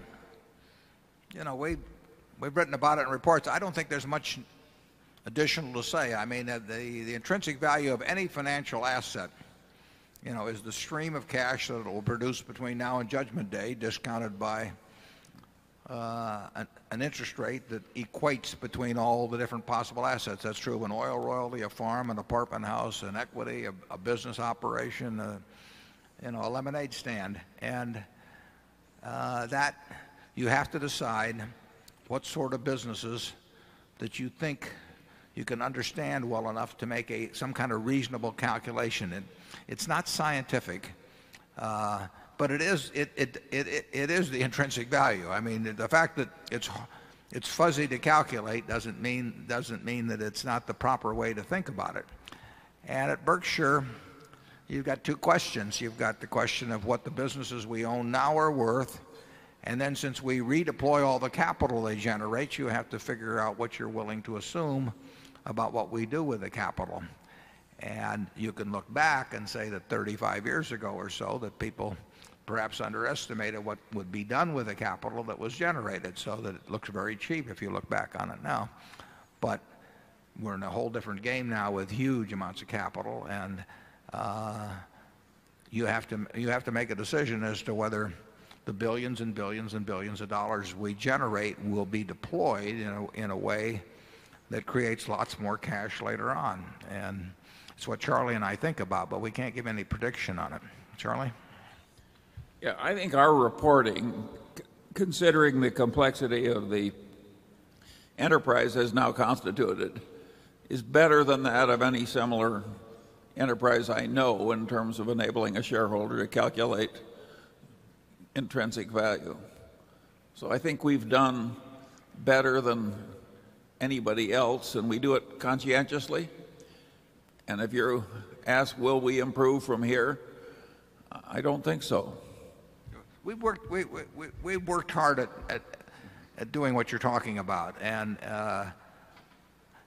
We've written about it in reports. I don't think there's much additional to say. I mean, the intrinsic value of any financial asset is the stream of cash that it will produce between now and judgment day discounted by an interest rate that equates between all the different possible assets. That's true of an oil royalty, a farm, an apartment house, an equity, a business operation, a lemonade stand. And that you have to decide what sort of businesses that you think you can understand well enough to make some kind of reasonable calculation. It's not scientific, but it is the intrinsic value. I mean, the fact that it's fuzzy to calculate doesn't mean that it's not the proper way to think about it. And at Berkshire, you've got 2 questions. You've got the question of what the businesses we own now are worth. And then since we redeploy all the capital they generate, you have to figure out what you're willing to assume about what we do with the capital. And you can look back and say that 35 years ago or so that people perhaps underestimated what would be done with the capital that was generated. So that it looks very cheap if you look back on it now. But we're in a whole different game now with huge amounts of capital. And you have to make a decision as to whether the 1,000,000,000 and 1,000,000,000 and 1,000,000,000 of dollars we generate will be deployed in a way that creates lots more cash later on. And it's what Charlie and I think about, but we can't give any prediction on it. Charlie? Yes. I think our reporting, considering the complexity of the enterprise has now constituted, is better than that of any similar enterprise I know in terms of enabling a shareholder to calculate intrinsic value. So I think we've done better than anybody else and we do it conscientiously. And if you're asked, will we improve from here? I don't think so. We've worked hard at doing what you're talking about. And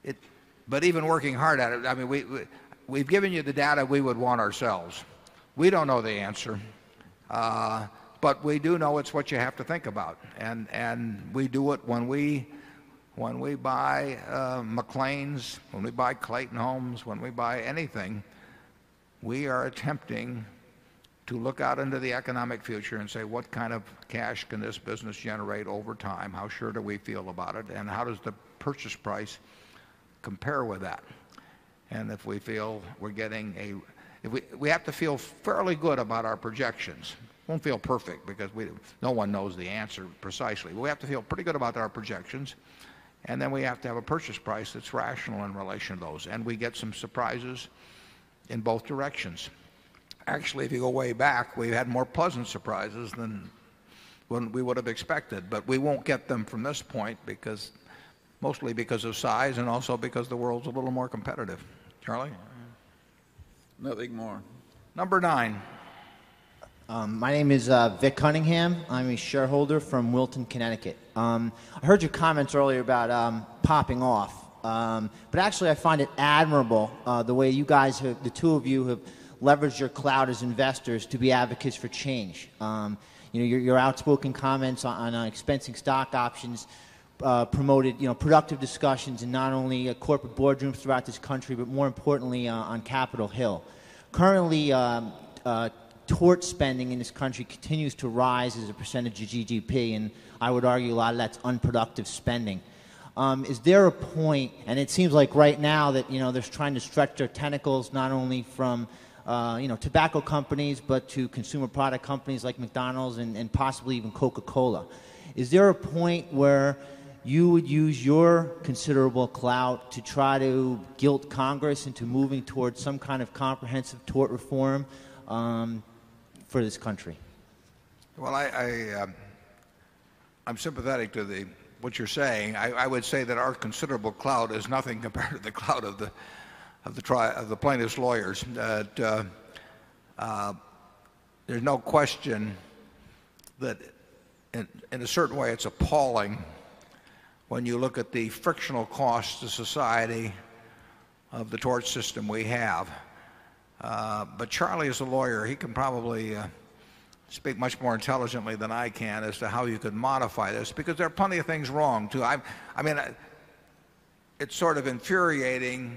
it but even working hard at it, I mean, we've given you the data we would want ourselves. We don't know the answer. But we do know it's what you have to think about. And we do it when we buy McLean's, when we buy Clayton Homes, when we buy anything, we are attempting to look out into the economic future and say what kind of cash can this business generate over time? How sure do we feel about it? And how does the purchase price compare with that? And if we feel we're getting a we have to feel fairly good about our projections. Won't feel perfect because no one knows the answer precisely. We have to feel pretty good about our projections. And then we have to have a purchase price that's rational in relation to those. And we get some surprises in both directions. Actually, if you go way back, we've had more pleasant surprises than we would have expected. But we won't get them from this point because mostly because of size and also because the world is a little more competitive. Charlie? Nothing more. Number 9. My name is Vic Cunningham. I'm a shareholder from Wilton, Connecticut. I heard your comments earlier about popping off. But actually, I find it admirable the way you guys have the 2 of you have leveraged your cloud as investors to be advocates for change. Your outspoken comments on expensing stock options promoted productive discussions in not only corporate boardrooms throughout this country, but more importantly on Capitol Hill. Currently, towards spending in this country continues to rise as a percentage of GDP and I would argue a lot of that's unproductive spending. Is there a point and it seems like right now that they're trying to stretch their tentacles not only from tobacco companies but to consumer product companies like McDonald's and possibly even Coca Cola. Is there a point like McDonald's and possibly even Coca Cola. Is there a point where you would use your considerable clout to try to guilt Congress into moving towards some kind of comprehensive tort reform for this country? Well, I'm sympathetic to what you're saying. I would say that our considerable cloud is nothing compared to the cloud of the plaintiff's lawyers. There's no question that in a certain way, it's appalling when you look at the frictional costs to society of the tort system we have. But Charlie is a lawyer. He can probably speak much more intelligently than I can as to how you could modify this because there are plenty of things wrong too. I mean, it's sort of infuriating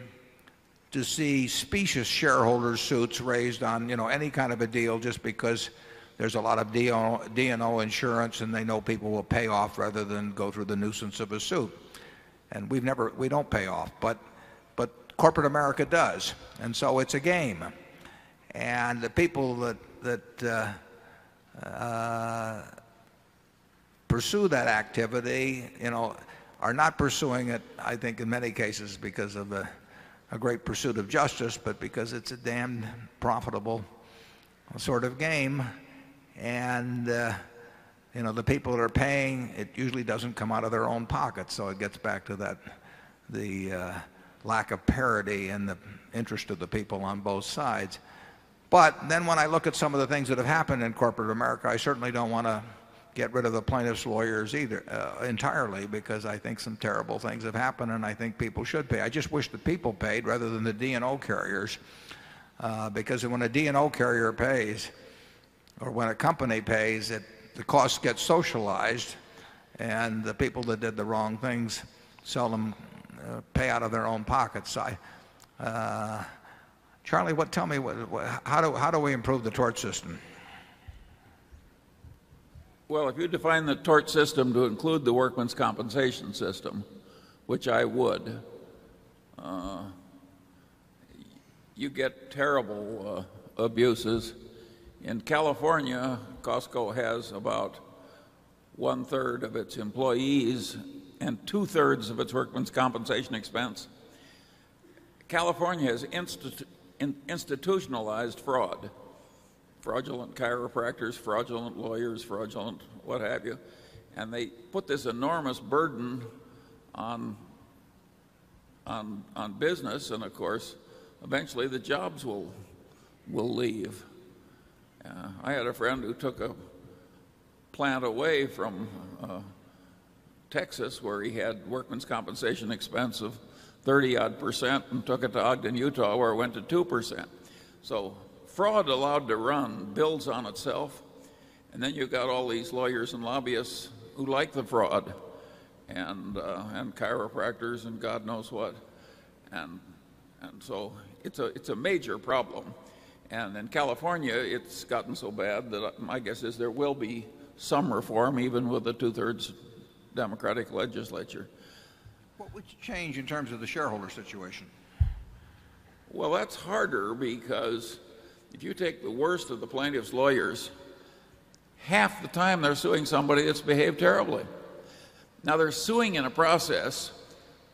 to see specious shareholder suits raised on any kind of a deal just because there's a lot of D and O insurance and they know people will pay off rather than go through the nuisance of a suit. And we've never we don't pay off, but but corporate America does. And so it's a game. And the people that that, pursue that activity, you know, are not pursuing it. I think in many cases because of a great pursuit of justice but because it's a damn profitable sort of game. And, you know, the people are paying, it usually doesn't come out of their own pockets. So it gets back to that the lack of parity in the interest of the people on both sides. But then when I look at some of the things that have happened in corporate America, I certainly don't want to get rid of the plaintiff's lawyers either entirely because I think some terrible things have happened and I think people should pay. I just wish the people paid rather than the D and O carriers because when a D and O carrier pays or when a company pays, the cost gets socialized and the people that did the wrong things seldom pay out of their own pockets. Charlie, what tell me, how do we improve the tort system? Well, if you define the tort system to include the workman's compensation system, which I would, you get terrible abuses. In California, Costco has about 1 third of its employees and 2 thirds of its workman's compensation expense. California has institutionalized fraud, fraudulent chiropractors, fraudulent lawyers, fraudulent what have you. And they put this enormous burden on business and, of course, eventually, the jobs will leave. I had a friend who took a plant away from Texas where he had workman's compensation expense of 30 odd percent and took it to Ogden, Utah where it went to 2%. So fraud allowed to run builds on itself. And then you've got all these lawyers and lobbyists who like the fraud and, and chiropractors and God knows what. And, and so it's a, it's a major problem. And in California, it's gotten so bad that my guess is there will be some reform even with the 2 thirds Democratic legislature. What would change in terms of the shareholder situation? Horne Jeuchard Well, that's harder because if you take the worst of the plaintiff's lawyers, half the time they're suing somebody that's behaved terribly. Now, they're suing in a process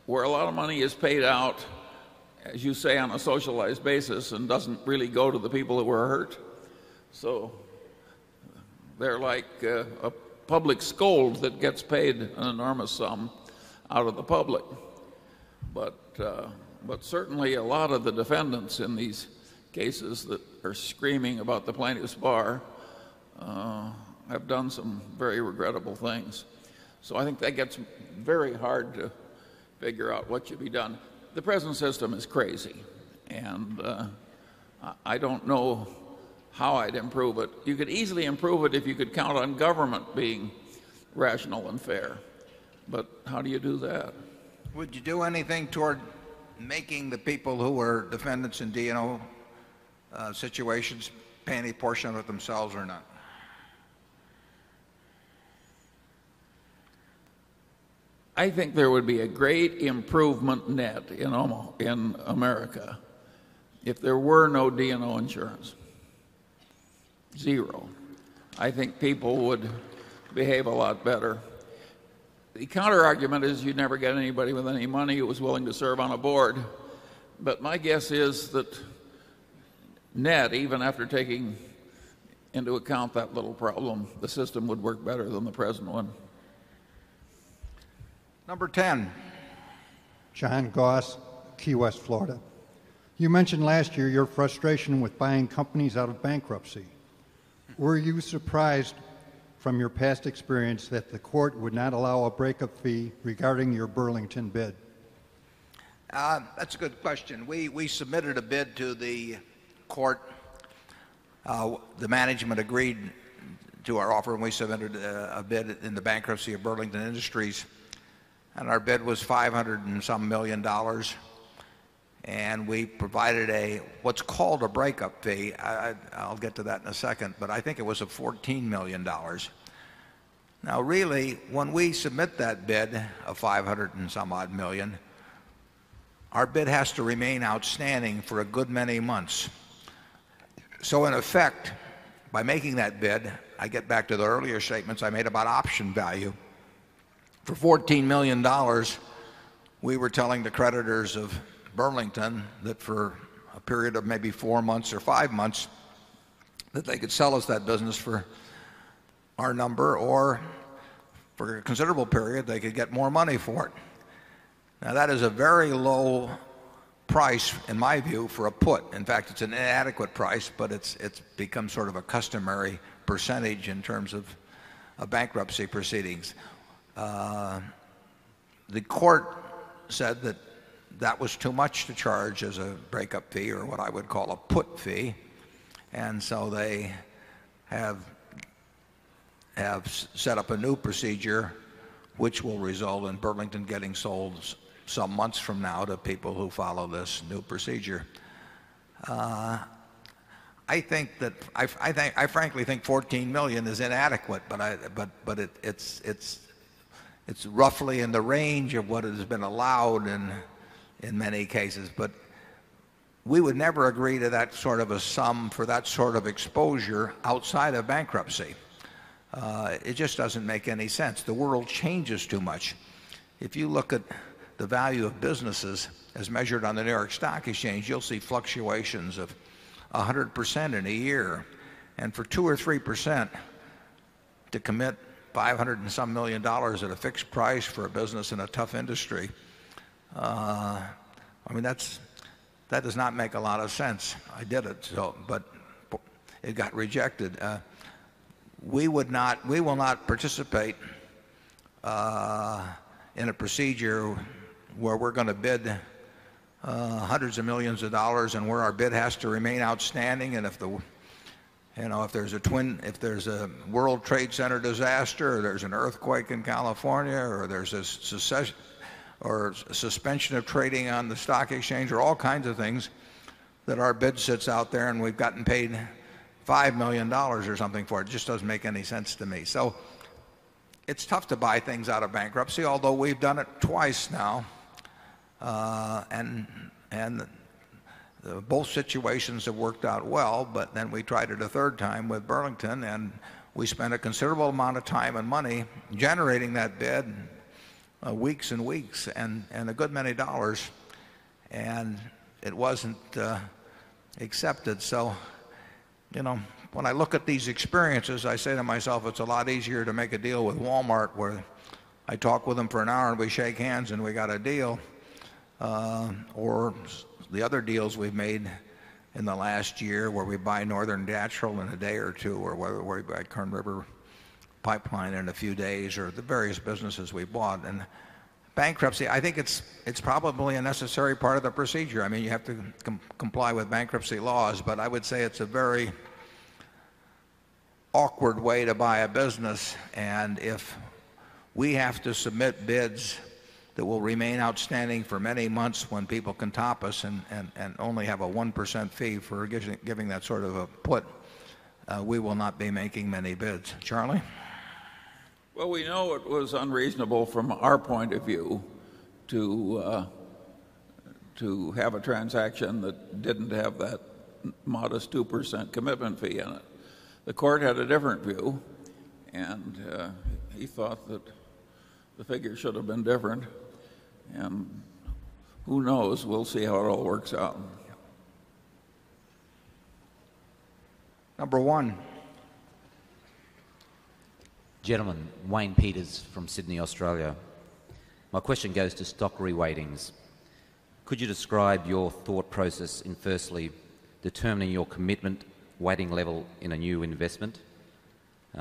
where a lot of money is paid out, as you say, on a socialized basis and doesn't really go to the people that were hurt. So they're like a public scold that gets paid an enormous sum out of the public. But, but certainly, a lot of the defendants in these cases that are screaming about the plaintiff's bar have done some very regrettable things. So I think that gets very hard to figure out what should be done. The President system is crazy. And I don't know how I'd improve it. You could easily improve it if you could count on government being rational and fair. But how do you do that? Would you do anything toward making the people who were defendants in DNO situations pay any portion of themselves or not? I think there would be a great improvement net in America If there were no DNO insurance, 0. I think people would behave a lot better. The counterargument is you never get anybody with any money who was willing to serve on a board. But my guess is that Ned, even after taking into account that little problem, the system would work better than the present one. Number 10. John Goss, Key West, Florida. You mentioned last year your frustration with buying companies out of bankruptcy. Were you surprised from your past experience that the court would not allow a breakup fee regarding your Burlington bid? That's a good question. We submitted a bid to the court. The management agreed to our offer and we submitted a bid in the bankruptcy of Burlington Industries and our bid was $500 and some $1,000,000 And we provided a what's called a breakup fee. I'll get to that in a second, but I think it was a $14,000,000 Now really, when we submit that bid of 500 and some odd million, our bid has to remain outstanding for a good many months. So in effect, by making that bid, I get back to the earlier statements I made about option value. For $14,000,000 we were telling the creditors of Burlington that for a period of maybe 4 months or 5 months that they could sell us that business for our number or for a considerable period they could get more money for it. Now that is a very low price in my view for a put. In fact, it's an adequate price, but it's it's become sort of a customary percentage in terms of bankruptcy proceedings. The court said that that was too much to charge as a breakup fee or what I would call a put fee. And so they have set up a new procedure which will result in Burlington getting sold some months from now to people who follow this new procedure. I think that I frankly think $14,000,000 is inadequate but it's roughly in the range of what has been allowed in many cases. But we would never agree to that sort of a sum for that sort of exposure outside of bankruptcy. It just doesn't make any sense. The world changes too much. If you look at the value of businesses as measured on the New York Stock Exchange, you'll see fluctuations of $1,000,000 at a fixed price for a business in a tough industry. I mean, that does not make a lot of sense. I did it, but it got rejected. We would not we will not participate in a procedure where we're going to bid 100 of 1,000,000 of dollars and where our bid has to remain outstanding. And if the, you know, if there's a twin, if there's a World Trade Center disaster, there's an earthquake in California or there's a suspension of trading on the stock exchange or all kinds of things that our bid sits out there and we've gotten paid $5,000,000 or something for it just doesn't make any sense to me. So it's tough to buy things out of bankruptcy although we've done it twice now. And and both situations have worked out well. But then we tried it a third time with Burlington and we spent a considerable amount of time and money generating that bid weeks weeks and a good many dollars and it wasn't accepted. So, you know, when I look at these experiences I say to myself it's a lot easier to make a deal with Walmart where I talk with them for an hour and we shake hands and we got a deal Or the other deals we've made in the last year where we buy Northern Natural in a day or 2 or whether we buy Kern River pipeline in a few days or the various businesses we bought. And bankruptcy, I think it's probably a necessary part of the procedure. I mean you have to comply with bankruptcy laws, but I would say it's a very awkward way to buy a business. And if we have to submit bids that will remain outstanding for many months when people can top us and only have a 1% fee for giving that sort of a put, we will not be making many bids. Charlie? Well, we know it was unreasonable from our point of view to have a transaction that didn't have that modest 2% commitment fee. The court had a different view and, he thought that the figure should have been different. And who knows? We'll see how it all works out. Number 1. Gentlemen, Wayne Peters from Sydney, Australia. My question goes to stock re weightings. Could you describe your thought process in firstly, determining your commitment, weighting level in a new investment?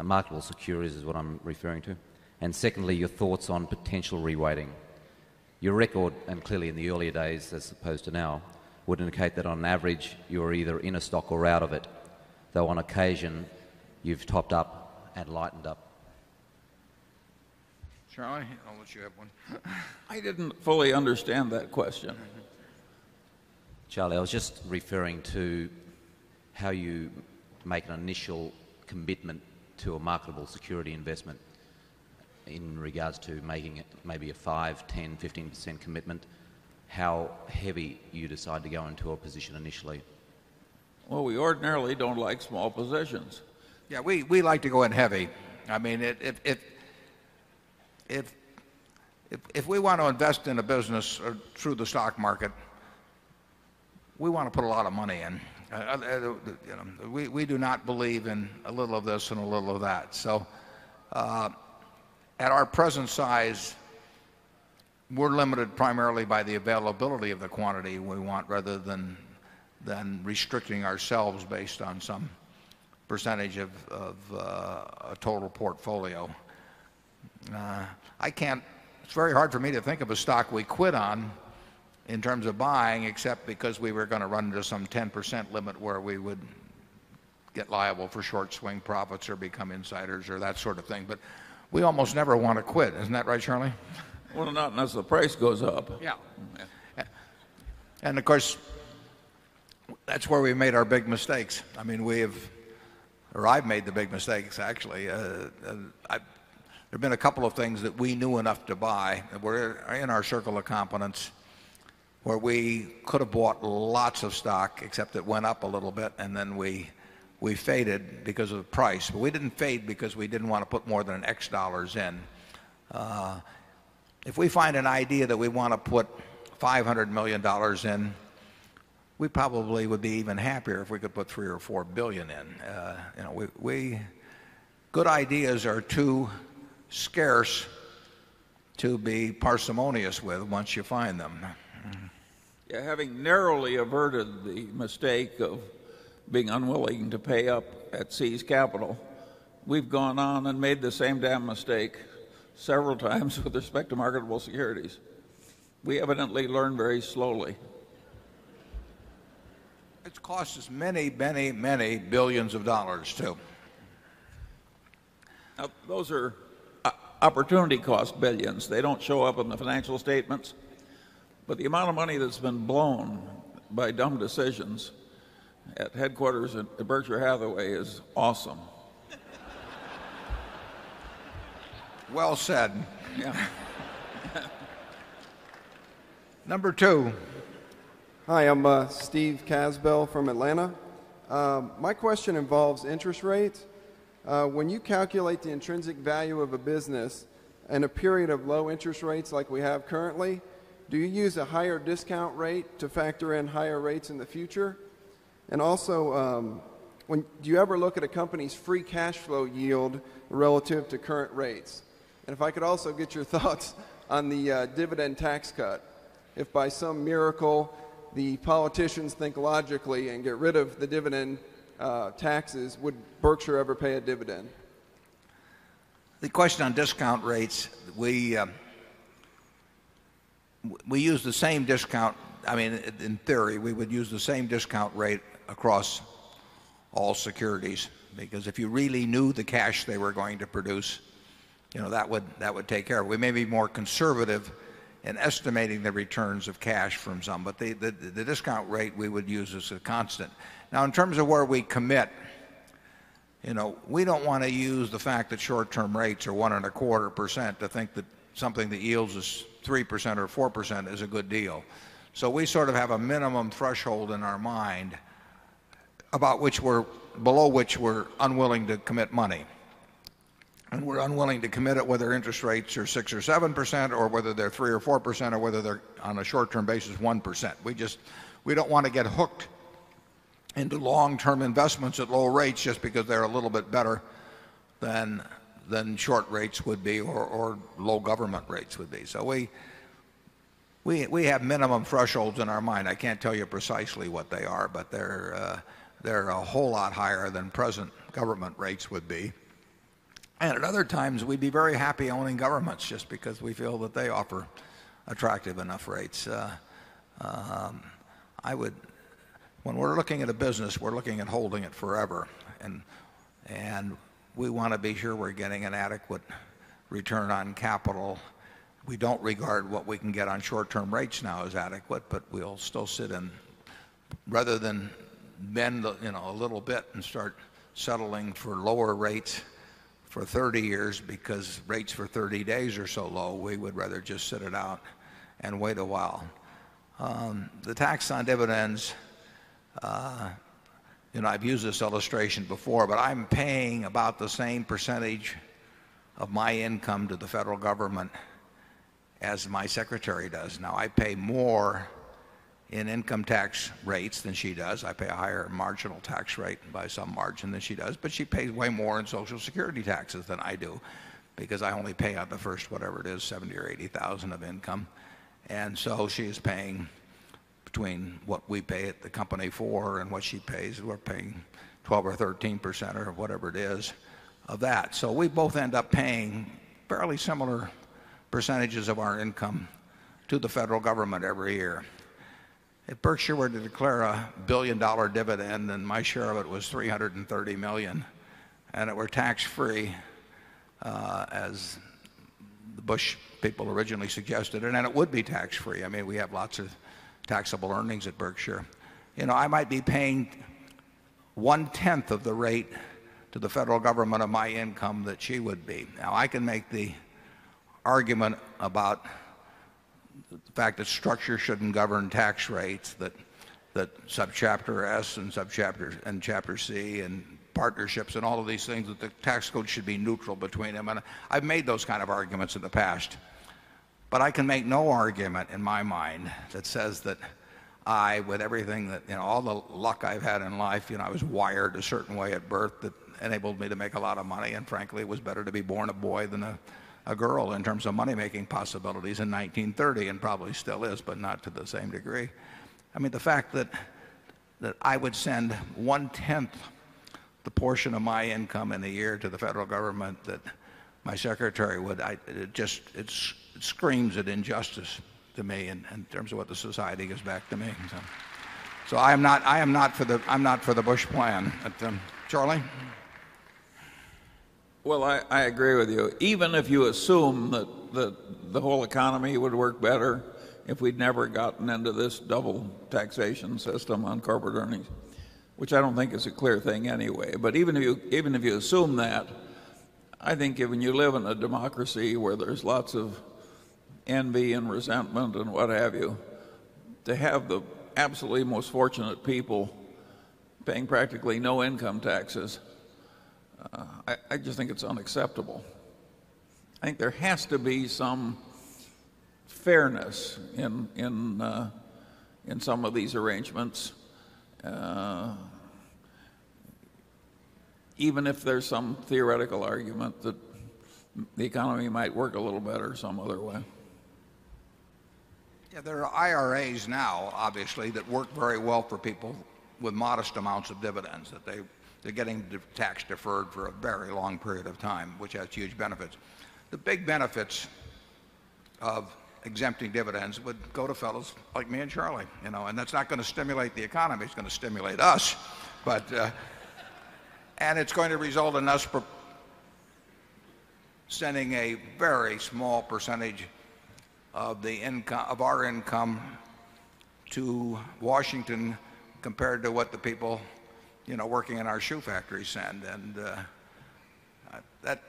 Marketable securities is what I'm referring to. And secondly, your thoughts on potential re waiting. Your record and clearly in the early days as opposed to now would indicate that on average you're either in a stock or out of it, though on occasion you've topped up and lightened up? Charlie, I'll let you have one. I didn't fully understand that question. Charlie, I was just referring to how you make an initial commitment to a marketable security investment in regards to making it maybe a 5%, 10%, 15% commitment, how heavy you decide to go into a position initially? Well, we ordinarily don't like small positions. Yes. We like to go in heavy. I mean, if we want to invest in a business through the stock market, we want to put a lot of money in. We do not believe in a little of this and a little of that. So, at our present size, we're limited primarily by the availability of the quantity we want rather than restricting ourselves based on some percentage of total portfolio. I can't it's very hard for me to think of a stock we quit on in terms of buying except because we were going to run into some 10% limit where we would get liable for short swing profits or become insiders or that sort of thing. But we almost never want to quit. Isn't that right, Charlie? Well, not unless the price goes up. Yeah. And of course, that's where we've made our big mistakes. I mean, we have arrived made the big mistakes actually. There been a couple of things that we knew enough to buy. We're in our circle of competence where we could have bought lots of stock except it went up a little bit and then we faded because of the price. We didn't fade because we didn't want to put more than X dollars in. If we find an idea that we want to put $500,000,000 in, we probably would be even happier if we could put 3 or 4,000,000,000 in. Good ideas are too scarce to be parsimonious with once you find them. Having narrowly averted the mistake of being unwilling to pay up at seize capital, we've gone on and made the same damn mistake several times with respect to marketable securities. We evidently learn very slowly. It's cost us many, many, many 1,000,000,000 of dollars too. Those are opportunity cost 1,000,000,000. They don't show up in the financial statements. But the amount of money that's been blown by dumb decisions at headquarters at Berkshire Hathaway is awesome. Well said. Number 2. Hi, I'm Steve Casbell from Atlanta. My question involves interest rates. When you calculate the intrinsic value of a business and a period of low interest rates like we have currently, do you use a higher discount rate to factor in higher rates in the future? And also, when do you ever look at a company's free cash flow yield relative to current rates? And if I could also get your thoughts on the dividend tax cut. If by some miracle the politicians think logically and get rid of the dividend taxes, would Berkshire ever pay a dividend? The question on discount rates, we use the same discount. I mean, in theory, we would use the same discount rate across all securities because if you really knew the cash they were going to produce that would take care of. We may be more conservative in estimating the returns of cash from some. But the discount rate we would use is a constant. Now in terms of where we commit, you know, we don't want to use the fact that short term rates are 1.25 percent to think that something that yields us 3% or 4% is a good deal. So we sort of have a minimum threshold in our mind about which we're below which we're unwilling to commit money. And we're unwilling to commit it whether interest rates are 6% or 7% or whether they're 3% or 4% or whether they're on a short term basis 1%. We just we don't want to get hooked into long term investments at low rates just because they're a little bit better than short rates would be or low government rates would be. So we have minimum thresholds in our mind. I can't tell you precisely what they are, but they're a whole lot higher than present government rates would be. And at other times, we'd be very happy owning governments just because we feel that they offer attractive enough rates. I would when we're looking at a business, we're looking at holding it forever and we want to be sure we're getting an adequate return on capital. We don't regard what we can get on short term rates now as adequate, but we'll still sit in rather than bend a little bit and start settling for lower rates for 30 years because rates for 30 days are so low. We would rather just sit it out and wait a while. The tax on dividends, you know, I've used this illustration before, but I'm paying about the same percentage of my income to the federal government as my secretary does. Now I pay more in income tax rates than she does. I pay a higher marginal tax rate by some margin than she does, but she pays way more in social security taxes than I do because I only pay out the first whatever it is, dollars 70,000 or $80,000 of income. And so she is paying between what we pay at the company for and what she pays, we're paying 12% or 13% or whatever it is of that. So we both end up paying fairly similar percentages of our income to the federal government every year. If Berkshire were to declare a $1,000,000,000 dividend and my share of it was $330,000,000 and it were tax free, as the Bush people originally suggested and then it would be tax free. I mean we have lots of taxable earnings at Berkshire. You know I might be paying one tenth of the rate to the federal government of my income that she would be. Now I can make the argument about the fact that structure shouldn't govern tax rates that that subchapter S and subchapter and chapter C and partnerships and all of these things that the tax code should be neutral between them. And I've made those kind of arguments in the past. But I can make no argument in my mind that says that I, with everything that, you know, all the luck I've had in life, you know, I was wired a certain way at birth that enabled me to make a lot of money and frankly it was better to be born a boy than a girl in terms of money making possibilities in 1930 and probably still is but not to the same degree. I mean the fact that I would send 1 tenth the portion of my income in a year to the federal government that my secretary would, it just screams at injustice to me in terms of what the society gives back to me. So I am not for the Bush plan. Charlie? Well, I agree with you. Even if you assume that the whole economy would work better if we'd never gotten into this double taxation system on corporate earnings, which I don't think is a clear thing anyway. But even if you even if you assume that, I think even you live in a democracy where there's lots of envy and resentment and what have you to have the absolutely most fortunate people paying practically no income taxes. I just think it's unacceptable. I think there has to be some fairness in some of these arrangements, even if there's some theoretical argument that the economy might work a little better some other way? Yeah. There are IRAs now, obviously, that work very well for people with modest amounts of dividends that they are getting tax deferred for a very long period of time which has huge benefits. The big benefits of exempting dividends would go to fellows like me and Charlie, you know, and that's not going to stimulate the economy. It's going to stimulate us. But, And it's going to result in us sending a very small percentage of our income to Washington compared to what the people working in our shoe factory send. And that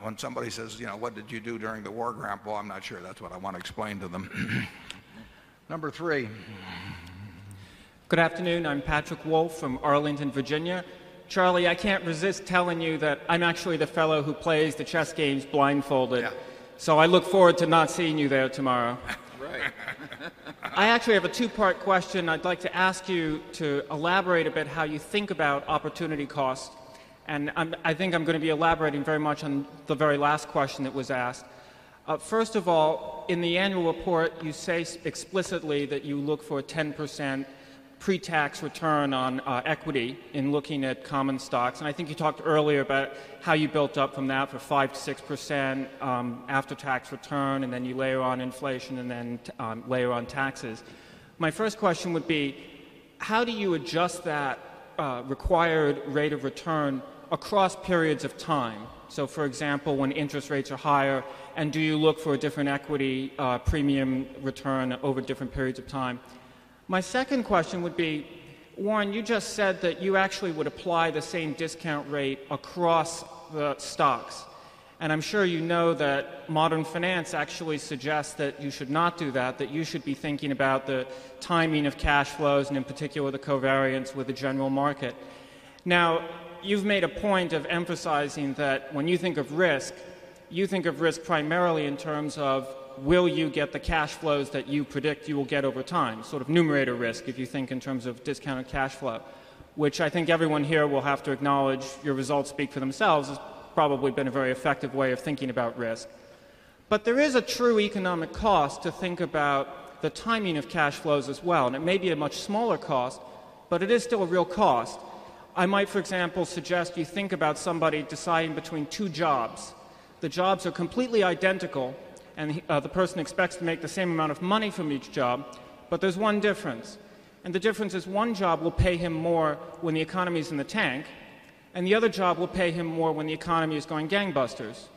when somebody says, what did you do during the war, grandpa? Well, I'm not sure that's what I want to explain to them. Number 3. Good afternoon. I'm Patrick Wolfe from Arlington, Virginia. Charlie, I can't resist telling you that I'm actually the fellow who plays the chess games blindfolded. So I look forward to not seeing you there tomorrow. Right. I actually have a 2 part question. I'd like to ask you to elaborate a bit how you think about opportunity costs. And I think I'm going to be elaborating very much on the very last question that was asked. First of all, in the annual report, you say explicitly that you look for a 10% pretax return on equity in looking at common stocks. And I think you talked earlier about how you built up from that for 5% to 6% after tax return and then you layer on inflation and then layer on taxes. My first question would be, how do you adjust that required rate of return across periods of time? So for example, when interest rates are higher and do you look for a different equity premium return over different periods of time? My second question would be, Warren, you just said that you actually would apply the same discount rate across the stocks. And I'm sure you know that modern finance actually suggests that you should not do that, that you should be thinking about the timing of cash flows and in particular the covariance with the general market. Now you've made a point of emphasizing that when you think of risk, you think of risk primarily in terms of will you get the cash flows that you predict you will get over time, sort of numerator risk if you think in terms of discounted cash flow, which I think everyone here will have to acknowledge your results speak for themselves as probably been a very effective way of thinking about risk. But there is a true economic cost to think about the timing of cash flows as well. And it may be a much smaller cost, but it is still a real cost. I might, for example, suggest you think about somebody deciding between 2 jobs. The jobs are completely identical, and the person expects to make the same amount of money from each job. But there's one difference. And the difference is one job will pay him more when the economy is in the tank and the other job will pay him more when the economy is going gangbusters.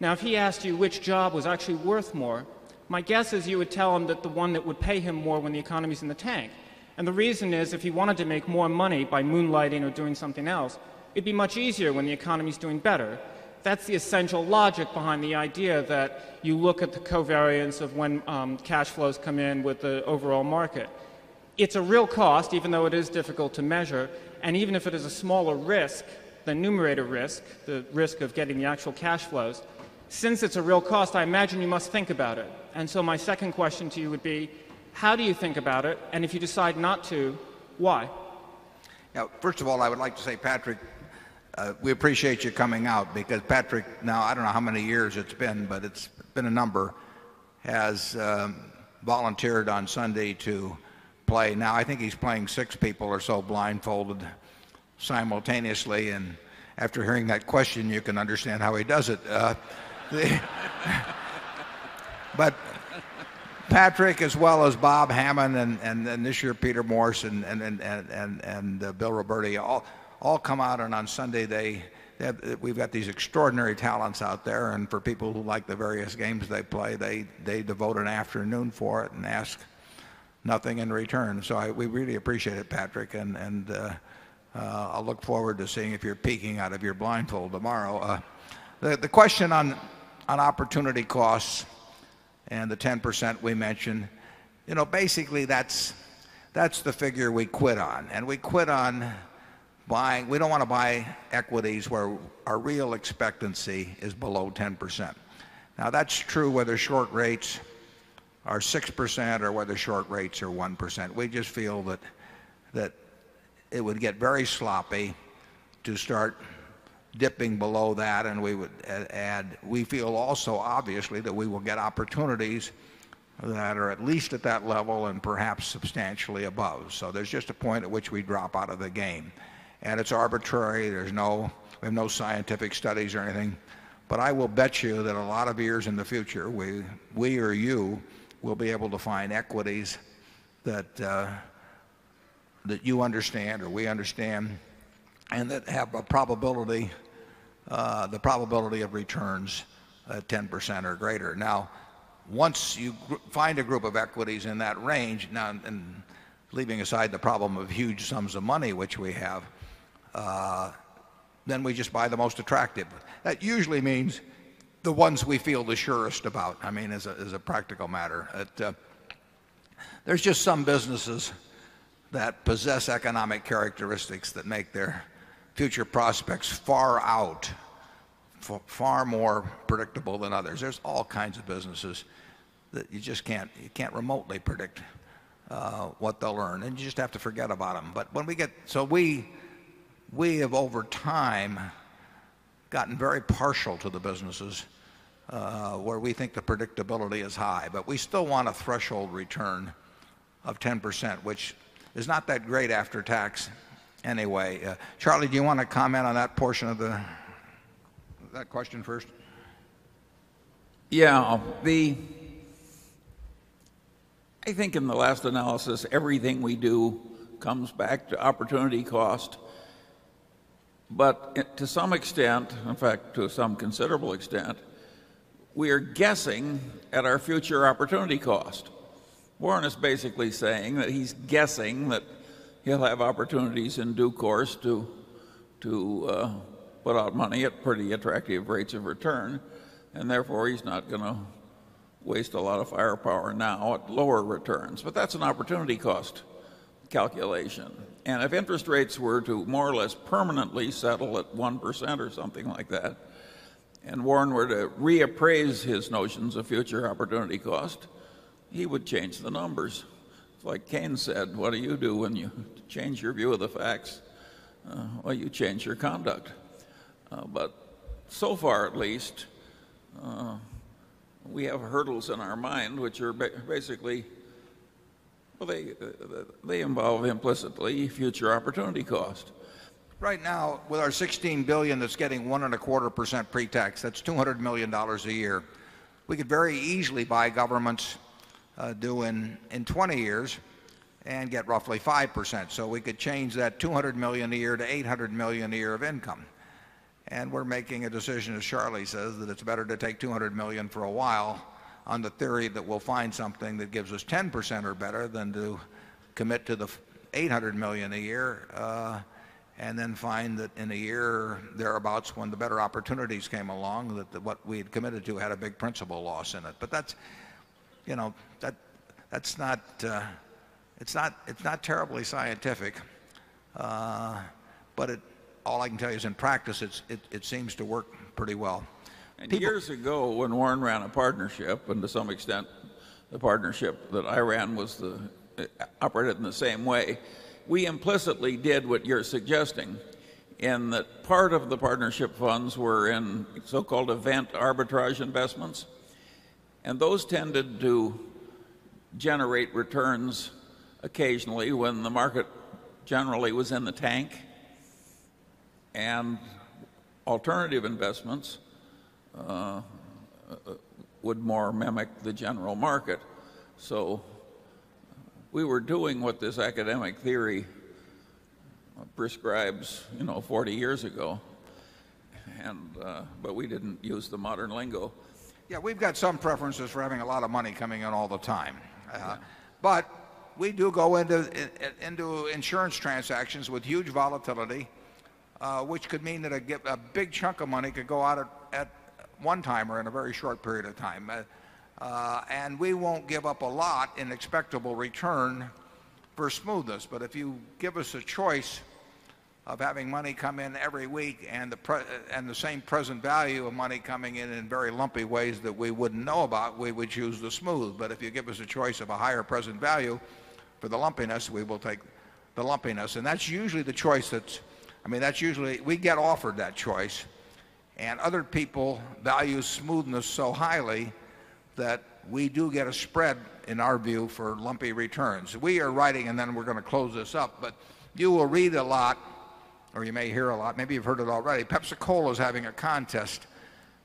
Now if he asked you which job was actually worth more, my guess is you would tell him that the one that would pay him more when the economy is in the tank. And the reason is if he wanted to make more money by moonlighting or doing something else, it'd be much easier when the economy is doing better. That's the essential logic behind the idea that you look at the covariance of when cash flows come in with the overall market. It's a real cost, even though it is difficult to measure. And even if it is a smaller risk, the numerator risk, the risk of getting the actual cash flows, since it's a real cost, I imagine you must think about it. And so my second question to you would be, how do you think about it? And if you decide not to, why? First of all, I would like to say, Patrick, we appreciate you coming out because, Patrick, now I don't know how many years it's been, but it's been a number has volunteered on Sunday to play. Now I think he's playing 6 people or so blindfolded simultaneously. And after hearing that question, you can understand how he does it. But Patrick as well as Bob Hammond and then this year Peter Morse and Bill Roberti all come out. And on Sunday, they we've got these extraordinary talents out there. And for people who like the various games they play, they devote an afternoon for it and ask nothing in return. So we really appreciate it, Patrick. And I look forward to seeing if you're peeking out of your blindfold tomorrow. The question on opportunity costs and the 10% we mentioned, you know, basically that's that's the figure we quit on and we quit on buying. We don't want to buy equities where our real expectancy is below 10%. Now that's true whether short rates are 6% or whether short rates are 1%. We just feel that it would get very sloppy to start dipping below that. And we would add, we feel also obviously that we will get opportunities that are at least at that level and perhaps substantially above. So there's just a point at which we drop out of the game. And it's arbitrary. There's no and no scientific studies or anything. But I will bet you that a lot of years in the future we or you will be able to find equities that, that you understand or we understand and that have a probability, the probability of returns at 10% or greater. Now once you find a group of equities in that range, now and leaving aside the problem of huge sums of money which we have, then we just buy the most attractive. That usually means the ones we feel the surest about, I mean, as a practical matter. There's just some businesses that possess economic characteristics that make their future prospects far out, far more predictable than others. There's all kinds of businesses that you just can't you can't remotely predict, what they'll learn and you just have to forget about them. But when we get so we we have over time gotten very partial to the businesses where we think the predictability is high. But we still want a threshold return of 10%, which is not that great after tax anyway. Charlie, do you want to comment on that portion of that question first? Yes. I think in the last analysis, everything we do comes back to opportunity cost. But to some extent, in fact, to some considerable extent, we are guessing at our future opportunity cost. Warren is basically saying that he's guessing that he'll have opportunities in due course to, to, put out money at pretty attractive rates of return. And therefore, he's not going to waste a lot of firepower now at lower returns. But that's an opportunity cost calculation. And if interest rates were to more or less permanently settle at 1% or something like that And Warren were to reappraise his notions of future opportunity cost, he would change the numbers. It's like Cain said, what do you do when you change your view of the facts? Well, you change your conduct. But so far at least, we have hurdles in our mind which are basically they involve implicitly future opportunity cost. Right now with our $16,000,000,000 that's getting 1.25 percent pretax, that's $200,000,000 a year. We could very easily buy governments due in 20 years and get roughly 5%. So we could change that $200,000,000 a year to $800,000,000 a year of income. And we're making a decision, as Charlie says, that it's better to take $200,000,000 for a while on the theory that we'll find something that gives us 10% or better than to commit to the 800,000,000 a year, and then find that in a year thereabouts when the better opportunities came along that we had committed to had a big principal loss in it. But that's you know that's not terribly scientific. But all I can tell you is in practice it seems to work pretty well. And years ago when Warren ran a partnership and to some extent the partnership that Iran was the operated in the same way, we implicitly did what you're suggesting and that part of the partnership funds were in so called event arbitrage investments. And those tended to generate returns occasionally when the market generally was in the tank and alternative investments would more mimic the general market. So we were doing what this academic theory prescribes, you know, 40 years ago. And but we didn't use the modern lingo. Yes. We've got some preferences for having a lot of money coming in all the time. But we do go into insurance transactions with huge volatility, which could mean that a big chunk of money could go out at one time or in a very short period of time. And we won't give up a lot in expectable return for smoothness. But if you give us a choice of having money come in every week and the same present value of money coming in, in very lumpy ways that we wouldn't know about, we would choose the smooth. But if you give us a choice of a higher present value for the lumpiness, we will take the lumpiness. And that's usually the choice that's I mean, that's usually we get offered that choice and other people value smoothness so highly that we do get a spread in our view for lumpy returns. We are writing and then we're going to close this up. But you will read a lot or you may hear a lot. Maybe you've heard it already. Pepsi Cola is having a contest.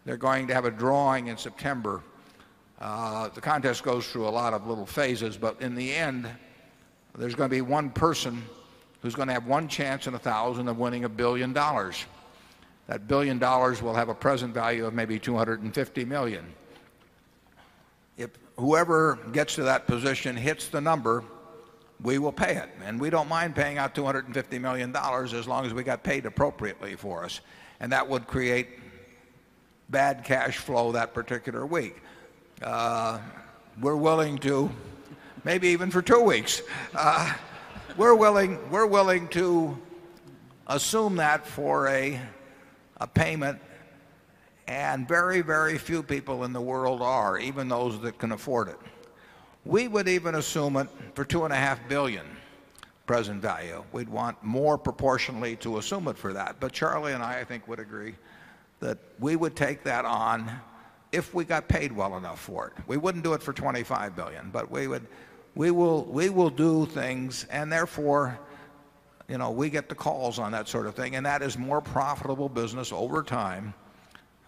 They're going to have a drawing in September. The contest goes through a lot of little phases. But in the end, there's going to be one person who's going to have one chance in 1,000,000 of winning $1,000,000,000 That $1,000,000,000 will have a present value of maybe $250,000,000 If whoever gets to that position hits the number, we will pay it. And we don't mind paying out $250,000,000 as long as we got paid appropriately for us. And that would create bad cash flow that particular week. We're willing to maybe even for 2 weeks, we're willing to assume that for a payment and very, very few people in the world are, even those that can afford it. We would even assume it for 2,500,000,000 present value. We'd want more proportionally to assume it for that. But Charlie and I I think would agree that we would take that on if we got paid well enough for it. We wouldn't do it for 25,000,000,000 but we would we will we will do things and therefore you know we get the calls on that sort of thing and that is more profitable business over time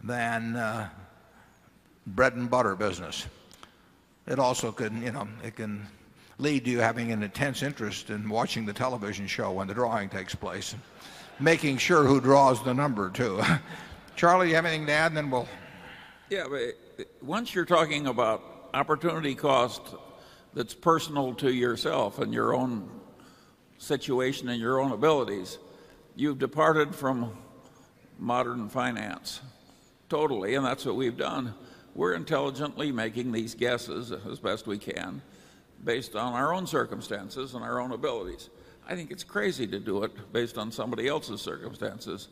than bread and butter business. It also can, you know, it can lead to you having an intense interest in watching the television show when the drawing takes place. Making sure who draws the number too. Charlie, you have anything to add? And then we'll. Yeah. Once you're talking about opportunity cost that's personal to yourself and your own situation and your own abilities, you've departed from modern finance totally and that's what we've done. We're intelligently making these guesses as best we can based on our own circumstances and our own abilities. I think it's crazy to do it based on somebody else's circumstances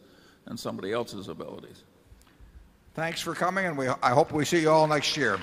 and somebody else's abilities. Thanks for coming and I hope we see you all next year.